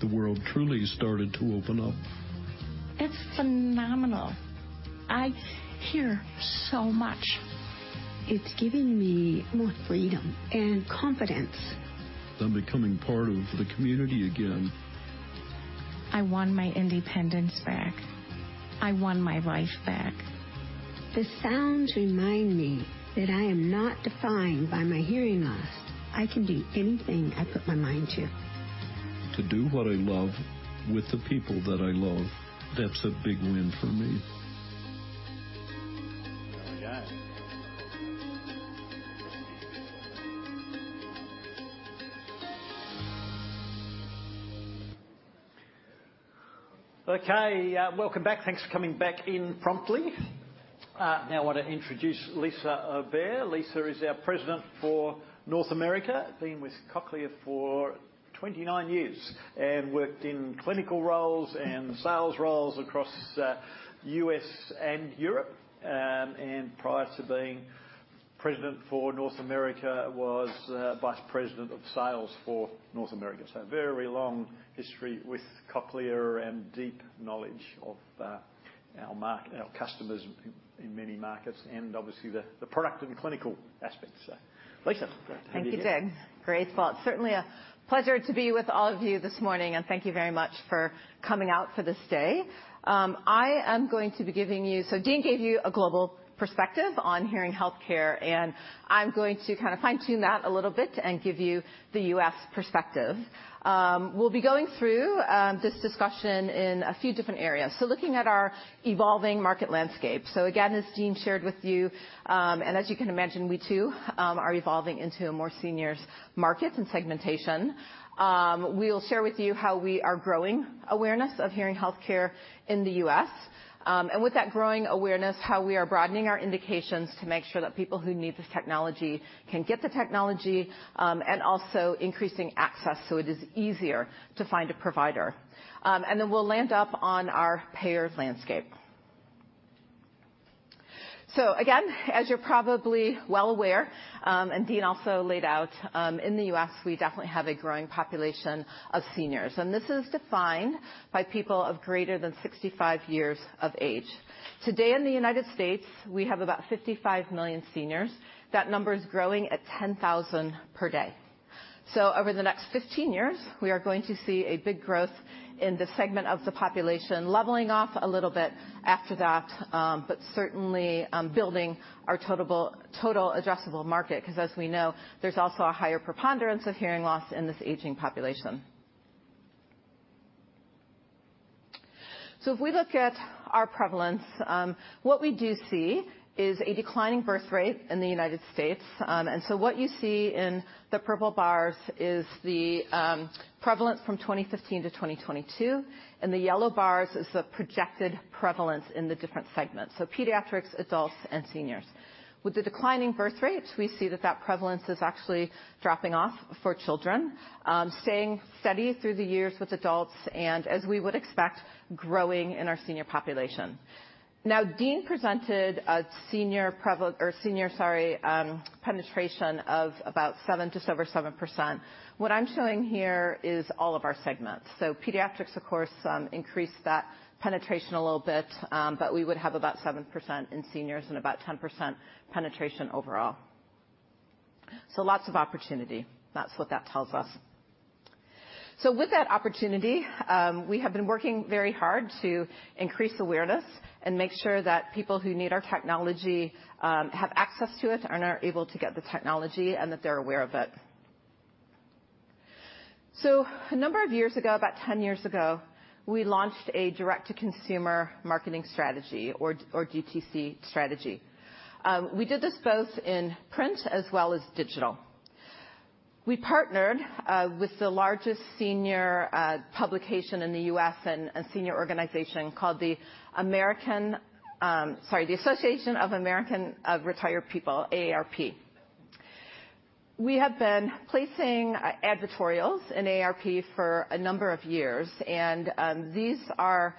The world truly started to open up. It's phenomenal! I hear so much. It's giving me more freedom and confidence. I'm becoming part of the community again. I want my independence back. I won my life back. The sounds remind me that I am not defined by my hearing loss. I can do anything I put my mind to. To do what I love with the people that I love, that's a big win for me. Okay, welcome back. Thanks for coming back in promptly. Now I want to introduce Lisa Aubert. Lisa is our President for North America, been with Cochlear for 29 years and worked in clinical roles and sales roles across U.S. and Europe. And prior to being president for North America, was Vice President of Sales for North America. So a very long history with Cochlear and deep knowledge of our market, our customers in many markets, and obviously, the product and clinical aspects. So, Lisa, great to have you here. Thank you, Dean. Great. Well, it's certainly a pleasure to be with all of you this morning, and thank you very much for coming out for this day. I am going to be giving you. So Dean gave you a global perspective on hearing healthcare, and I'm going to kind of fine-tune that a little bit and give you the U.S. perspective. We'll be going through this discussion in a few different areas. So looking at our evolving market landscape. So again, as Dean shared with you, and as you can imagine, we too are evolving into a more seniors market and segmentation. We'll share with you how we are growing awareness of hearing healthcare in the U.S. And with that growing awareness, how we are broadening our indications to make sure that people who need this technology can get the technology, and also increasing access, so it is easier to find a provider. And then we'll land up on our payers landscape. So again, as you're probably well aware, and Dean also laid out, in the U.S., we definitely have a growing population of seniors, and this is defined by people of greater than 65 years of age. Today, in the United States, we have about 55 million seniors. That number is growing at 10,000 per day. So over the next 15 years, we are going to see a big growth in this segment of the population, leveling off a little bit after that, but certainly, building our total addressable market, 'cause as we know, there's also a higher preponderance of hearing loss in this aging population. So if we look at our prevalence, what we do see is a declining birth rate in the United States. And so what you see in the purple bars is the prevalence from 2015 to 2022, and the yellow bars is the projected prevalence in the different segments, so pediatrics, adults, and seniors. With the declining birth rates, we see that that prevalence is actually dropping off for children, staying steady through the years with adults, and as we would expect, growing in our senior population. Now, Dean presented a senior penetration of about 7%, just over 7%. What I'm showing here is all of our segments. So pediatrics, of course, increase that penetration a little bit, but we would have about 7% in seniors and about 10% penetration overall. So lots of opportunity. That's what that tells us. So with that opportunity, we have been working very hard to increase awareness and make sure that people who need our technology have access to it and are able to get the technology, and that they're aware of it. So a number of years ago, about 10 years ago, we launched a direct-to-consumer marketing strategy or DTC strategy. We did this both in print as well as digital. We partnered with the largest senior publication in the U.S. and a senior organization called the American, sorry, the American Association of Retired Persons, AARP. We have been placing editorials in AARP for a number of years, and these are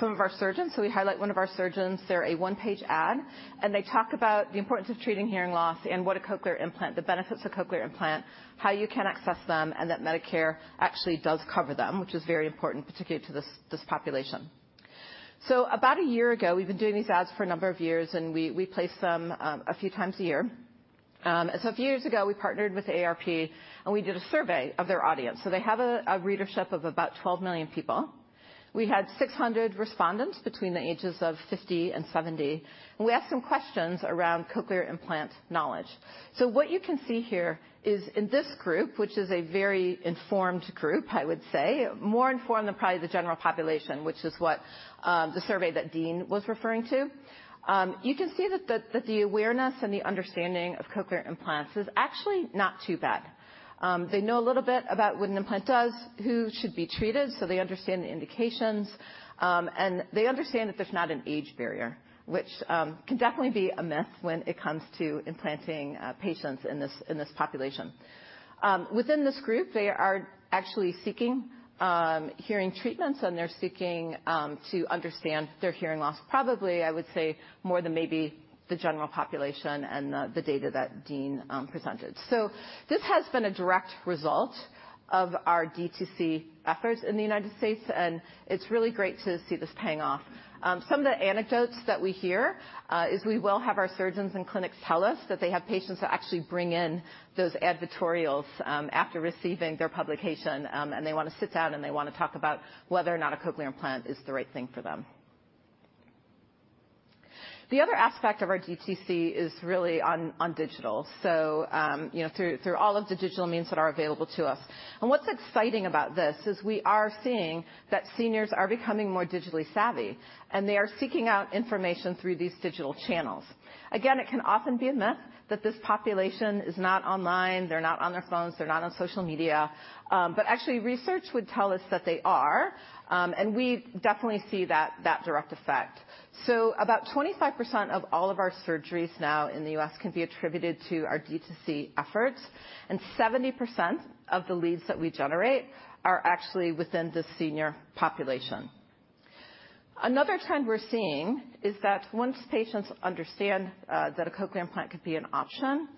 some of our surgeons. So we highlight one of our surgeons. They're a one-page ad, and they talk about the importance of treating hearing loss and what a cochlear implant, the benefits of cochlear implant, how you can access them, and that Medicare actually does cover them, which is very important, particularly to this population. So about a year ago, we've been doing these ads for a number of years, and we placed them a few times a year. So a few years ago, we partnered with AARP, and we did a survey of their audience. So they have a readership of about 12 million people. We had 600 respondents between the ages of 50 and 70, and we asked them questions around cochlear implant knowledge. So what you can see here is in this group, which is a very informed group, I would say, more informed than probably the general population, which is what the survey that Dean was referring to. You can see that the awareness and the understanding of cochlear implants is actually not too bad. They know a little bit about what an implant does, who should be treated, so they understand the indications. And they understand that there's not an age barrier, which can definitely be a myth when it comes to implanting patients in this population. Within this group, they are actually seeking hearing treatments, and they're seeking to understand their hearing loss, probably, I would say, more than maybe the general population and the data that Dean presented. So this has been a direct result of our DTC efforts in the United States, and it's really great to see this paying off. Some of the anecdotes that we hear is we will have our surgeons and clinics tell us that they have patients that actually bring in those editorials after receiving their publication, and they wanna sit down, and they wanna talk about whether or not a cochlear implant is the right thing for them. The other aspect of our DTC is really on digital, so you know, through all of the digital means that are available to us. What's exciting about this is we are seeing that seniors are becoming more digitally savvy, and they are seeking out information through these digital channels. Again, it can often be a myth that this population is not online, they're not on their phones, they're not on social media, but actually, research would tell us that they are, and we definitely see that, that direct effect. About 25% of all of our surgeries now in the U.S. can be attributed to our DTC efforts, and 70% of the leads that we generate are actually within the senior population. Another trend we're seeing is that once patients understand that a cochlear implant could be an option,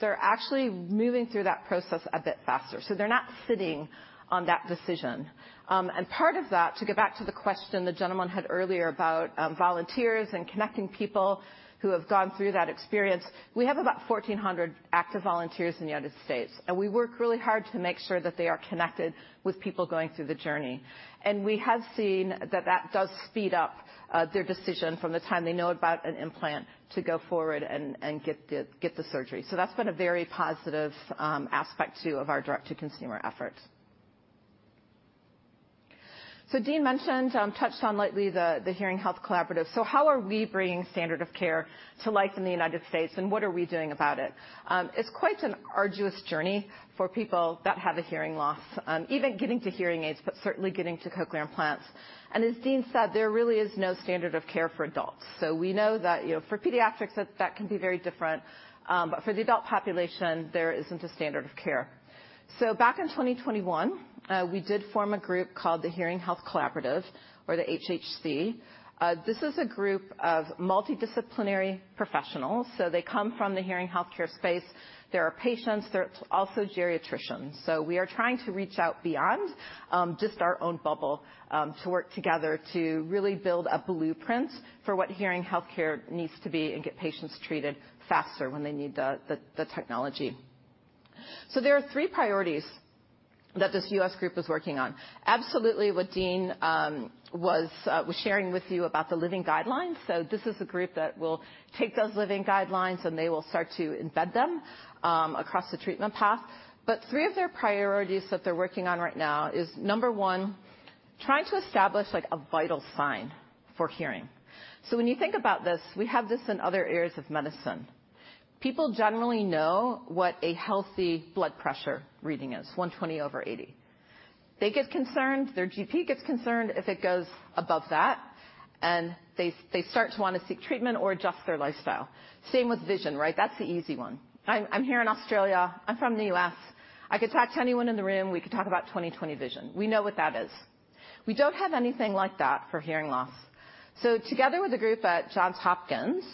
they're actually moving through that process a bit faster, so they're not sitting on that decision. And part of that, to go back to the question the gentleman had earlier about volunteers and connecting people who have gone through that experience, we have about 1,400 active volunteers in the United States, and we work really hard to make sure that they are connected with people going through the journey. And we have seen that that does speed up their decision from the time they know about an implant to go forward and get the surgery. So that's been a very positive aspect, too, of our direct-to-consumer efforts. So Dean mentioned touched on lately the Hearing Health Collaborative. So how are we bringing standard of care to life in the United States, and what are we doing about it? It's quite an arduous journey for people that have a hearing loss, even getting to hearing aids, but certainly getting to cochlear implants. As Dean said, there really is no standard of care for adults. We know that, you know, for pediatrics, that can be very different, but for the adult population, there isn't a standard of care. Back in 2021, we did form a group called the Hearing Health Collaborative, or the HHC. This is a group of multidisciplinary professionals, so they come from the hearing healthcare space. There are patients, there are also geriatricians. We are trying to reach out beyond just our own bubble to work together to really build a blueprint for what hearing healthcare needs to be and get patients treated faster when they need the technology. So there are three priorities that this U.S. group is working on. Absolutely what Dean was sharing with you about the living guidelines. So this is a group that will take those living guidelines, and they will start to embed them across the treatment path. But three of their priorities that they're working on right now is, number one. Trying to establish, like, a vital sign for hearing. So when you think about this, we have this in other areas of medicine. People generally know what a healthy blood pressure reading is, 120 over 80. They get concerned, their GP gets concerned if it goes above that, and they start to wanna seek treatment or adjust their lifestyle. Same with vision, right? That's the easy one. I'm here in Australia. I'm from the U.S. I could talk to anyone in the room, we could talk about 20/20 vision. We know what that is. We don't have anything like that for hearing loss. So together with a group at Johns Hopkins,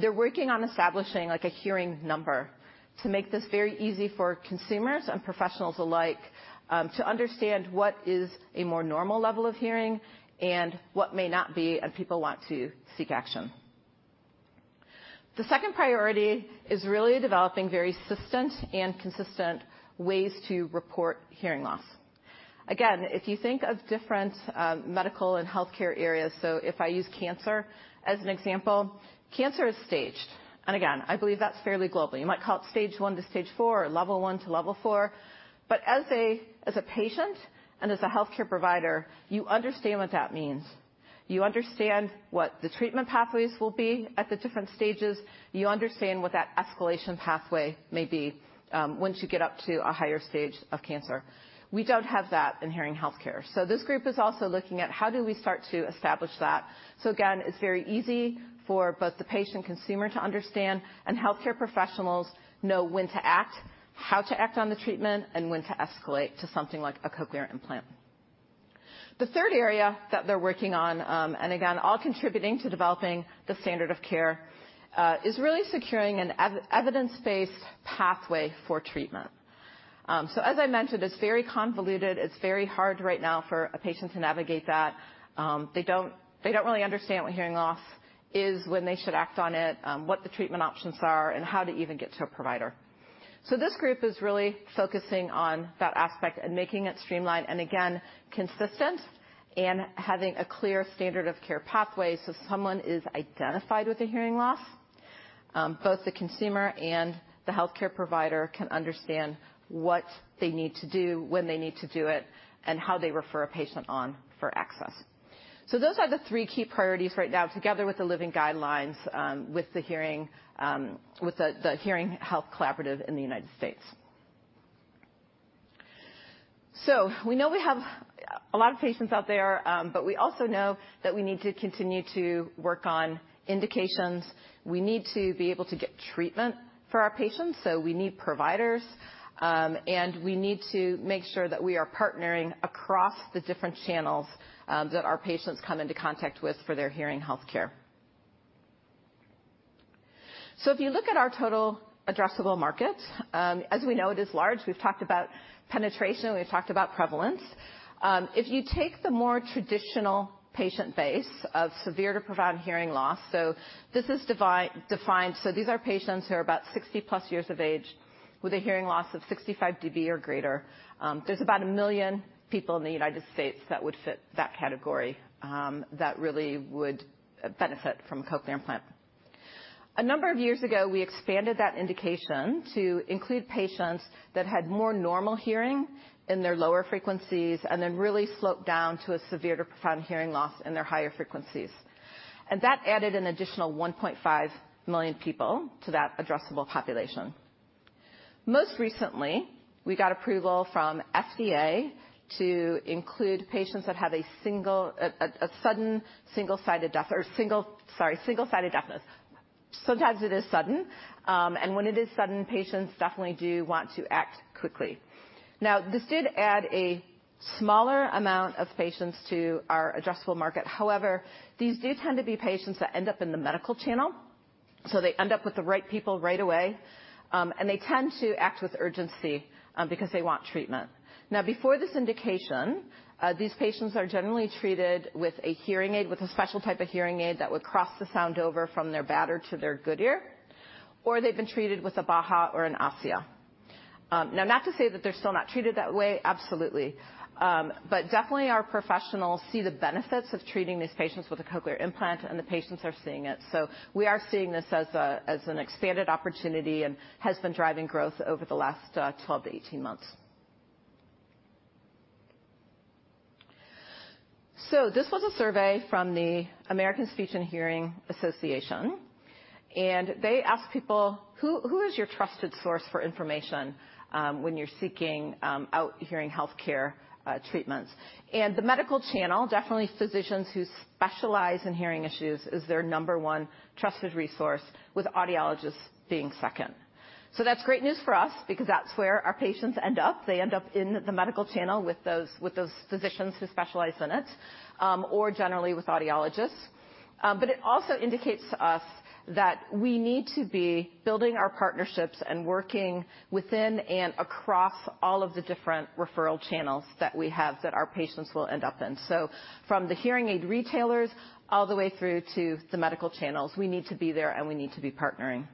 they're working on establishing like a hearing number to make this very easy for consumers and professionals alike, to understand what is a more normal level of hearing and what may not be, and people want to seek action. The second priority is really developing very consistent and consistent ways to report hearing loss. Again, if you think of different, medical and healthcare areas, so if I use cancer as an example, cancer is staged, and again, I believe that's fairly globally. You might call it stage one to stage four, or level one to level four, but as a patient and as a healthcare provider, you understand what that means. You understand what the treatment pathways will be at the different stages. You understand what that escalation pathway may be once you get up to a higher stage of cancer. We don't have that in hearing healthcare. So this group is also looking at how do we start to establish that? So again, it's very easy for both the patient consumer to understand, and healthcare professionals know when to act, how to act on the treatment, and when to escalate to something like a cochlear implant. The third area that they're working on, and again, all contributing to developing the standard of care, is really securing an evidence-based pathway for treatment. As I mentioned, it's very convoluted. It's very hard right now for a patient to navigate that. They don't really understand what hearing loss is, when they should act on it, what the treatment options are, and how to even get to a provider. This group is really focusing on that aspect and making it streamlined, and again, consistent in having a clear standard of care pathway, so someone is identified with a hearing loss. Both the consumer and the healthcare provider can understand what they need to do, when they need to do it, and how they refer a patient on for access. Those are the three key priorities right now, together with the living guidelines with the Hearing Health Collaborative in the United States. So we know we have a lot of patients out there, but we also know that we need to continue to work on indications. We need to be able to get treatment for our patients, so we need providers, and we need to make sure that we are partnering across the different channels that our patients come into contact with for their hearing healthcare. So if you look at our total addressable markets, as we know, it is large. We've talked about penetration, we've talked about prevalence. If you take the more traditional patient base of severe to profound hearing loss, so this is defined. These are patients who are about 60+ years of age, with a hearing loss of 65 dB or greater. There's about 1 million people in the United States that would fit that category, that really would benefit from a cochlear implant. A number of years ago, we expanded that indication to include patients that had more normal hearing in their lower frequencies, and then really sloped down to a severe to profound hearing loss in their higher frequencies. That added an additional 1.5 million people to that addressable population. Most recently, we got approval from FDA to include patients that have a single-sided deafness. Sometimes it is sudden, and when it is sudden, patients definitely do want to act quickly. Now, this did add a smaller amount of patients to our addressable market. However, these do tend to be patients that end up in the medical channel, so they end up with the right people right away, and they tend to act with urgency, because they want treatment. Now, before this indication, these patients are generally treated with a hearing aid, with a special type of hearing aid that would cross the sound over from their bad ear to their good ear, or they've been treated with a Baha or an Osia. Now, not to say that they're still not treated that way, absolutely. But definitely our professionals see the benefits of treating these patients with a cochlear implant, and the patients are seeing it. So we are seeing this as an expanded opportunity and has been driving growth over the last 12-18 months. So this was a survey from the American Speech and Hearing Association, and they asked people, "Who is your trusted source for information when you're seeking out hearing healthcare treatments?" And the medical channel, definitely physicians who specialize in hearing issues, is their number one trusted resource, with audiologists being second. So that's great news for us because that's where our patients end up. They end up in the medical channel with those, with those physicians who specialize in it or generally with audiologists. But it also indicates to us that we need to be building our partnerships and working within and across all of the different referral channels that we have, that our patients will end up in. So from the hearing aid retailers, all the way through to the medical channels, we need to be there, and we need to be partnering.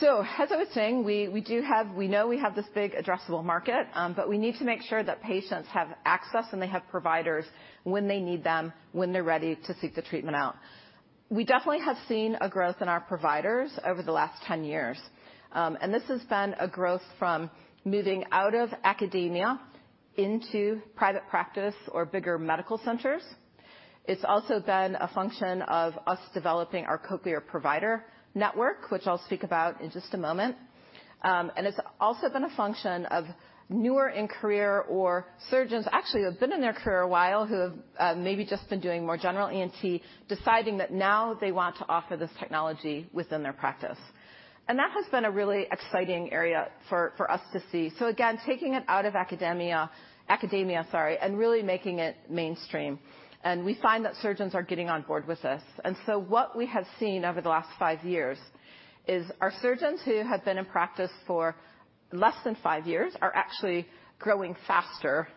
So as I was saying, we do have—we know we have this big addressable market, but we need to make sure that patients have access and they have providers when they need them, when they're ready to seek the treatment out. We definitely have seen a growth in our providers over the last 10 years. And this has been a growth from moving out of academia into private practice or bigger medical centers. It's also been a function of us developing our Cochlear Provider Network, which I'll speak about in just a moment. And it's also been a function of newer in career or surgeons actually, who have been in their career a while, who have, maybe just been doing more general ENT, deciding that now they want to offer this technology within their practice. That has been a really exciting area for us to see. So again, taking it out of academia, sorry, and really making it mainstream. And we find that surgeons are getting on board with this. And so what we have seen over the last five years is our surgeons who have been in practice for less than five years are actually growing faster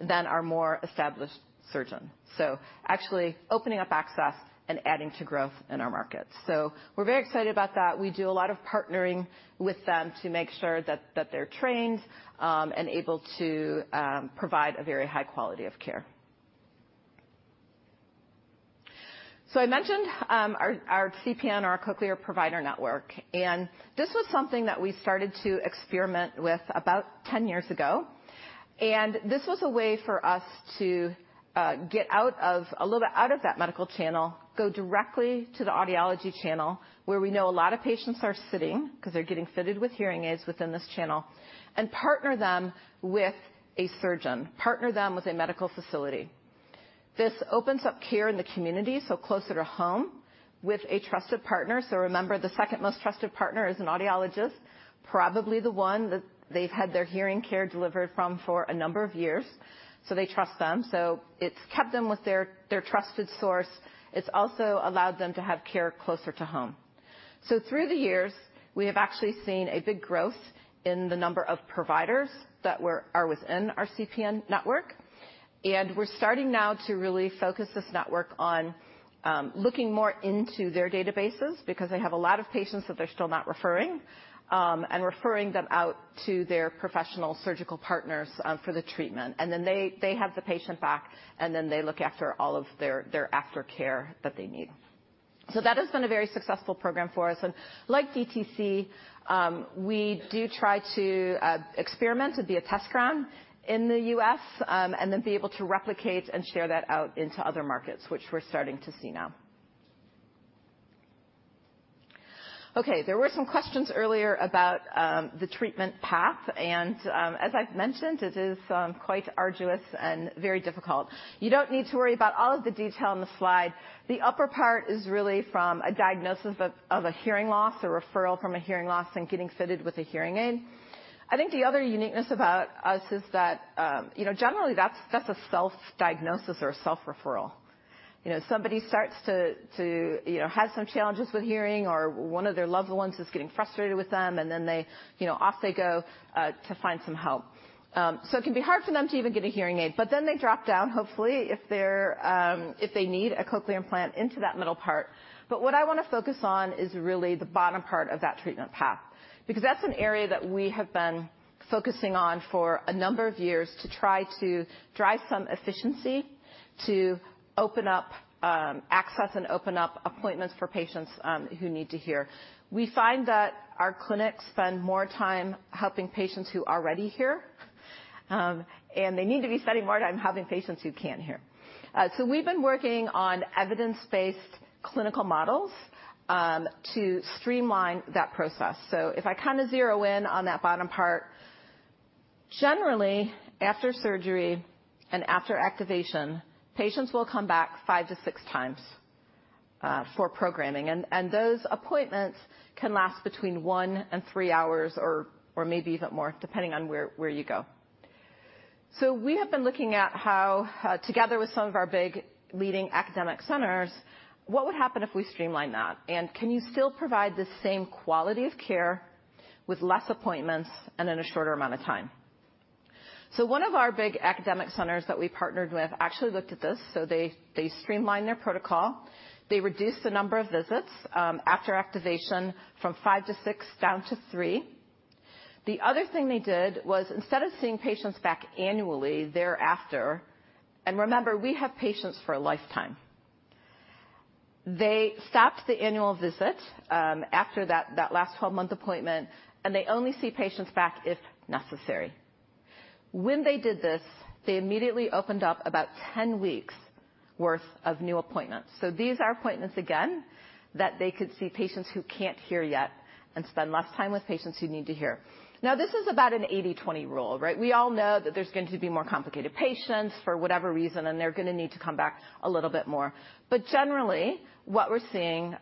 than our more established surgeon. So actually opening up access and adding to growth in our markets. So we're very excited about that. We do a lot of partnering with them to make sure that they're trained and able to provide a very high quality of care. So I mentioned our CPN, our Cochlear Provider Network, and this was something that we started to experiment with about 10 years ago. This was a way for us to get a little bit out of that medical channel, go directly to the audiology channel, where we know a lot of patients are sitting because they're getting fitted with hearing aids within this channel, and partner them with a surgeon, partner them with a medical facility. This opens up care in the community, so closer to home with a trusted partner. So remember, the second most trusted partner is an audiologist, probably the one that they've had their hearing care delivered from for a number of years. So they trust them. So it's kept them with their trusted source. It's also allowed them to have care closer to home. So through the years, we have actually seen a big growth in the number of providers that are within our CPN network. We're starting now to really focus this network on looking more into their databases because they have a lot of patients that they're still not referring, and referring them out to their professional surgical partners, for the treatment. And then they, they have the patient back, and then they look after all of their, their aftercare that they need. So that has been a very successful program for us. And like DTC, we do try to experiment and be a test ground in the U.S., and then be able to replicate and share that out into other markets, which we're starting to see now. Okay, there were some questions earlier about the treatment path, and as I've mentioned, it is quite arduous and very difficult. You don't need to worry about all of the detail on the slide. The upper part is really from a diagnosis of a hearing loss, a referral from a hearing loss, and getting fitted with a hearing aid. I think the other uniqueness about us is that, you know, generally, that's a self-diagnosis or a self-referral. You know, somebody starts to you know have some challenges with hearing, or one of their loved ones is getting frustrated with them, and then they, you know, off they go to find some help. So it can be hard for them to even get a hearing aid, but then they drop down, hopefully, if they need a cochlear implant into that middle part. But what I want to focus on is really the bottom part of that treatment path, because that's an area that we have been focusing on for a number of years to try to drive some efficiency, to open up, access and open up appointments for patients, who need to hear. We find that our clinics spend more time helping patients who already hear, and they need to be spending more time helping patients who can't hear. So we've been working on evidence-based clinical models, to streamline that process. So if I zero in on that bottom part, generally, after surgery and after activation, patients will come back 5-6 times, for programming, and those appointments can last between 1-3 hours or maybe even more, depending on where you go. So we have been looking at how, together with some of our big, leading academic centers, what would happen if we streamline that? And can you still provide the same quality of care with less appointments and in a shorter amount of time? So one of our big academic centers that we partnered with actually looked at this. So they, they streamlined their protocol. They reduced the number of visits, after activation from 5 to 6, down to 3. The other thing they did was, instead of seeing patients back annually thereafter, and remember, we have patients for a lifetime. They stopped the annual visit, after that, that last 12-month appointment, and they only see patients back if necessary. When they did this, they immediately opened up about 10 weeks worth of new appointments. So these are appointments, again, that they could see patients who can't hear yet and spend less time with patients who need to hear. Now, this is about an 80/20 rule, right? We all know that there's going to be more complicated patients for whatever reason, and they're gonna need to come back a little bit more. But generally, what we're seeing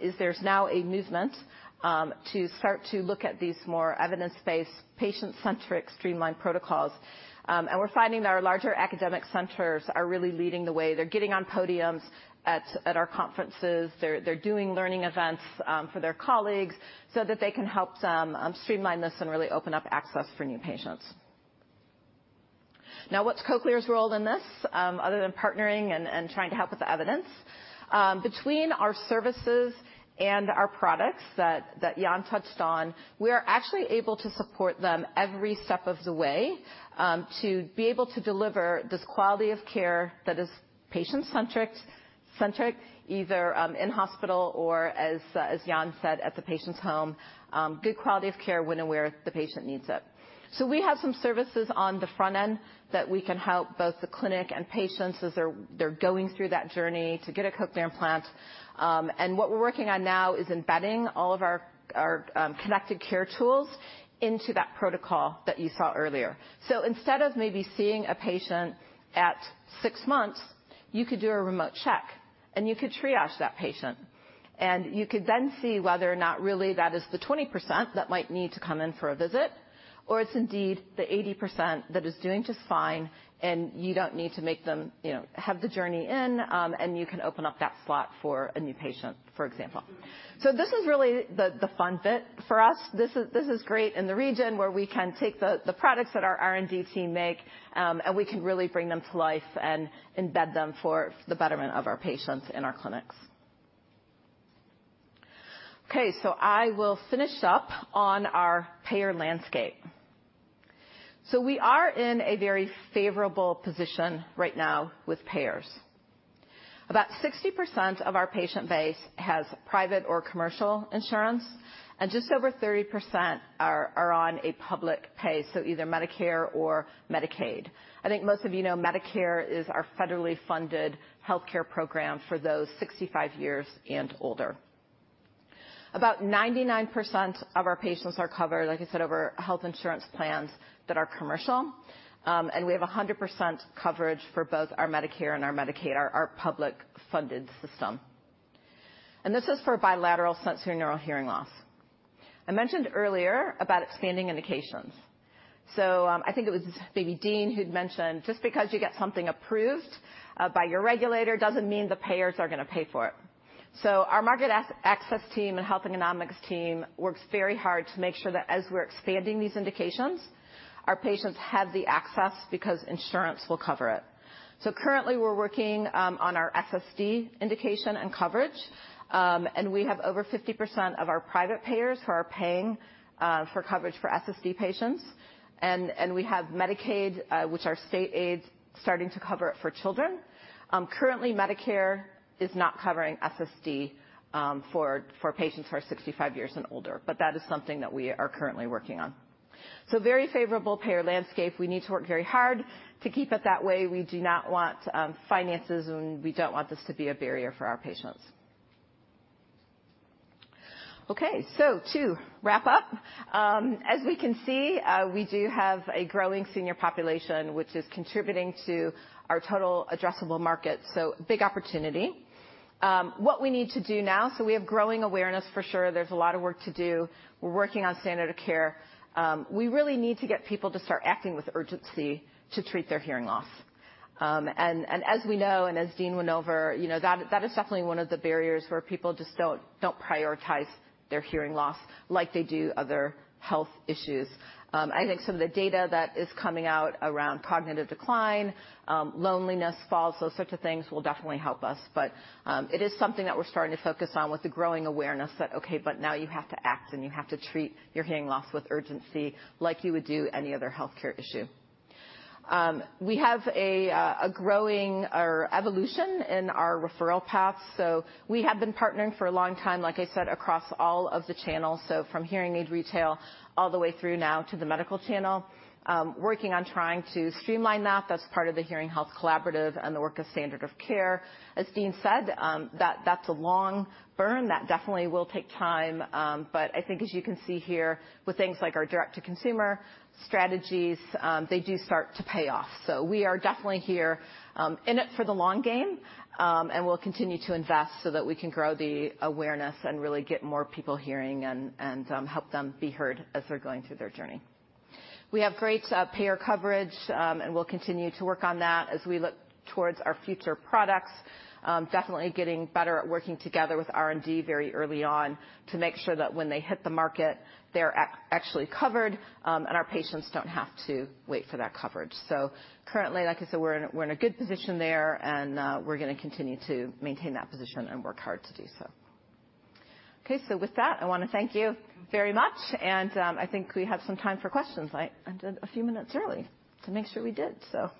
is there's now a movement to start to look at these more evidence-based, patient-centric, streamlined protocols. And we're finding that our larger academic centers are really leading the way. They're getting on podiums at our conferences. They're doing learning events for their colleagues so that they can help them streamline this and really open up access for new patients.... Now, what's Cochlear's role in this other than partnering and trying to help with the evidence? Between our services and our products that Jan touched on, we are actually able to support them every step of the way, to be able to deliver this quality of care that is patient-centric, either in hospital or as Jan said, at the patient's home. Good quality of care when and where the patient needs it. So we have some services on the front end that we can help both the clinic and patients as they're going through that journey to get a cochlear implant. And what we're working on now is embedding all of our Connected Care tools into that protocol that you saw earlier. So instead of maybe seeing a patient at six months, you could do a remote check, and you could triage that patient, and you could then see whether or not really that is the 20% that might need to come in for a visit, or it's indeed the 80% that is doing just fine, and you don't need to make them, you know, have the journey in, and you can open up that slot for a new patient, for example. So this is really the fun bit for us. This is great in the region where we can take the products that our R&D team make, and we can really bring them to life and embed them for the betterment of our patients in our clinics. Okay, so I will finish up on our payer landscape. So we are in a very favorable position right now with payers. About 60% of our patient base has private or commercial insurance, and just over 30% are on a public payer, so either Medicare or Medicaid. I think most of you know, Medicare is our federally funded healthcare program for those 65 years and older. About 99% of our patients are covered, like I said, over health insurance plans that are commercial. And we have 100% coverage for both our Medicare and our Medicaid, our public funded system. And this is for bilateral sensorineural hearing loss. I mentioned earlier about expanding indications. So, I think it was maybe Dean who'd mentioned, just because you get something approved by your regulator, doesn't mean the payers are gonna pay for it. So our market access team and health economics team works very hard to make sure that as we're expanding these indications, our patients have the access because insurance will cover it. So currently, we're working on our SSD indication and coverage, and we have over 50% of our private payers who are paying for coverage for SSD patients. And we have Medicaid, which are state aids starting to cover it for children. Currently, Medicare is not covering SSD for patients who are 65 years and older, but that is something that we are currently working on. So very favorable payer landscape. We need to work very hard to keep it that way. We do not want finances, and we don't want this to be a barrier for our patients. Okay, so to wrap up, as we can see, we do have a growing senior population, which is contributing to our total addressable market, so big opportunity. What we need to do now, so we have growing awareness for sure. There's a lot of work to do. We're working on standard of care. We really need to get people to start acting with urgency to treat their hearing loss. And as we know, and as Dean went over, you know, that is definitely one of the barriers where people just don't prioritize their hearing loss like they do other health issues. I think some of the data that is coming out around cognitive decline, loneliness, falls, those sorts of things will definitely help us. But, it is something that we're starting to focus on with the growing awareness that, okay, but now you have to act, and you have to treat your hearing loss with urgency like you would do any other healthcare issue. We have a growing evolution in our referral paths, so we have been partnering for a long time, like I said, across all of the channels. So from hearing aid retail all the way through now to the medical channel, working on trying to streamline that. That's part of the Hearing Health Collaborative and the work of standard of care. As Dean said, that, that's a long burn. That definitely will take time, but I think as you can see here, with things like our direct-to-consumer strategies, they do start to pay off. So we are definitely here, in it for the long game, and we'll continue to invest so that we can grow the awareness and really get more people hearing and, and, help them be heard as they're going through their journey. We have great, payer coverage, and we'll continue to work on that as we look towards our future products. Definitely getting better at working together with R&D very early on to make sure that when they hit the market, they're actually covered, and our patients don't have to wait for that coverage. So currently, like I said, we're in, we're in a good position there, and, we're gonna continue to maintain that position and work hard to do so. Okay, so with that, I wanna thank you very much, and, I think we have some time for questions. I did a few minutes early to make sure we did so.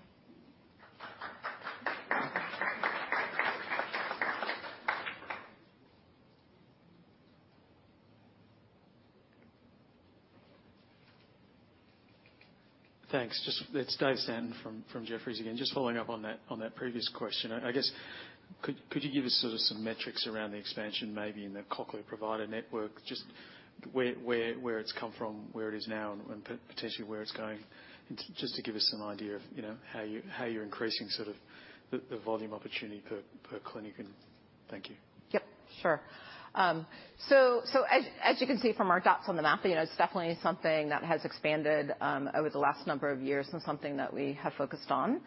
Thanks. It's Dave Stanton from Jefferies again. Just following up on that previous question, I guess, could you give us sort of some metrics around the expansion, maybe in the Cochlear Provider Network? Just where it's come from, where it is now, and potentially where it's going? Just to give us an idea of, you know, how you're increasing sort of the volume opportunity per clinic, and thank you.... Yep, sure. So as you can see from our dots on the map, you know, it's definitely something that has expanded over the last number of years and something that we have focused on.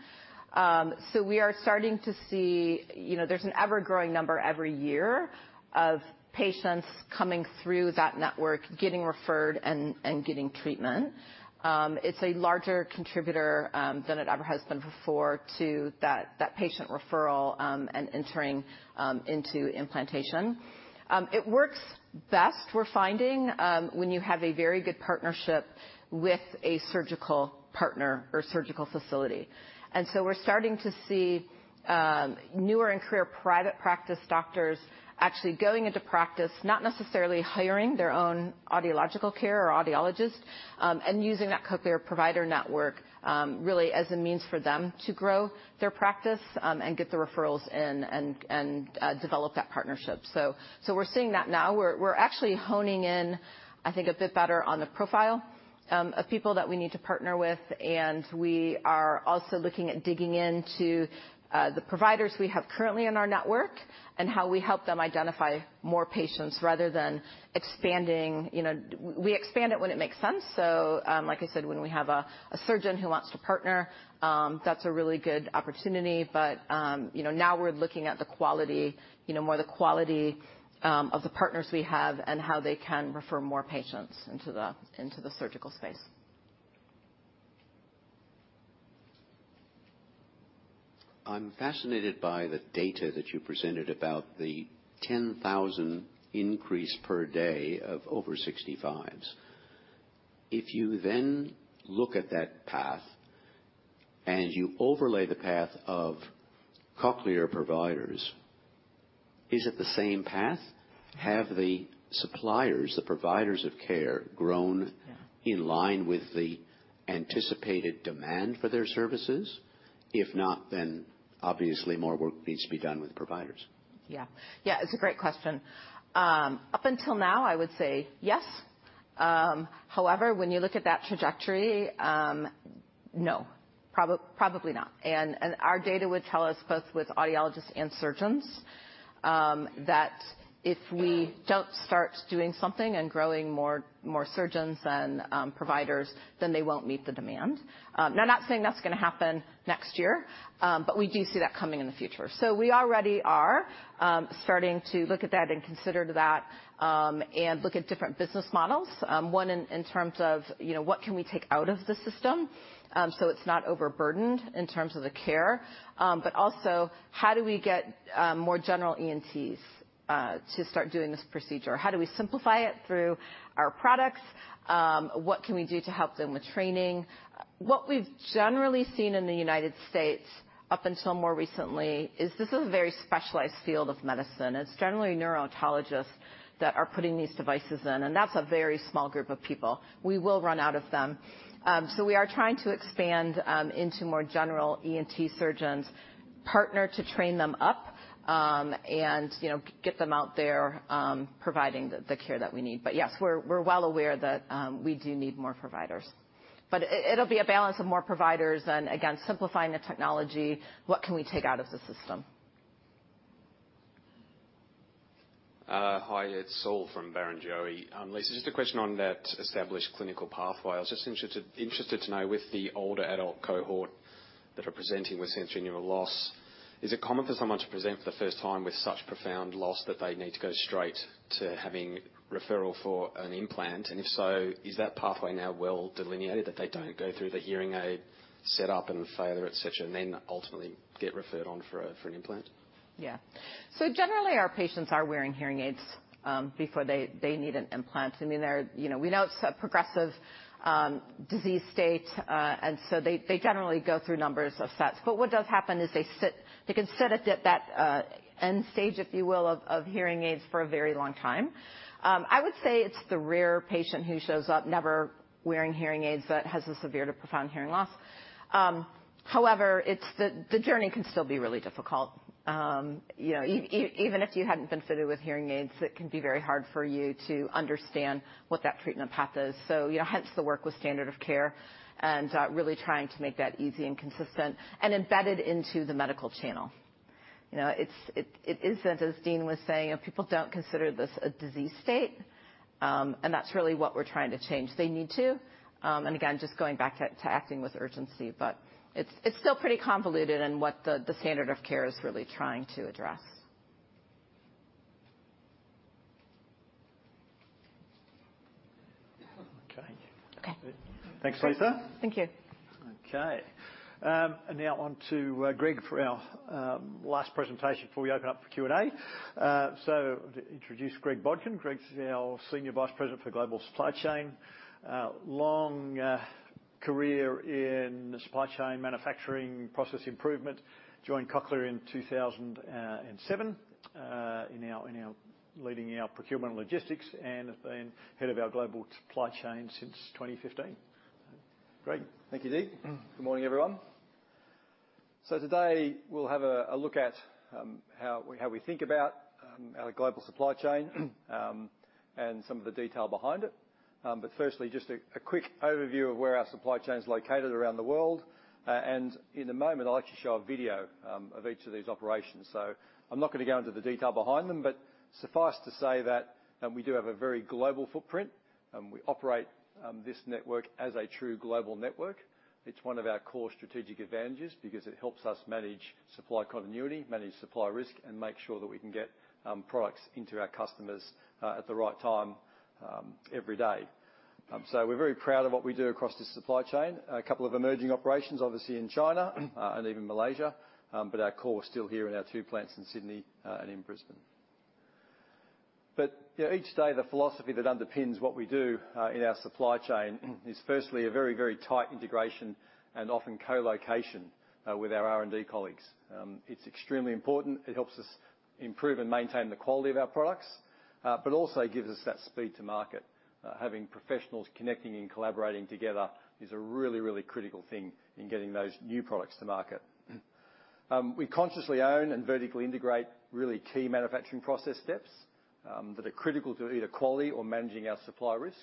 So we are starting to see, you know, there's an ever-growing number every year of patients coming through that network, getting referred and getting treatment. It's a larger contributor than it ever has been before to that patient referral and entering into implantation. It works best, we're finding, when you have a very good partnership with a surgical partner or surgical facility. So we're starting to see newer and clearer private practice doctors actually going into practice, not necessarily hiring their own audiological care or audiologist, and using that Cochlear Provider Network really as a means for them to grow their practice, and get the referrals in and develop that partnership. So we're seeing that now. We're actually honing in, I think, a bit better on the profile of people that we need to partner with, and we are also looking at digging into the providers we have currently in our network and how we help them identify more patients rather than expanding. You know, we expand it when it makes sense, so like I said, when we have a surgeon who wants to partner, that's a really good opportunity. But, you know, now we're looking at the quality, you know, more the quality, of the partners we have and how they can refer more patients into the surgical space. I'm fascinated by the data that you presented about the 10,000 increase per day of over 65s. If you then look at that path, and you overlay the path of Cochlear providers, is it the same path? Have the suppliers, the providers of care, grown- Yeah in line with the anticipated demand for their services? If not, then obviously more work needs to be done with the providers. Yeah. Yeah, it's a great question. Up until now, I would say yes. However, when you look at that trajectory, no, probably not, and our data would tell us, both with audiologists and surgeons, that if we don't start doing something and growing more, more surgeons and providers, then they won't meet the demand. Now I'm not saying that's gonna happen next year, but we do see that coming in the future. So we already are starting to look at that and consider that, and look at different business models. One in terms of, you know, what can we take out of the system, so it's not overburdened in terms of the care, but also, how do we get more general ENTs to start doing this procedure? How do we simplify it through our products? What can we do to help them with training? What we've generally seen in the United States up until more recently, is this is a very specialized field of medicine. It's generally neurotologists that are putting these devices in, and that's a very small group of people. We will run out of them. So we are trying to expand into more general ENT surgeons, partner to train them up, and, you know, get them out there providing the care that we need. But yes, we're well aware that we do need more providers. But it'll be a balance of more providers and again, simplifying the technology. What can we take out of the system? Hi, it's Saul from Barrenjoey. Lisa, just a question on that established clinical pathway. I was just interested to know, with the older adult cohort that are presenting with sensorineural loss, is it common for someone to present for the first time with such profound loss that they need to go straight to having referral for an implant? And if so, is that pathway now well delineated that they don't go through the hearing aid setup and failure, et cetera, and then ultimately get referred on for an implant? Yeah. So generally, our patients are wearing hearing aids before they need an implant. I mean, they're, you know, we know it's a progressive disease state, and so they generally go through numbers of sets. But what does happen is they sit, they can sit at that end stage, if you will, of hearing aids for a very long time. I would say it's the rare patient who shows up, never wearing hearing aids, but has a severe to profound hearing loss. However, it's the... The journey can still be really difficult. You know, even if you hadn't been fitted with hearing aids, it can be very hard for you to understand what that treatment path is. So, you know, hence the work with standard of care and really trying to make that easy and consistent and embedded into the medical channel. You know, it is, as Dean was saying, people don't consider this a disease state, and that's really what we're trying to change. They need to, and again, just going back to acting with urgency, but it's still pretty convoluted in what the standard of care is really trying to address. Okay. Okay. Thanks, Lisa. Thank you. Okay, and now on to Greg for our last presentation before we open up for Q&A. So to introduce Greg Bodkin. Greg's our Senior Vice President for Global Supply Chain. Long career in supply chain manufacturing, process improvement. Joined Cochlear in 2007, in our leading our procurement logistics and have been head of our global supply chain since 2015. Greg? Thank you, Dean. Good morning, everyone. So today we'll have a look at how we think about our global supply chain, and some of the detail behind it. Firstly, just a quick overview of where our supply chain is located around the world. In a moment, I'd like to show a video of each of these operations. So I'm not going to go into the detail behind them, but suffice to say that we do have a very global footprint, and we operate this network as a true global network. It's one of our core strategic advantages because it helps us manage supply continuity, manage supply risk, and make sure that we can get products into our customers at the right time every day. So we're very proud of what we do across the supply chain. A couple of emerging operations, obviously, in China, and even Malaysia. But our core is still here in our two plants in Sydney, and in Brisbane. But, yeah, each day, the philosophy that underpins what we do, in our supply chain is firstly a very, very tight integration and often co-location, with our R&D colleagues. It's extremely important. It helps us improve and maintain the quality of our products, but also gives us that speed to market. Having professionals connecting and collaborating together is a really, really critical thing in getting those new products to market. We consciously own and vertically integrate really key manufacturing process steps, that are critical to either quality or managing our supply risk.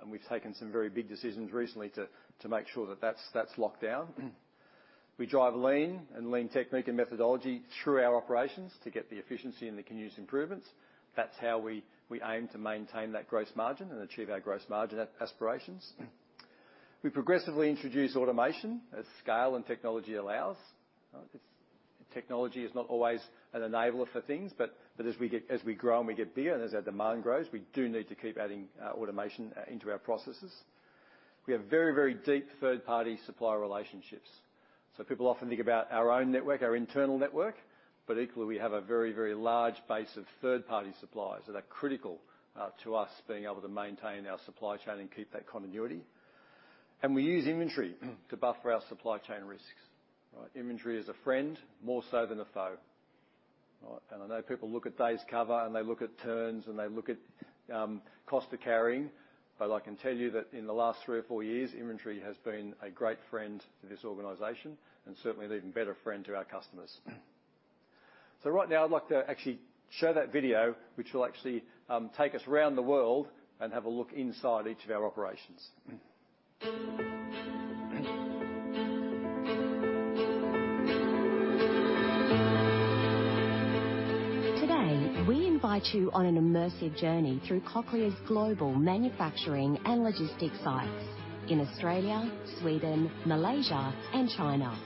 And we've taken some very big decisions recently to make sure that that's locked down. We drive lean technique and methodology through our operations to get the efficiency and the continuous improvements. That's how we aim to maintain that gross margin and achieve our gross margin aspirations. We progressively introduce automation as scale and technology allows. Technology is not always an enabler for things, but as we grow and we get bigger and as our demand grows, we do need to keep adding automation into our processes. We have very, very deep third-party supplier relationships. So people often think about our own network, our internal network, but equally, we have a very, very large base of third-party suppliers that are critical to us being able to maintain our supply chain and keep that continuity. We use inventory to buffer our supply chain risks. Right? Inventory is a friend, more so than a foe. All right? I know people look at days cover, and they look at turns, and they look at cost of carrying, but I can tell you that in the last three or four years, inventory has been a great friend to this organization and certainly an even better friend to our customers. So right now, I'd like to actually show that video, which will actually take us around the world and have a look inside each of our operations. Today, we invite you on an immersive journey through Cochlear's global manufacturing and logistics sites in Australia, Sweden, Malaysia, and China.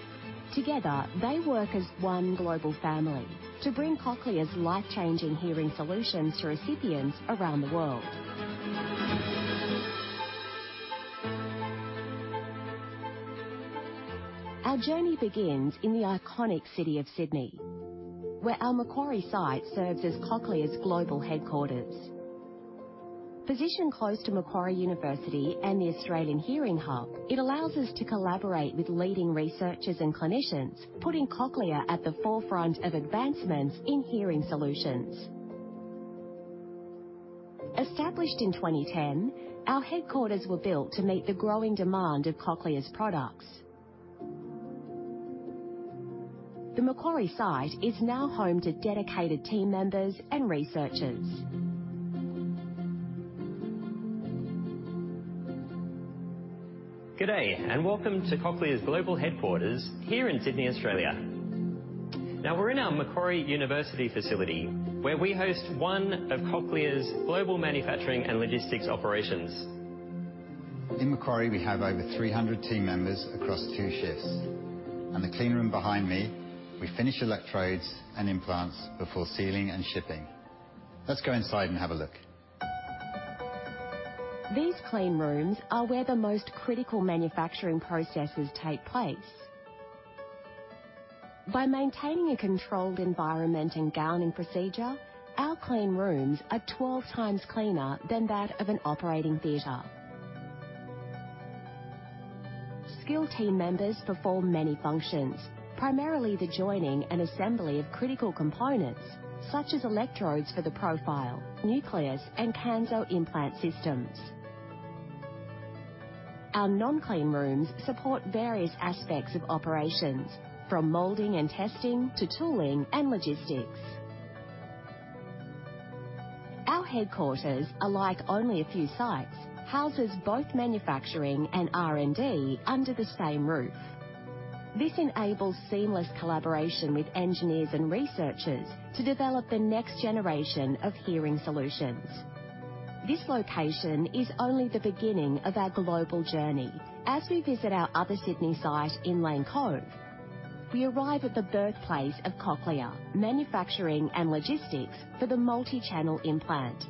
Together, they work as one global family to bring Cochlear's life-changing hearing solutions to recipients around the world. Our journey begins in the iconic city of Sydney, where our Macquarie site serves as Cochlear's global headquarters. Positioned close to Macquarie University and the Australian Hearing Hub, it allows us to collaborate with leading researchers and clinicians, putting Cochlear at the forefront of advancements in hearing solutions. Established in 2010, our headquarters were built to meet the growing demand of Cochlear's products. The Macquarie site is now home to dedicated team members and researchers. G'day, and welcome to Cochlear's global headquarters here in Sydney, Australia. Now we're in our Macquarie University facility, where we host one of Cochlear's global manufacturing and logistics operations. In Macquarie, we have over 300 team members across two shifts. In the clean room behind me, we finish electrodes and implants before sealing and shipping. Let's go inside and have a look. These clean rooms are where the most critical manufacturing processes take place. By maintaining a controlled environment and gowning procedure, our clean rooms are 12 times cleaner than that of an operating theater. Skilled team members perform many functions, primarily the joining and assembly of critical components, such as electrodes for the Profile, Nucleus, and Kanso implant systems. Our non-clean rooms support various aspects of operations, from molding and testing to tooling and logistics. Our headquarters, alike only a few sites, houses both manufacturing and R&D under the same roof. This enables seamless collaboration with engineers and researchers to develop the next generation of hearing solutions. This location is only the beginning of our global journey. As we visit our other Sydney site in Lane Cove, we arrive at the birthplace of Cochlear manufacturing and logistics for the multi-channel implant.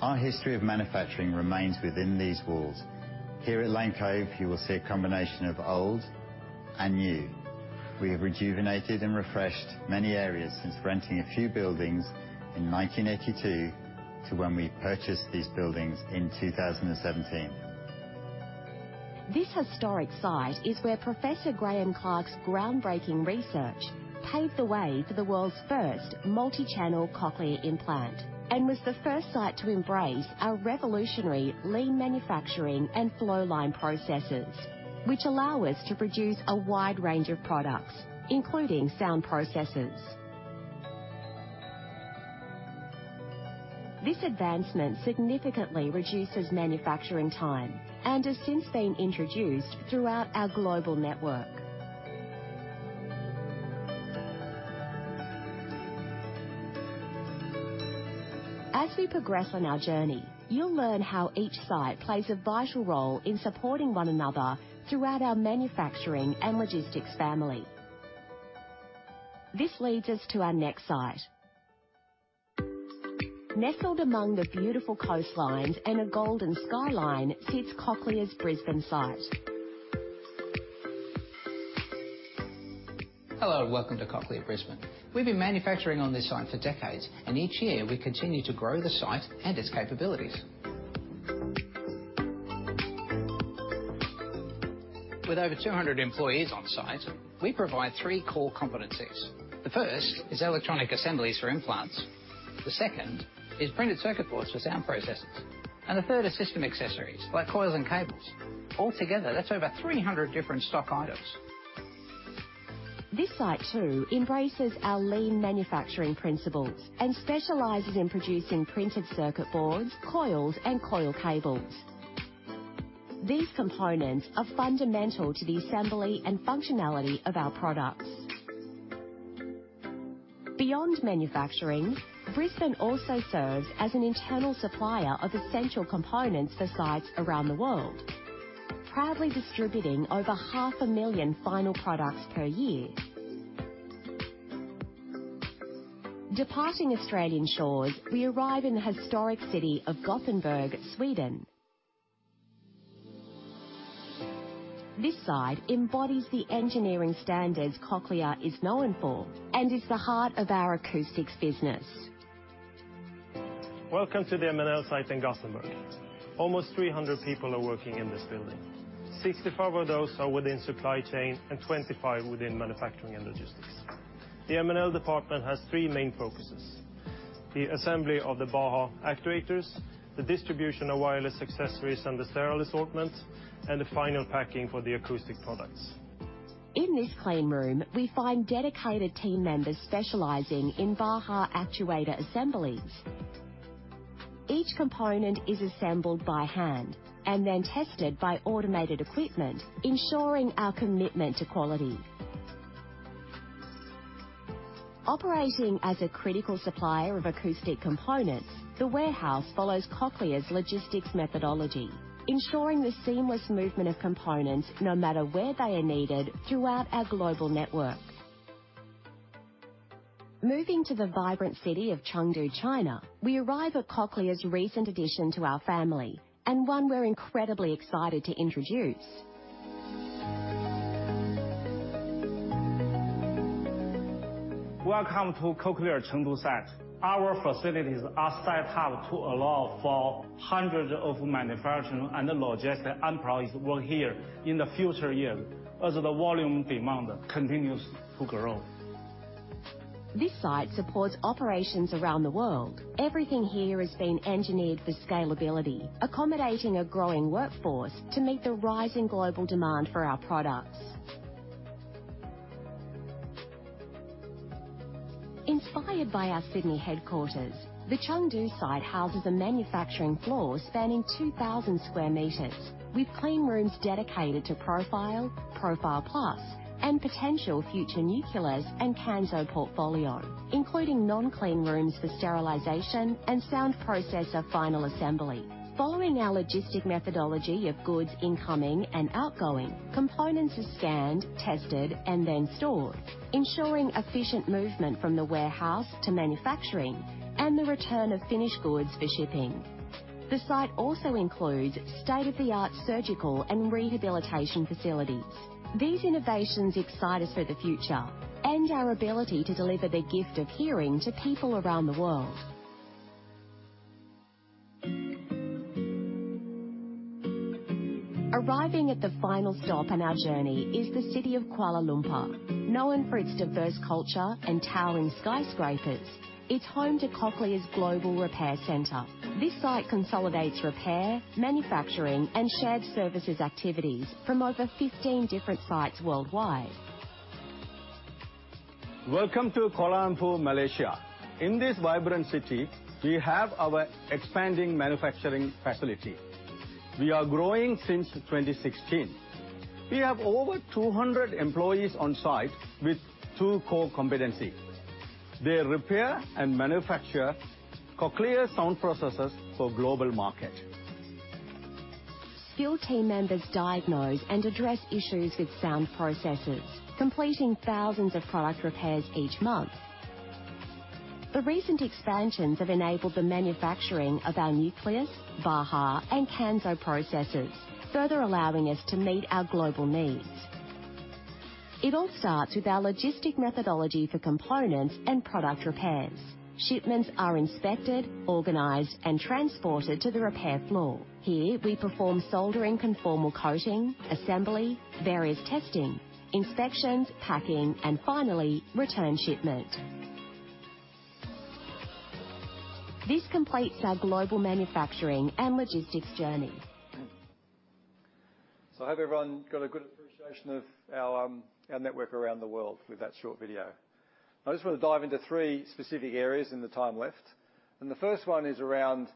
Our history of manufacturing remains within these walls. Here at Lane Cove, you will see a combination of old and new. We have rejuvenated and refreshed many areas since renting a few buildings in 1982, to when we purchased these buildings in 2017. This historic site is where Professor Graeme Clark's groundbreaking research paved the way for the world's first multi-channel cochlear implant and was the first site to embrace our revolutionary lean manufacturing and flow line processes, which allow us to produce a wide range of products, including sound processors. This advancement significantly reduces manufacturing time and has since been introduced throughout our global network. As we progress on our journey, you'll learn how each site plays a vital role in supporting one another throughout our manufacturing and logistics family. This leads us to our next site. Nestled among the beautiful coastlines and a golden skyline sits Cochlear's Brisbane site. Hello, and welcome to Cochlear, Brisbane. We've been manufacturing on this site for decades, and each year we continue to grow the site and its capabilities. With over 200 employees on site, we provide 3 core competencies. The first is electronic assemblies for implants, the second is printed circuit boards for sound processors, and the third is system accessories like coils and cables. Altogether, that's over 300 different stock items. This site, too, embraces our lean manufacturing principles and specializes in producing printed circuit boards, coils, and coil cables. These components are fundamental to the assembly and functionality of our products. Beyond manufacturing, Brisbane also serves as an internal supplier of essential components for sites around the world, proudly distributing over 500,000 final products per year. Departing Australian shores, we arrive in the historic city of Gothenburg, Sweden. This site embodies the engineering standards Cochlear is known for and is the heart of our acoustics business. Welcome to the M&L site in Gothenburg. Almost 300 people are working in this building. 65 of those are within supply chain and 25 within manufacturing and logistics. The M&L department has three main focuses: the assembly of the Baha actuators, the distribution of wireless accessories and the sterile assortment, and the final packing for the acoustic products. In this clean room, we find dedicated team members specializing in Baha actuator assemblies. Each component is assembled by hand and then tested by automated equipment, ensuring our commitment to quality. Operating as a critical supplier of acoustic components, the warehouse follows Cochlear's logistics methodology, ensuring the seamless movement of components no matter where they are needed throughout our global network. Moving to the vibrant city of Chengdu, China, we arrive at Cochlear's recent addition to our family, and one we're incredibly excited to introduce. Welcome to Cochlear Chengdu site. Our facilities are set up to allow for hundreds of manufacturing and logistic employees to work here in the future years as the volume demand continues to grow. This site supports operations around the world. Everything here has been engineered for scalability, accommodating a growing workforce to meet the rising global demand for our products. Inspired by our Sydney headquarters, the Chengdu site houses a manufacturing floor spanning 2,000 square meters, with clean rooms dedicated to Profile, Profile Plus, and potential future Nucleus and Kanso portfolio, including non-clean rooms for sterilization and sound processor final assembly. Following our logistic methodology of goods incoming and outgoing, components are scanned, tested, and then stored, ensuring efficient movement from the warehouse to manufacturing and the return of finished goods for shipping. The site also includes state-of-the-art surgical and rehabilitation facilities. These innovations excite us for the future and our ability to deliver the gift of hearing to people around the world. Arriving at the final stop on our journey is the city of Kuala Lumpur. Known for its diverse culture and towering skyscrapers, it's home to Cochlear's global repair center. This site consolidates repair, manufacturing, and shared services activities from over 15 different sites worldwide. Welcome to Kuala Lumpur, Malaysia. In this vibrant city, we have our expanding manufacturing facility. We are growing since 2016. We have over 200 employees on site with two core competencies. They repair and manufacture Cochlear sound processors for global market. Skilled team members diagnose and address issues with sound processors, completing thousands of product repairs each month. The recent expansions have enabled the manufacturing of our Nucleus, Baha, and Kanso processors, further allowing us to meet our global needs. It all starts with our logistics methodology for components and product repairs. Shipments are inspected, organized, and transported to the repair floor. Here we perform soldering, conformal coating, assembly, various testing, inspections, packing, and finally, return shipment. This completes our global manufacturing and logistics journey.... So I hope everyone got a good appreciation of our, our network around the world with that short video. I just want to dive into three specific areas in the time left, and the first one is around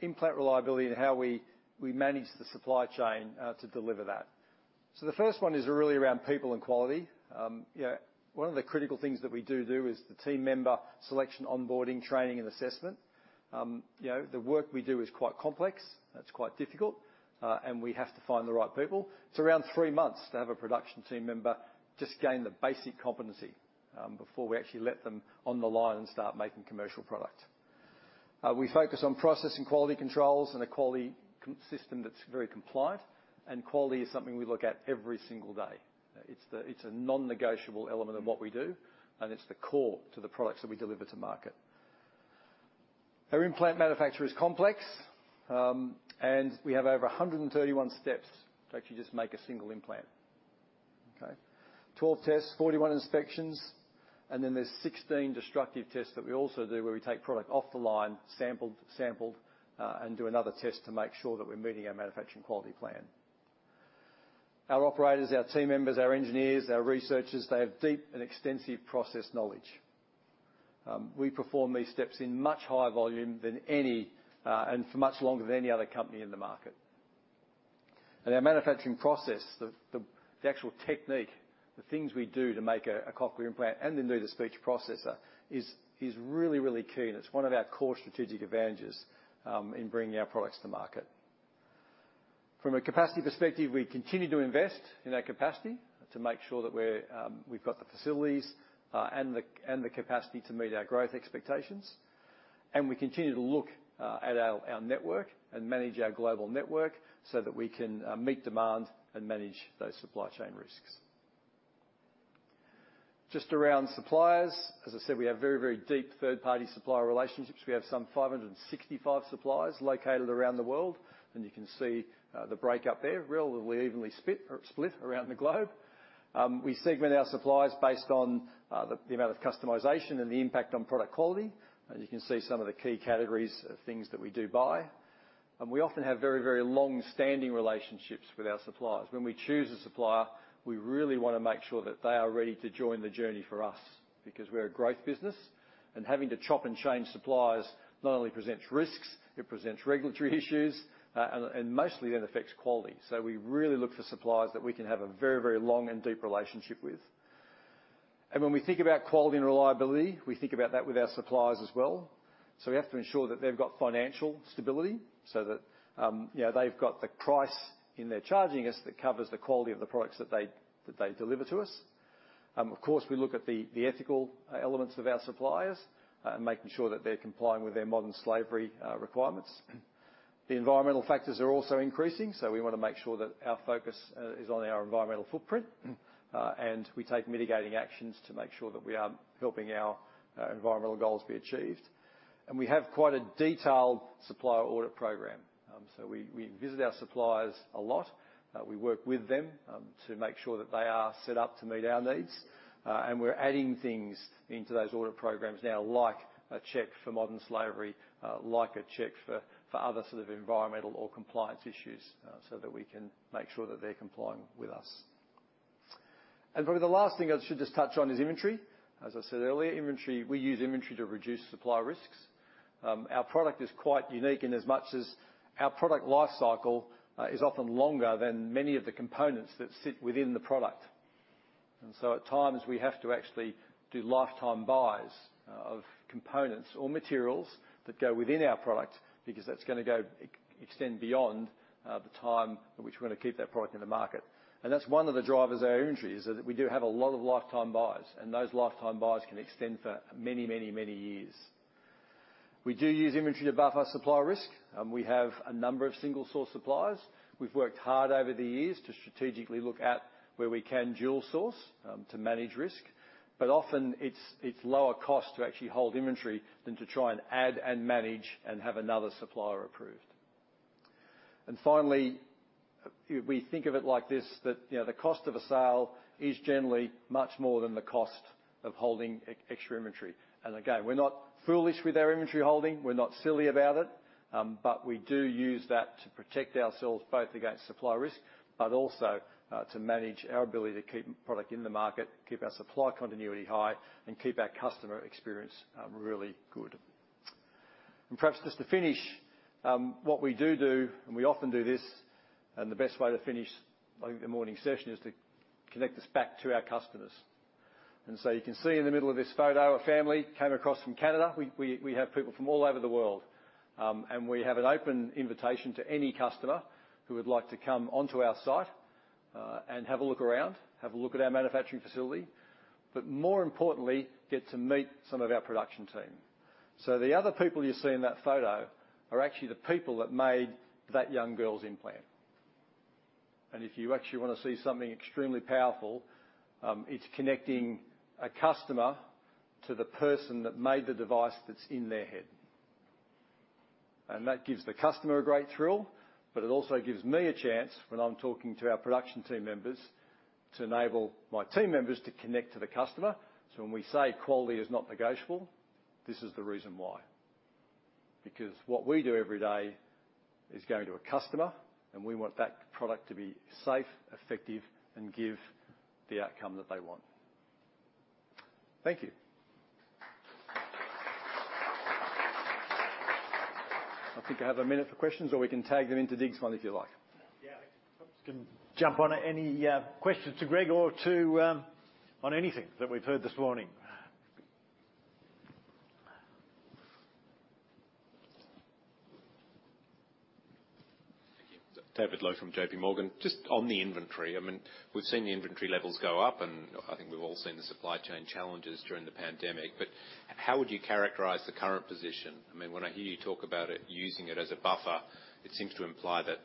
implant reliability and how we, we manage the supply chain to deliver that. So the first one is really around people and quality. Yeah, one of the critical things that we do, do is the team member selection, onboarding, training, and assessment. You know, the work we do is quite complex, it's quite difficult, and we have to find the right people. It's around three months to have a production team member just gain the basic competency before we actually let them on the line and start making commercial product. We focus on processing quality controls and a quality control system that's very compliant, and quality is something we look at every single day. It's a non-negotiable element of what we do, and it's the core to the products that we deliver to market. Our implant manufacture is complex, and we have over 131 steps to actually just make a single implant. Okay? 12 tests, 41 inspections, and then there's 16 destructive tests that we also do, where we take product off the line, sampled, and do another test to make sure that we're meeting our manufacturing quality plan. Our operators, our team members, our engineers, our researchers, they have deep and extensive process knowledge. We perform these steps in much higher volume than any, and for much longer than any other company in the market. And our manufacturing process, the actual technique, the things we do to make a cochlear implant and then do the speech processor, is really key, and it's one of our core strategic advantages in bringing our products to market. From a capacity perspective, we continue to invest in our capacity to make sure that we're, we've got the facilities and the capacity to meet our growth expectations. And we continue to look at our network and manage our global network so that we can meet demand and manage those supply chain risks. Just around suppliers, as I said, we have very, very deep third-party supplier relationships. We have some 565 suppliers located around the world, and you can see the breakup there, relatively evenly split around the globe. We segment our suppliers based on the amount of customization and the impact on product quality. As you can see, some of the key categories of things that we do buy. We often have very, very long-standing relationships with our suppliers. When we choose a supplier, we really want to make sure that they are ready to join the journey for us, because we're a growth business, and having to chop and change suppliers not only presents risks, it presents regulatory issues, and mostly it affects quality. We really look for suppliers that we can have a very, very long and deep relationship with. When we think about quality and reliability, we think about that with our suppliers as well. We have to ensure that they've got financial stability, so that they've got the price they're charging us that covers the quality of the products that they deliver to us. Of course, we look at the ethical elements of our suppliers, making sure that they're complying with their modern slavery requirements. The environmental factors are also increasing, so we want to make sure that our focus is on our environmental footprint, and we take mitigating actions to make sure that we are helping our environmental goals be achieved. We have quite a detailed supplier audit program. We visit our suppliers a lot. We work with them to make sure that they are set up to meet our needs, and we're adding things into those audit programs now, like a check for modern slavery, like a check for other sort of environmental or compliance issues, so that we can make sure that they're complying with us. Probably the last thing I should just touch on is inventory. As I said earlier, inventory, we use inventory to reduce supplier risks. Our product is quite unique in as much as our product life cycle is often longer than many of the components that sit within the product. And so at times, we have to actually do lifetime buys of components or materials that go within our product, because that's gonna go... Extend beyond the time in which we're going to keep that product in the market. And that's one of the drivers of our inventory, is that we do have a lot of lifetime buys, and those lifetime buys can extend for many, many, many years. We do use inventory to buffer our supplier risk, and we have a number of single-source suppliers. We've worked hard over the years to strategically look at where we can dual source to manage risk, but often it's lower cost to actually hold inventory than to try and add and manage and have another supplier approved. And finally, we think of it like this, that you know, the cost of a sale is generally much more than the cost of holding extra inventory. Again, we're not foolish with our inventory holding, we're not silly about it, but we do use that to protect ourselves, both against supplier risk, but also to manage our ability to keep product in the market, keep our supply continuity high, and keep our customer experience really good. Perhaps just to finish what we do, and we often do this, and the best way to finish, I think, the morning session is to connect this back to our customers. So you can see in the middle of this photo, a family came across from Canada. We have people from all over the world. We have an open invitation to any customer who would like to come onto our site, and have a look around, have a look at our manufacturing facility, but more importantly, get to meet some of our production team. So the other people you see in that photo are actually the people that made that young girl's implant. And if you actually want to see something extremely powerful, it's connecting a customer to the person that made the device that's in their head. And that gives the customer a great thrill, but it also gives me a chance, when I'm talking to our production team members, to enable my team members to connect to the customer. So when we say quality is not negotiable, this is the reason why. Because what we do every day is going to a customer, and we want that product to be safe, effective, and give the outcome that they want. Thank you. I think I have a minute for questions, or we can tag them into Dig's one, if you like. Yeah, can jump on it. Any questions to Greg or to, on anything that we've heard this morning? Thank you. David Low from J.P. Morgan. Just on the inventory, I mean, we've seen the inventory levels go up, and I think we've all seen the supply chain challenges during the pandemic. But how would you characterize the current position? I mean, when I hear you talk about it, using it as a buffer, it seems to imply that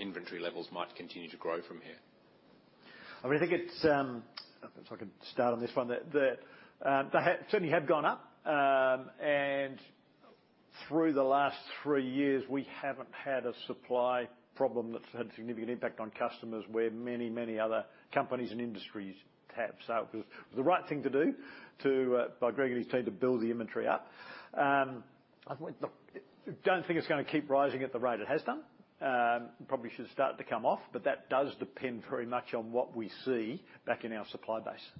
inventory levels might continue to grow from here. I mean, I think it's if I could start on this one, they have certainly gone up. And through the last three years, we haven't had a supply problem that's had a significant impact on customers, where many, many other companies and industries have. So it was the right thing to do, by Greg and his team, to build the inventory up. I think, look, I don't think it's gonna keep rising at the rate it has done. Probably should start to come off, but that does depend very much on what we see back in our supply base.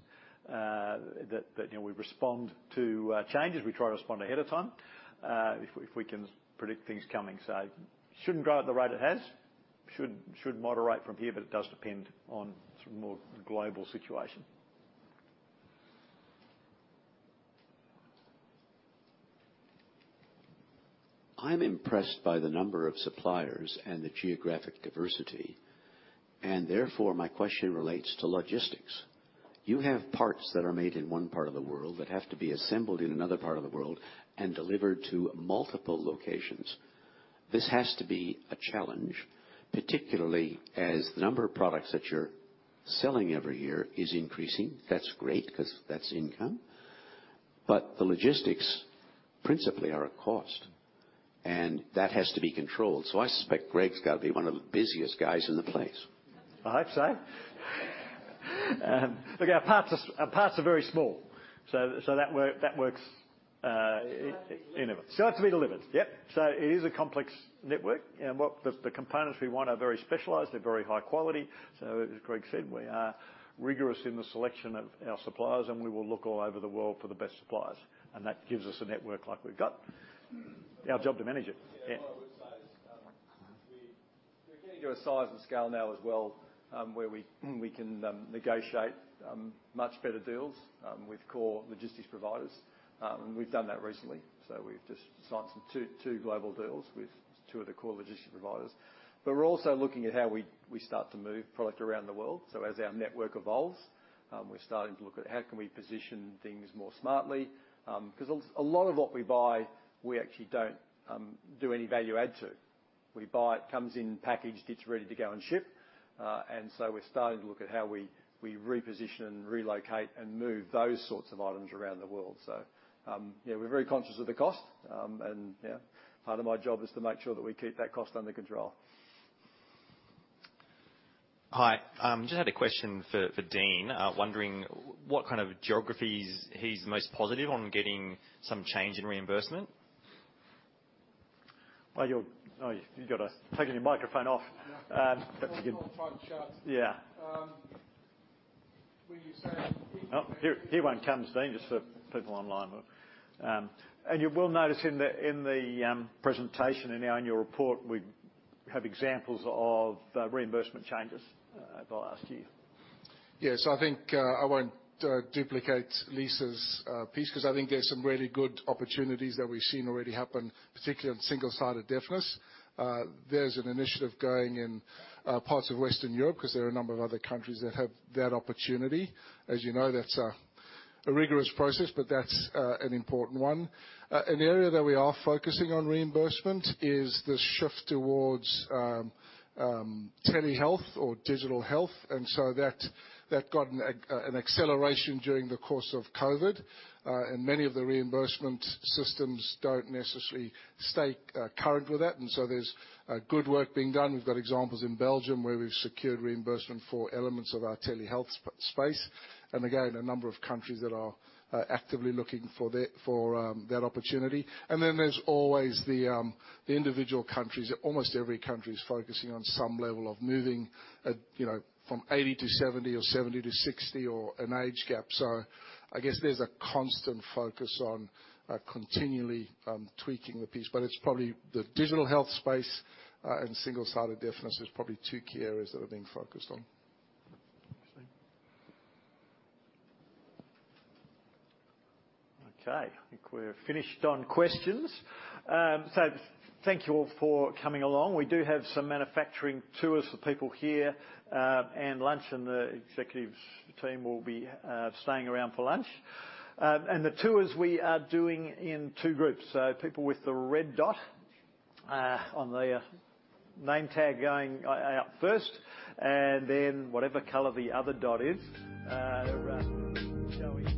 You know, we respond to changes. We try to respond ahead of time, if we can predict things coming. So shouldn't grow at the rate it has. Should moderate from here, but it does depend on sort of more global situation. I'm impressed by the number of suppliers and the geographic diversity, and therefore, my question relates to logistics. You have parts that are made in one part of the world, that have to be assembled in another part of the world and delivered to multiple locations. This has to be a challenge, particularly as the number of products that you're selling every year is increasing. That's great, 'cause that's income. But the logistics principally are a cost, and that has to be controlled. So I suspect Greg's got to be one of the busiest guys in the place. I hope so. Look, our parts are very small, so that works. Still have to be delivered. Still have to be delivered, yep. So it is a complex network, and the components we want are very specialized. They're very high quality. So as Greg said, we are rigorous in the selection of our suppliers, and we will look all over the world for the best suppliers, and that gives us a network like we've got. Our job to manage it. Yeah. Yeah, what I would say is, we're getting to a size and scale now as well, where we can negotiate much better deals with core logistics providers. And we've done that recently, so we've just signed some 2, 2 global deals with 2 of the core logistics providers. But we're also looking at how we start to move product around the world. So as our network evolves, we're starting to look at how can we position things more smartly? Because a lot of what we buy, we actually don't do any value add to. We buy it, comes in packaged, it's ready to go and ship. And so we're starting to look at how we reposition, relocate, and move those sorts of items around the world. So, yeah, we're very conscious of the cost. Yeah, part of my job is to make sure that we keep that cost under control. Hi. Just had a question for, for Dean. Wondering what kind of geographies he's most positive on getting some change in reimbursement? Well, you're... Oh, you've got to taken your microphone off. Perhaps you can- Front shot. Yeah. We say- Here, here one comes, Dean, just for people online. You will notice in the presentation and in your report, we have examples of reimbursement changes over last year. Yes, I think, I won't duplicate Lisa's piece, 'cause I think there's some really good opportunities that we've seen already happen, particularly on single-sided deafness. There's an initiative going in parts of Western Europe, 'cause there are a number of other countries that have that opportunity. As you know, that's a rigorous process, but that's an important one. An area that we are focusing on reimbursement is the shift towards telehealth or digital health, and so that got an acceleration during the course of COVID. And many of the reimbursement systems don't necessarily stay current with that, and so there's good work being done. We've got examples in Belgium, where we've secured reimbursement for elements of our telehealth space, and again, a number of countries that are actively looking for that opportunity. And then there's always the individual countries. Almost every country is focusing on some level of moving, you know, from 80-70 or 70-60, or an age gap. So I guess there's a constant focus on continually tweaking the piece, but it's probably the digital health space and single-sided deafness is probably two key areas that are being focused on. Thanks, Dean. Okay, I think we're finished on questions. So thank you all for coming along. We do have some manufacturing tours for people here, and lunch, and the executives team will be staying around for lunch. And the tours we are doing in two groups. So people with the red dot on their name tag going out first, and then whatever color the other dot is, shall we go and get out?